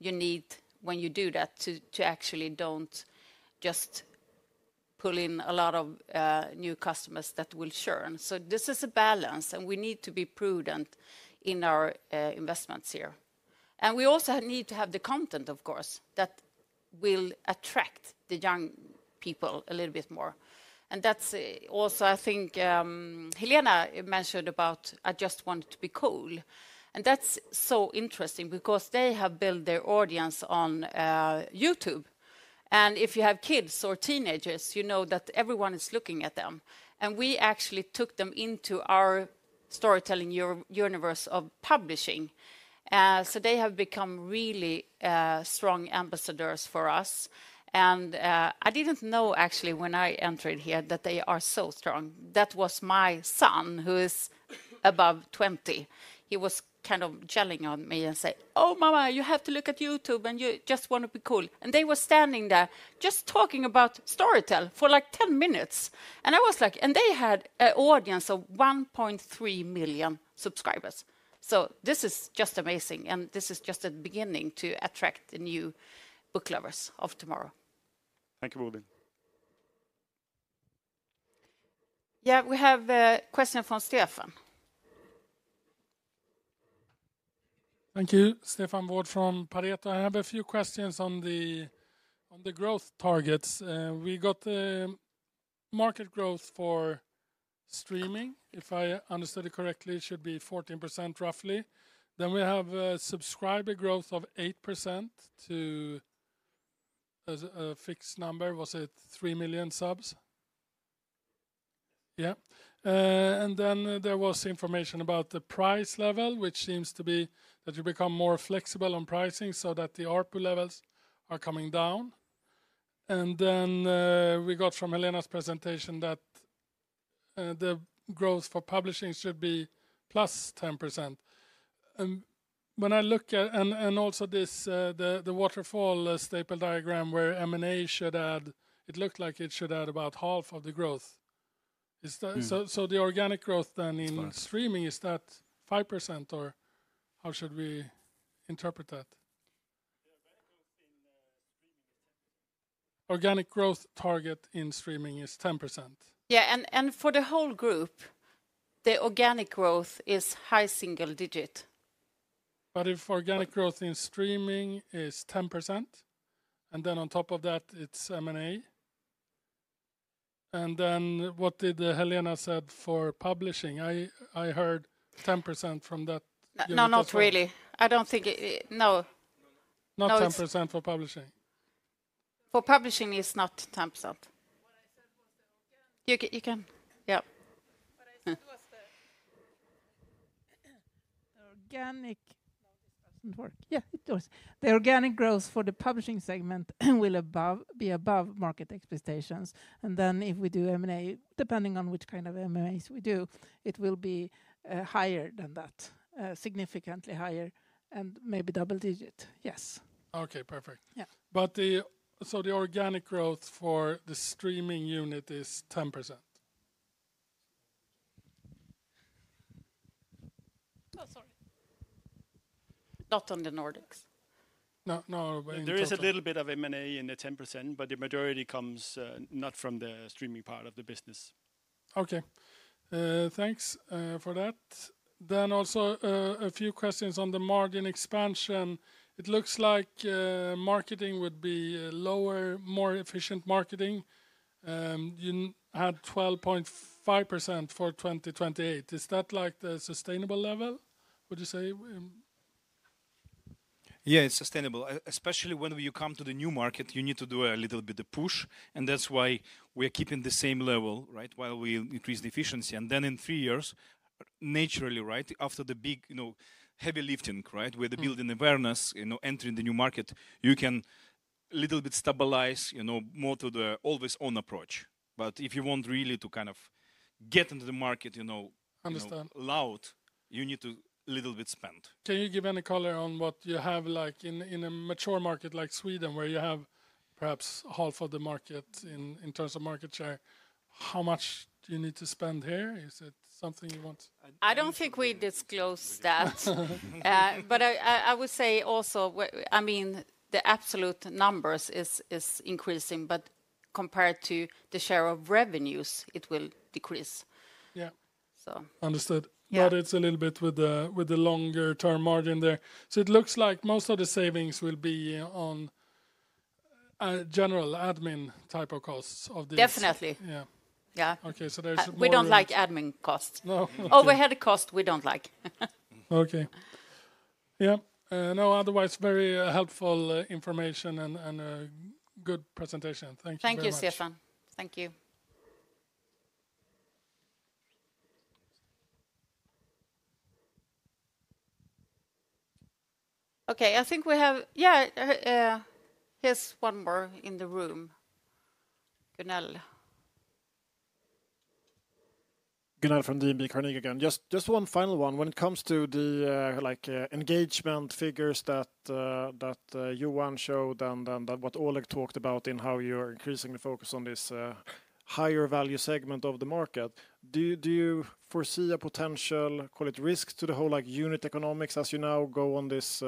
you need when you do that to actually not just pull in a lot of new customers that will churn. This is a balance, and we need to be prudent in our investments here. We also need to have the content, of course, that will attract the young people a little bit more. I think Helena mentioned about, I just wanted to be cool. That is so interesting because they have built their audience on YouTube. If you have kids or teenagers, you know that everyone is looking at them. We actually took them into our storytelling universe of publishing. They have become really strong ambassadors for us. I did not know actually when I entered here that they are so strong. That was my son, who is above 20. He was kind of yelling at me and saying, "Oh, mama, you have to look at YouTube and you just want to be cool." They were standing there just talking about Storytel for like 10 minutes. I was like, and they had an audience of 1.3 million subscribers. This is just amazing, and this is just the beginning to attract the new book lovers of tomorrow. Thank you, Bodil. Yeah, we have a question from Stefan. Thank you, Stefan Wård from Pareto. I have a few questions on the growth targets. We got market growth for streaming. If I understood it correctly, it should be 14% roughly. Then we have a subscriber growth of 8% to a fixed number. Was it 3 million subs? Yeah. There was information about the price level, which seems to be that you become more flexible on pricing so that the ARPU levels are coming down. Then we got from Helena's presentation that the growth for publishing should be plus 10%. When I look at, and also the waterfall staple diagram where M&A should add, it looked like it should add about half of the growth. The organic growth then in streaming, is that 5% or how should we interpret that? Organic growth target in streaming is 10%. Yeah, and for the whole group, the organic growth is high single digit. If organic growth in streaming is 10%, and then on top of that, it's M&A. What did Helena say for publishing? I heard 10% from that. No, not really. I don't think, no. Not 10% for publishing? For publishing, it's not 10%. What I said was the organic. You can, yeah. What I said was the organic work. Yeah, it does. The organic growth for the publishing segment will be above market expectations. If we do M&A, depending on which kind of M&As we do, it will be higher than that, significantly higher and maybe double digit, yes. Okay, perfect. The organic growth for the streaming unit is 10%. Oh, sorry. Not on the Nordics. No, no. There is a little bit of M&A in the 10%, but the majority comes not from the streaming part of the business. Okay. Thanks for that. Also, a few questions on the margin expansion. It looks like marketing would be lower, more efficient marketing. You had 12.5% for 2028. Is that like the sustainable level, would you say? Yeah, it's sustainable. Especially when you come to the new market, you need to do a little bit of push. That is why we are keeping the same level, right, while we increase the efficiency. Then in three years, naturally, right, after the big heavy lifting, right, with the building awareness, entering the new market, you can a little bit stabilize more to the always-on approach. If you want really to kind of get into the market loud, you need to a little bit spend. Can you give any color on what you have like in a mature market like Sweden where you have perhaps half of the market in terms of market share? How much do you need to spend here? Is it something you want? I do not think we disclose that. But I would say also, I mean, the absolute numbers is increasing, but compared to the share of revenues, it will decrease. Yeah. Understood. But it's a little bit with the longer-term margin there. So it looks like most of the savings will be on general admin type of costs of this. Definitely. Yeah. Yeah. Okay, so there's more. We don't like admin costs. Overhead costs, we don't like. Okay. Yeah. No, otherwise very helpful information and good presentation. Thank you very much. Thank you, Stefan. Thank you. Okay, I think we have, yeah, here's one more in the room. Gunnel. Gunnel from DNB Carnegie again. Just one final one. When it comes to the engagement figures that Johan showed and what Oleh talked about in how you're increasingly focused on this higher value segment of the market, do you foresee a potential risk to the whole unit economics as you now go on this,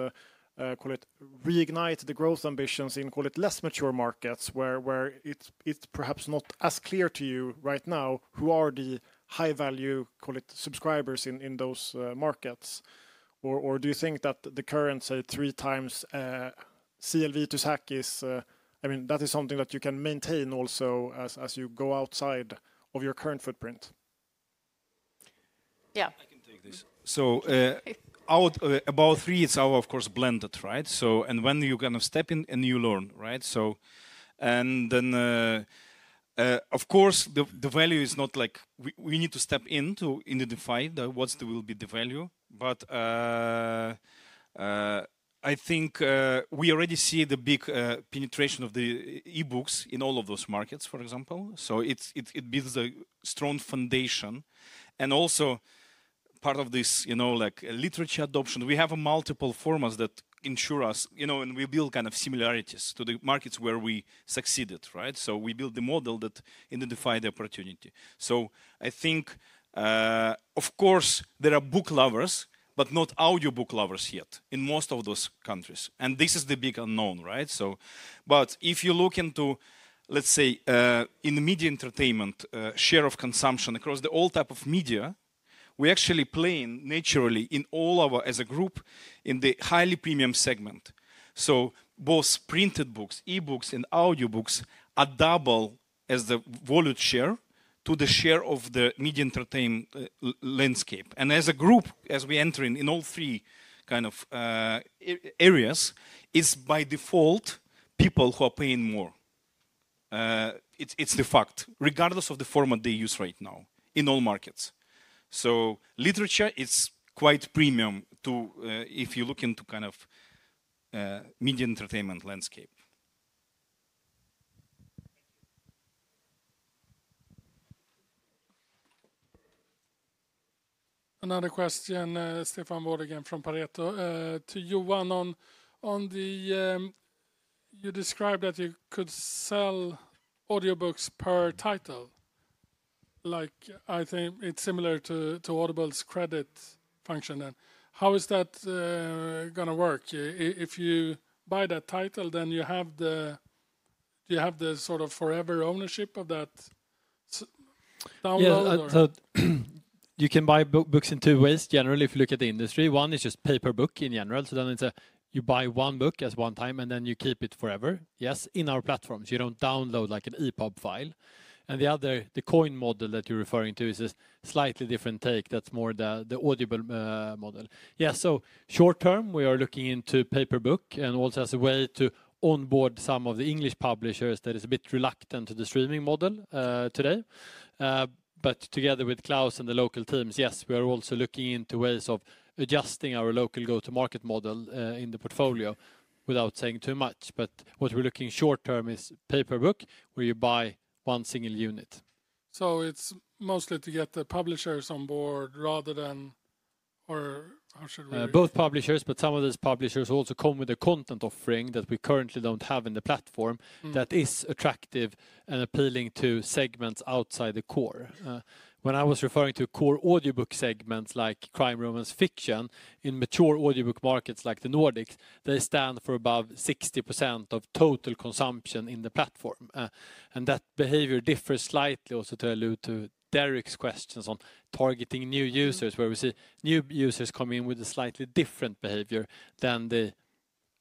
call it, reignite the growth ambitions in less mature markets where it's perhaps not as clear to you right now who are the high-value subscribers in those markets? Do you think that the current, say, three times CLV to SAC is, I mean, that is something that you can maintain also as you go outside of your current footprint? Yeah. I can take this. About three, it's our, of course, blended, right? When you kind of step in and you learn, right? Of course, the value is not like we need to step into and define what will be the value. I think we already see the big penetration of the e-books in all of those markets, for example. It builds a strong foundation. Also, part of this literature adoption, we have multiple formats that ensure us, and we build kind of similarities to the markets where we succeeded, right? We build the model that identified the opportunity. I think, of course, there are book lovers, but not audiobook lovers yet in most of those countries. This is the big unknown, right? If you look into, let's say, in media entertainment, share of consumption across the old type of media, we are actually playing naturally in all of our as a group in the highly premium segment. Both printed books, e-books, and audiobooks are double as the volume share to the share of the media entertainment landscape. As a group, as we enter in all three kind of areas, it is by default people who are paying more. It is the fact, regardless of the format they use right now in all markets. Literature is quite premium if you look into kind of media entertainment landscape. Another question, Stefan Wård again from Pareto. To Johan, you described that you could sell audiobooks per title. I think it is similar to Audible's credit function. How is that going to work? If you buy that title, then you have the sort of forever ownership of that download? Yeah, you can buy books in two ways, generally, if you look at the industry. One is just paper book in general. You buy one book at one time and then you keep it forever. Yes, in our platforms, you do not download like an EPUB file. The other, the coin model that you are referring to is a slightly different take. That is more the Audible model. Yes, short term, we are looking into paper book and also as a way to onboard some of the English publishers that are a bit reluctant to the streaming model today. Together with Claus and the local teams, yes, we are also looking into ways of adjusting our local go-to-market model in the portfolio without saying too much. What we are looking at short term is paper book where you buy one single unit. It is mostly to get the publishers on board rather than or how should we-- Both publishers, but some of these publishers also come with a content offering that we currently do not have in the platform that is attractive and appealing to segments outside the core. When I was referring to core audiobook segments like crime, romance, fiction in mature audiobook markets like the Nordics, they stand for above 60% of total consumption in the platform. That behavior differs slightly also to allude to Derek's questions on targeting new users where we see new users coming in with a slightly different behavior than the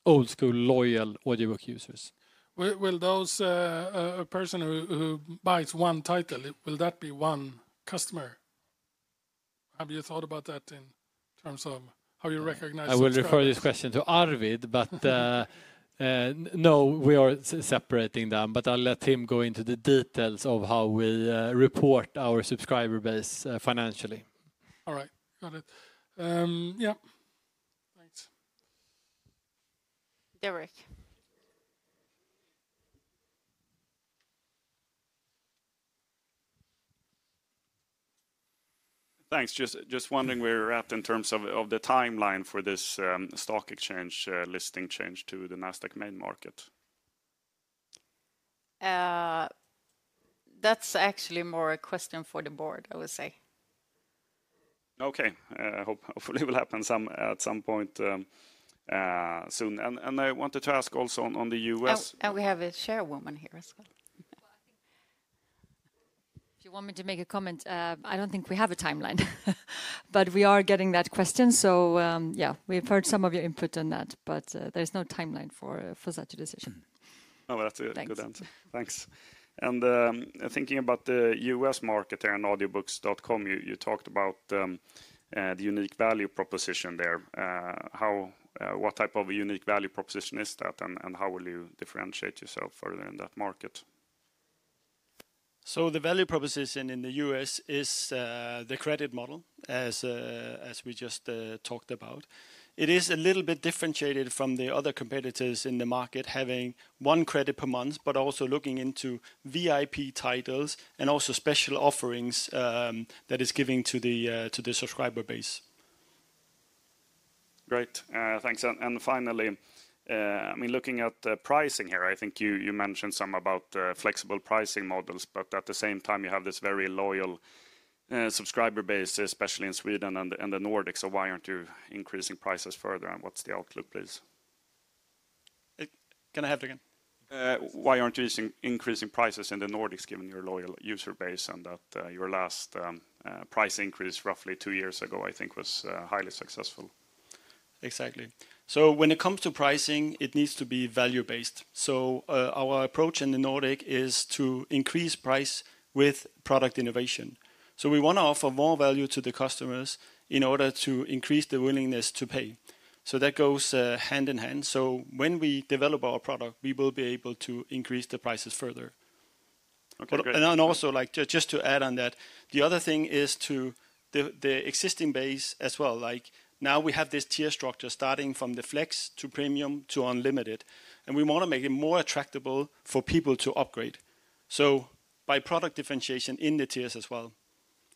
old-school loyal audiobook users. Will those, a person who buys one title, will that be one customer? Have you thought about that in terms of how you recognize? I will refer this question to Arvid, but no, we are separating them, but I will let him go into the details of how we report our subscriber base financially. All right, got it. Yeah. Thanks. Derek. Thanks. Just wondering where we're at in terms of the timeline for this stock exchange listing change to the Nasdaq main market. That's actually more a question for the board, I would say. Okay. Hopefully it will happen at some point soon. I wanted to ask also on the U.S. And we have a chairwoman here as well. If you want me to make a comment, I don't think we have a timeline, but we are getting that question. Yeah, we've heard some of your input on that, but there's no timeline for such a decision. Oh, that's a good answer. Thanks. Thinking about the U.S. market there and audiobooks.com, you talked about the unique value proposition there. What type of unique value proposition is that and how will you differentiate yourself further in that market? The value proposition in the U.S. is the credit model as we just talked about. It is a little bit differentiated from the other competitors in the market having one credit per month, but also looking into VIP titles and also special offerings that it is giving to the subscriber base. Great. Thanks. Finally, I mean, looking at the pricing here, I think you mentioned some about flexible pricing models, but at the same time, you have this very loyal subscriber base, especially in Sweden and the Nordics. Why are you not increasing prices further and what is the outlook, please? Can I have it again? Why are you not increasing prices in the Nordics given your loyal user base and that your last price increase roughly two years ago, I think, was highly successful? Exactly. When it comes to pricing, it needs to be value-based. Our approach in the Nordic is to increase price with product innovation. We want to offer more value to the customers in order to increase the willingness to pay. That goes hand in hand. When we develop our product, we will be able to increase the prices further. Also, just to add on that, the other thing is to the existing base as well. Now we have this tier structure starting from the Flex to Premium to Unlimited. We want to make it more attractable for people to upgrade. By product differentiation in the tiers as well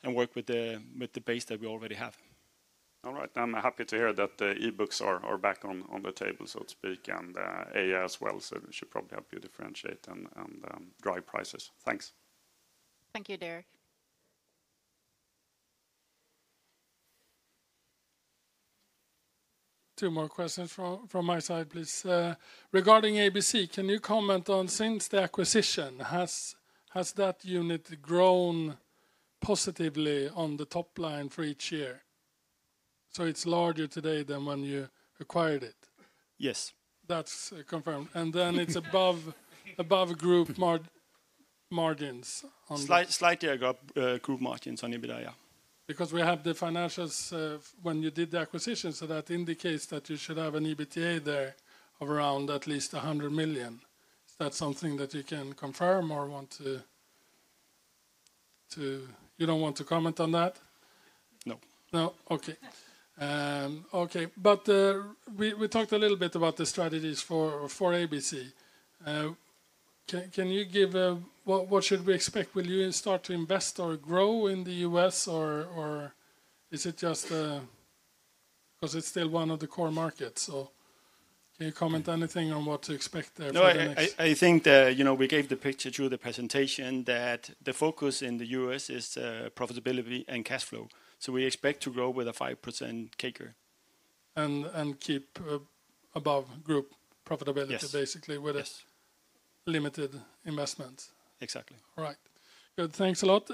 and work with the base that we already have. All right. I'm happy to hear that the e-books are back on the table, so to speak, and AI as well. It should probably help you differentiate and drive prices. Thanks. Thank you, Derek. Two more questions from my side, please. Regarding ABC, can you comment on since the acquisition, has that unit grown positively on the top line for each year? So it's larger today than when you acquired it. Yes. That's confirmed. And then it's above group margins. Slightly above group margins on EBITDA, yeah. Because we have the financials when you did the acquisition, so that indicates that you should have an EBITDA there of around at least 100 million. Is that something that you can confirm or you don't want to comment on that? No. No? Okay. Okay. But we talked a little bit about the strategies for ABC. Can you give a what should we expect? Will you start to invest or grow in the US, or is it just because it's still one of the core markets? Can you comment on anything on what to expect there for the next? I think we gave the picture through the presentation that the focus in the U.S. is profitability and cash flow. We expect to grow with a 5% kicker and keep above group profitability, basically, with limited investments. Exactly. All right. Good. Thanks a lot.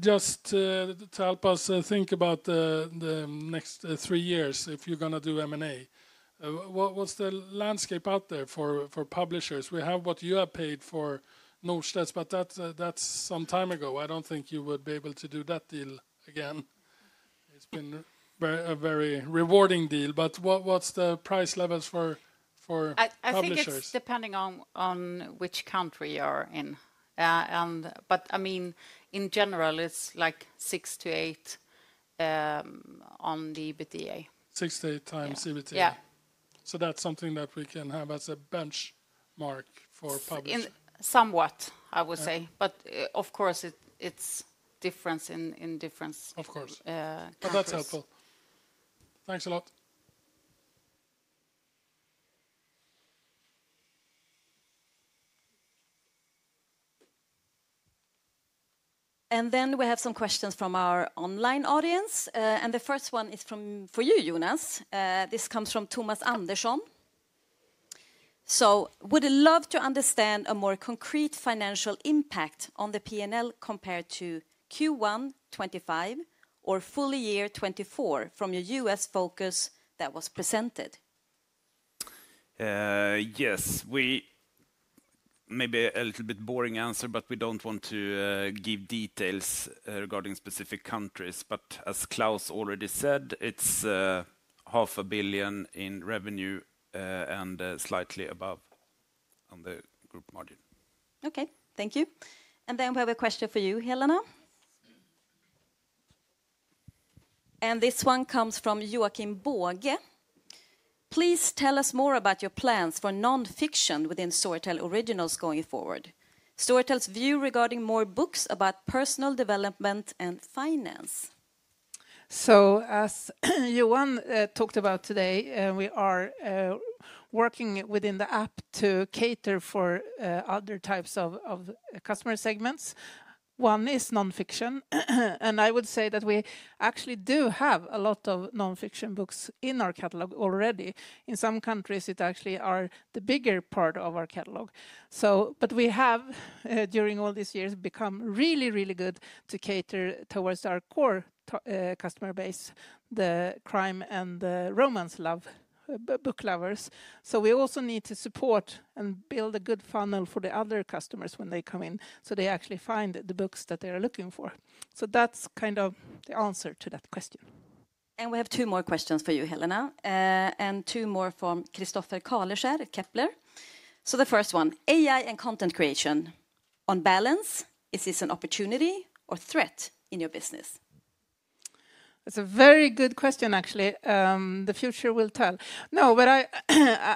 Just to help us think about the next three years, if you're going to do M&A, what's the landscape out there for publishers? We have what you have paid for Norstedts, but that's some time ago. I don't think you would be able to do that deal again. It's been a very rewarding deal. What's the price levels for publishers? I think it's depending on which country you are in. I mean, in general, it's like 6-8 on the EBITDA. 6-8 times EBITDA. Yeah. That is something that we can have as a benchmark for publishers. Somewhat, I would say. Of course, it is difference in difference. Of course. That is helpful. Thanks a lot. We have some questions from our online audience. The first one is for you, Jonas. This comes from Thomas Andersson. Would love to understand a more concrete financial impact on the P&L compared to Q1 2025 or full year 2024 from your U.S. focus that was presented. Yes. Maybe a little bit boring answer, but we do not want to give details regarding specific countries. As Claus already said, it is $500,000,000 in revenue and slightly above on the group margin. Okay. Thank you. We have a question for you, Helena. This one comes from Joakim Båge. Please tell us more about your plans for non-fiction within Storytel Originals going forward, Storytel's view regarding more books about personal development and finance? As Johan talked about today, we are working within the app to cater for other types of customer segments. One is non-fiction. I would say that we actually do have a lot of non-fiction books in our catalog already. In some countries, it actually is the bigger part of our catalog. We have, during all these years, become really, really good to cater towards our core customer base, the crime and the romance love book lovers. We also need to support and build a good funnel for the other customers when they come in so they actually find the books that they are looking for. That is kind of the answer to that question. We have two more questions for you, Helena, and two more from [Christopher Kahler Käppler]. The first one, AI and content creation on balance, is this an opportunity or threat in your business? It's a very good question, actually. The future will tell. No,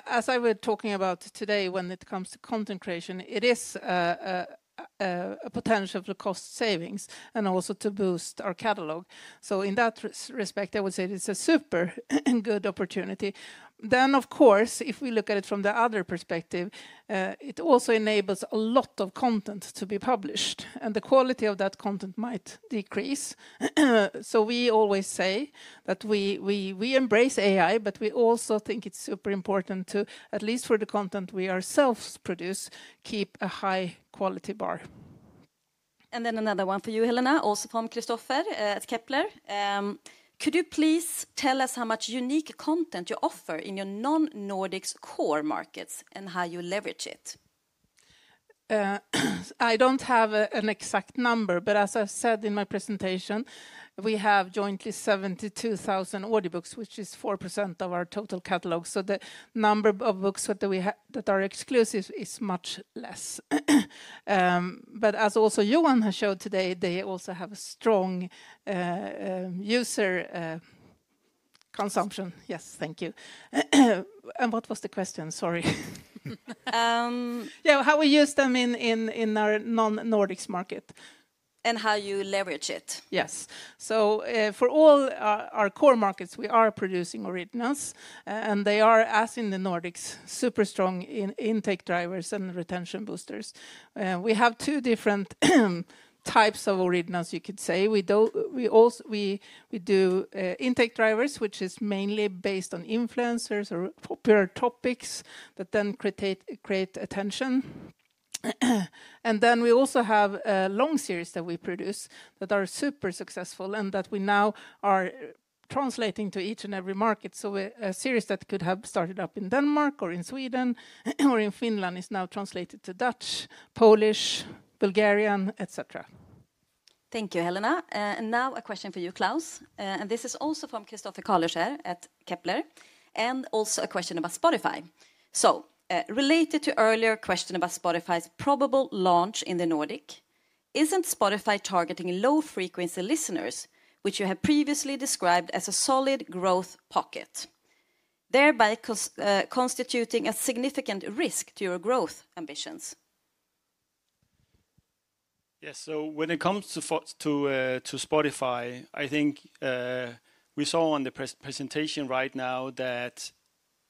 as I was talking about today, when it comes to content creation, it is a potential for cost savings and also to boost our catalog. In that respect, I would say it's a super good opportunity. Of course, if we look at it from the other perspective, it also enables a lot of content to be published. The quality of that content might decrease. We always say that we embrace AI, but we also think it's super important to, at least for the content we ourselves produce, keep a high quality bar. Another one for you, Helena, also from [Christopher at Kepler]. Could you please tell us how much unique content you offer in your non-Nordics core markets and how you leverage it? I do not have an exact number, but as I said in my presentation, we have jointly 72,000 audiobooks, which is 4% of our total catalog. The number of books that are exclusive is much less. As Johan has showed today, they also have a strong user consumption. Yes, thank you. What was the question? Sorry. How we use them in our non-Nordics market. How you leverage it. Yes. For all our core markets, we are producing Originals. They are, as in the Nordics, super strong intake drivers and retention boosters. We have two different types of Originals, you could say. We do intake drivers, which is mainly based on influencers or popular topics that then create attention. We also have a long series that we produce that are super successful and that we now are translating to each and every market. A series that could have started up in Denmark or in Sweden or in Finland is now translated to Dutch, Polish, Bulgarian, etc. Thank you, Helena. Now a question for you, Claus. This is also from [Christopher Kahler at Kepler]. Also a question about Spotify. Related to the earlier question about Spotify's probable launch in the Nordic, is not Spotify targeting low-frequency listeners, which you have previously described as a solid growth pocket, thereby constituting a significant risk to your growth ambitions? Yes. When it comes to Spotify, I think we saw on the presentation right now that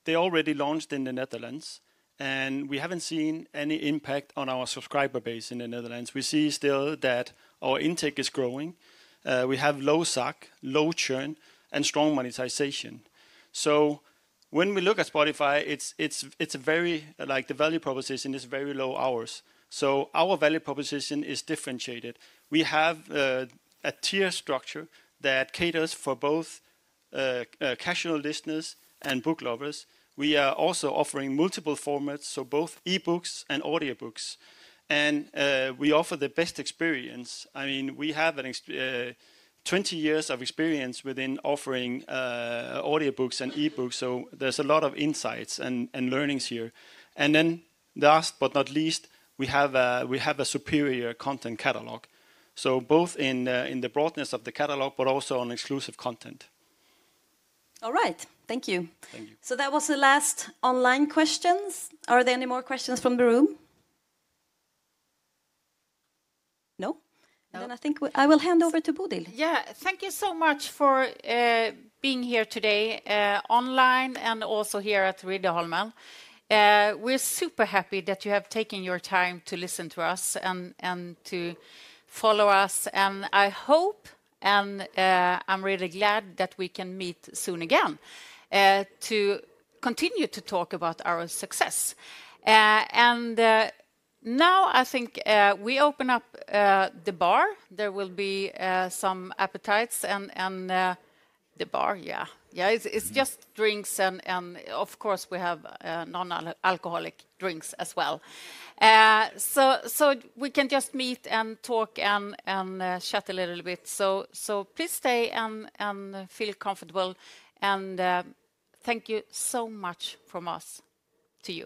they already launched in the Netherlands. We have not seen any impact on our subscriber base in the Netherlands. We see still that our intake is growing. We have low SAC, low churn, and strong monetization. When we look at Spotify, the value proposition is very low hours. Our value proposition is differentiated. We have a tier structure that caters for both casual listeners and book lovers. We are also offering multiple formats, both e-books and audiobooks. We offer the best experience. I mean, we have 20 years of experience within offering audiobooks and e-books. There is a lot of insights and learnings here. Last but not least, we have a superior content catalog, both in the broadness of the catalog and also on exclusive content. All right. Thank you. Thank you. That was the last online question. Are there any more questions from the room? No? I think I will hand over to Bodil. Yeah. Thank you so much for being here today online and also here at Riddaholmen. We are super happy that you have taken your time to listen to us and to follow us. I hope and I am really glad that we can meet soon again to continue to talk about our success. I think we open up the bar. There will be some appetizers and the bar, yeah. Yeah, it is just drinks and of course we have non-alcoholic drinks as well. We can just meet and talk and chat a little bit. Please stay and feel comfortable. Thank you so much from us to you.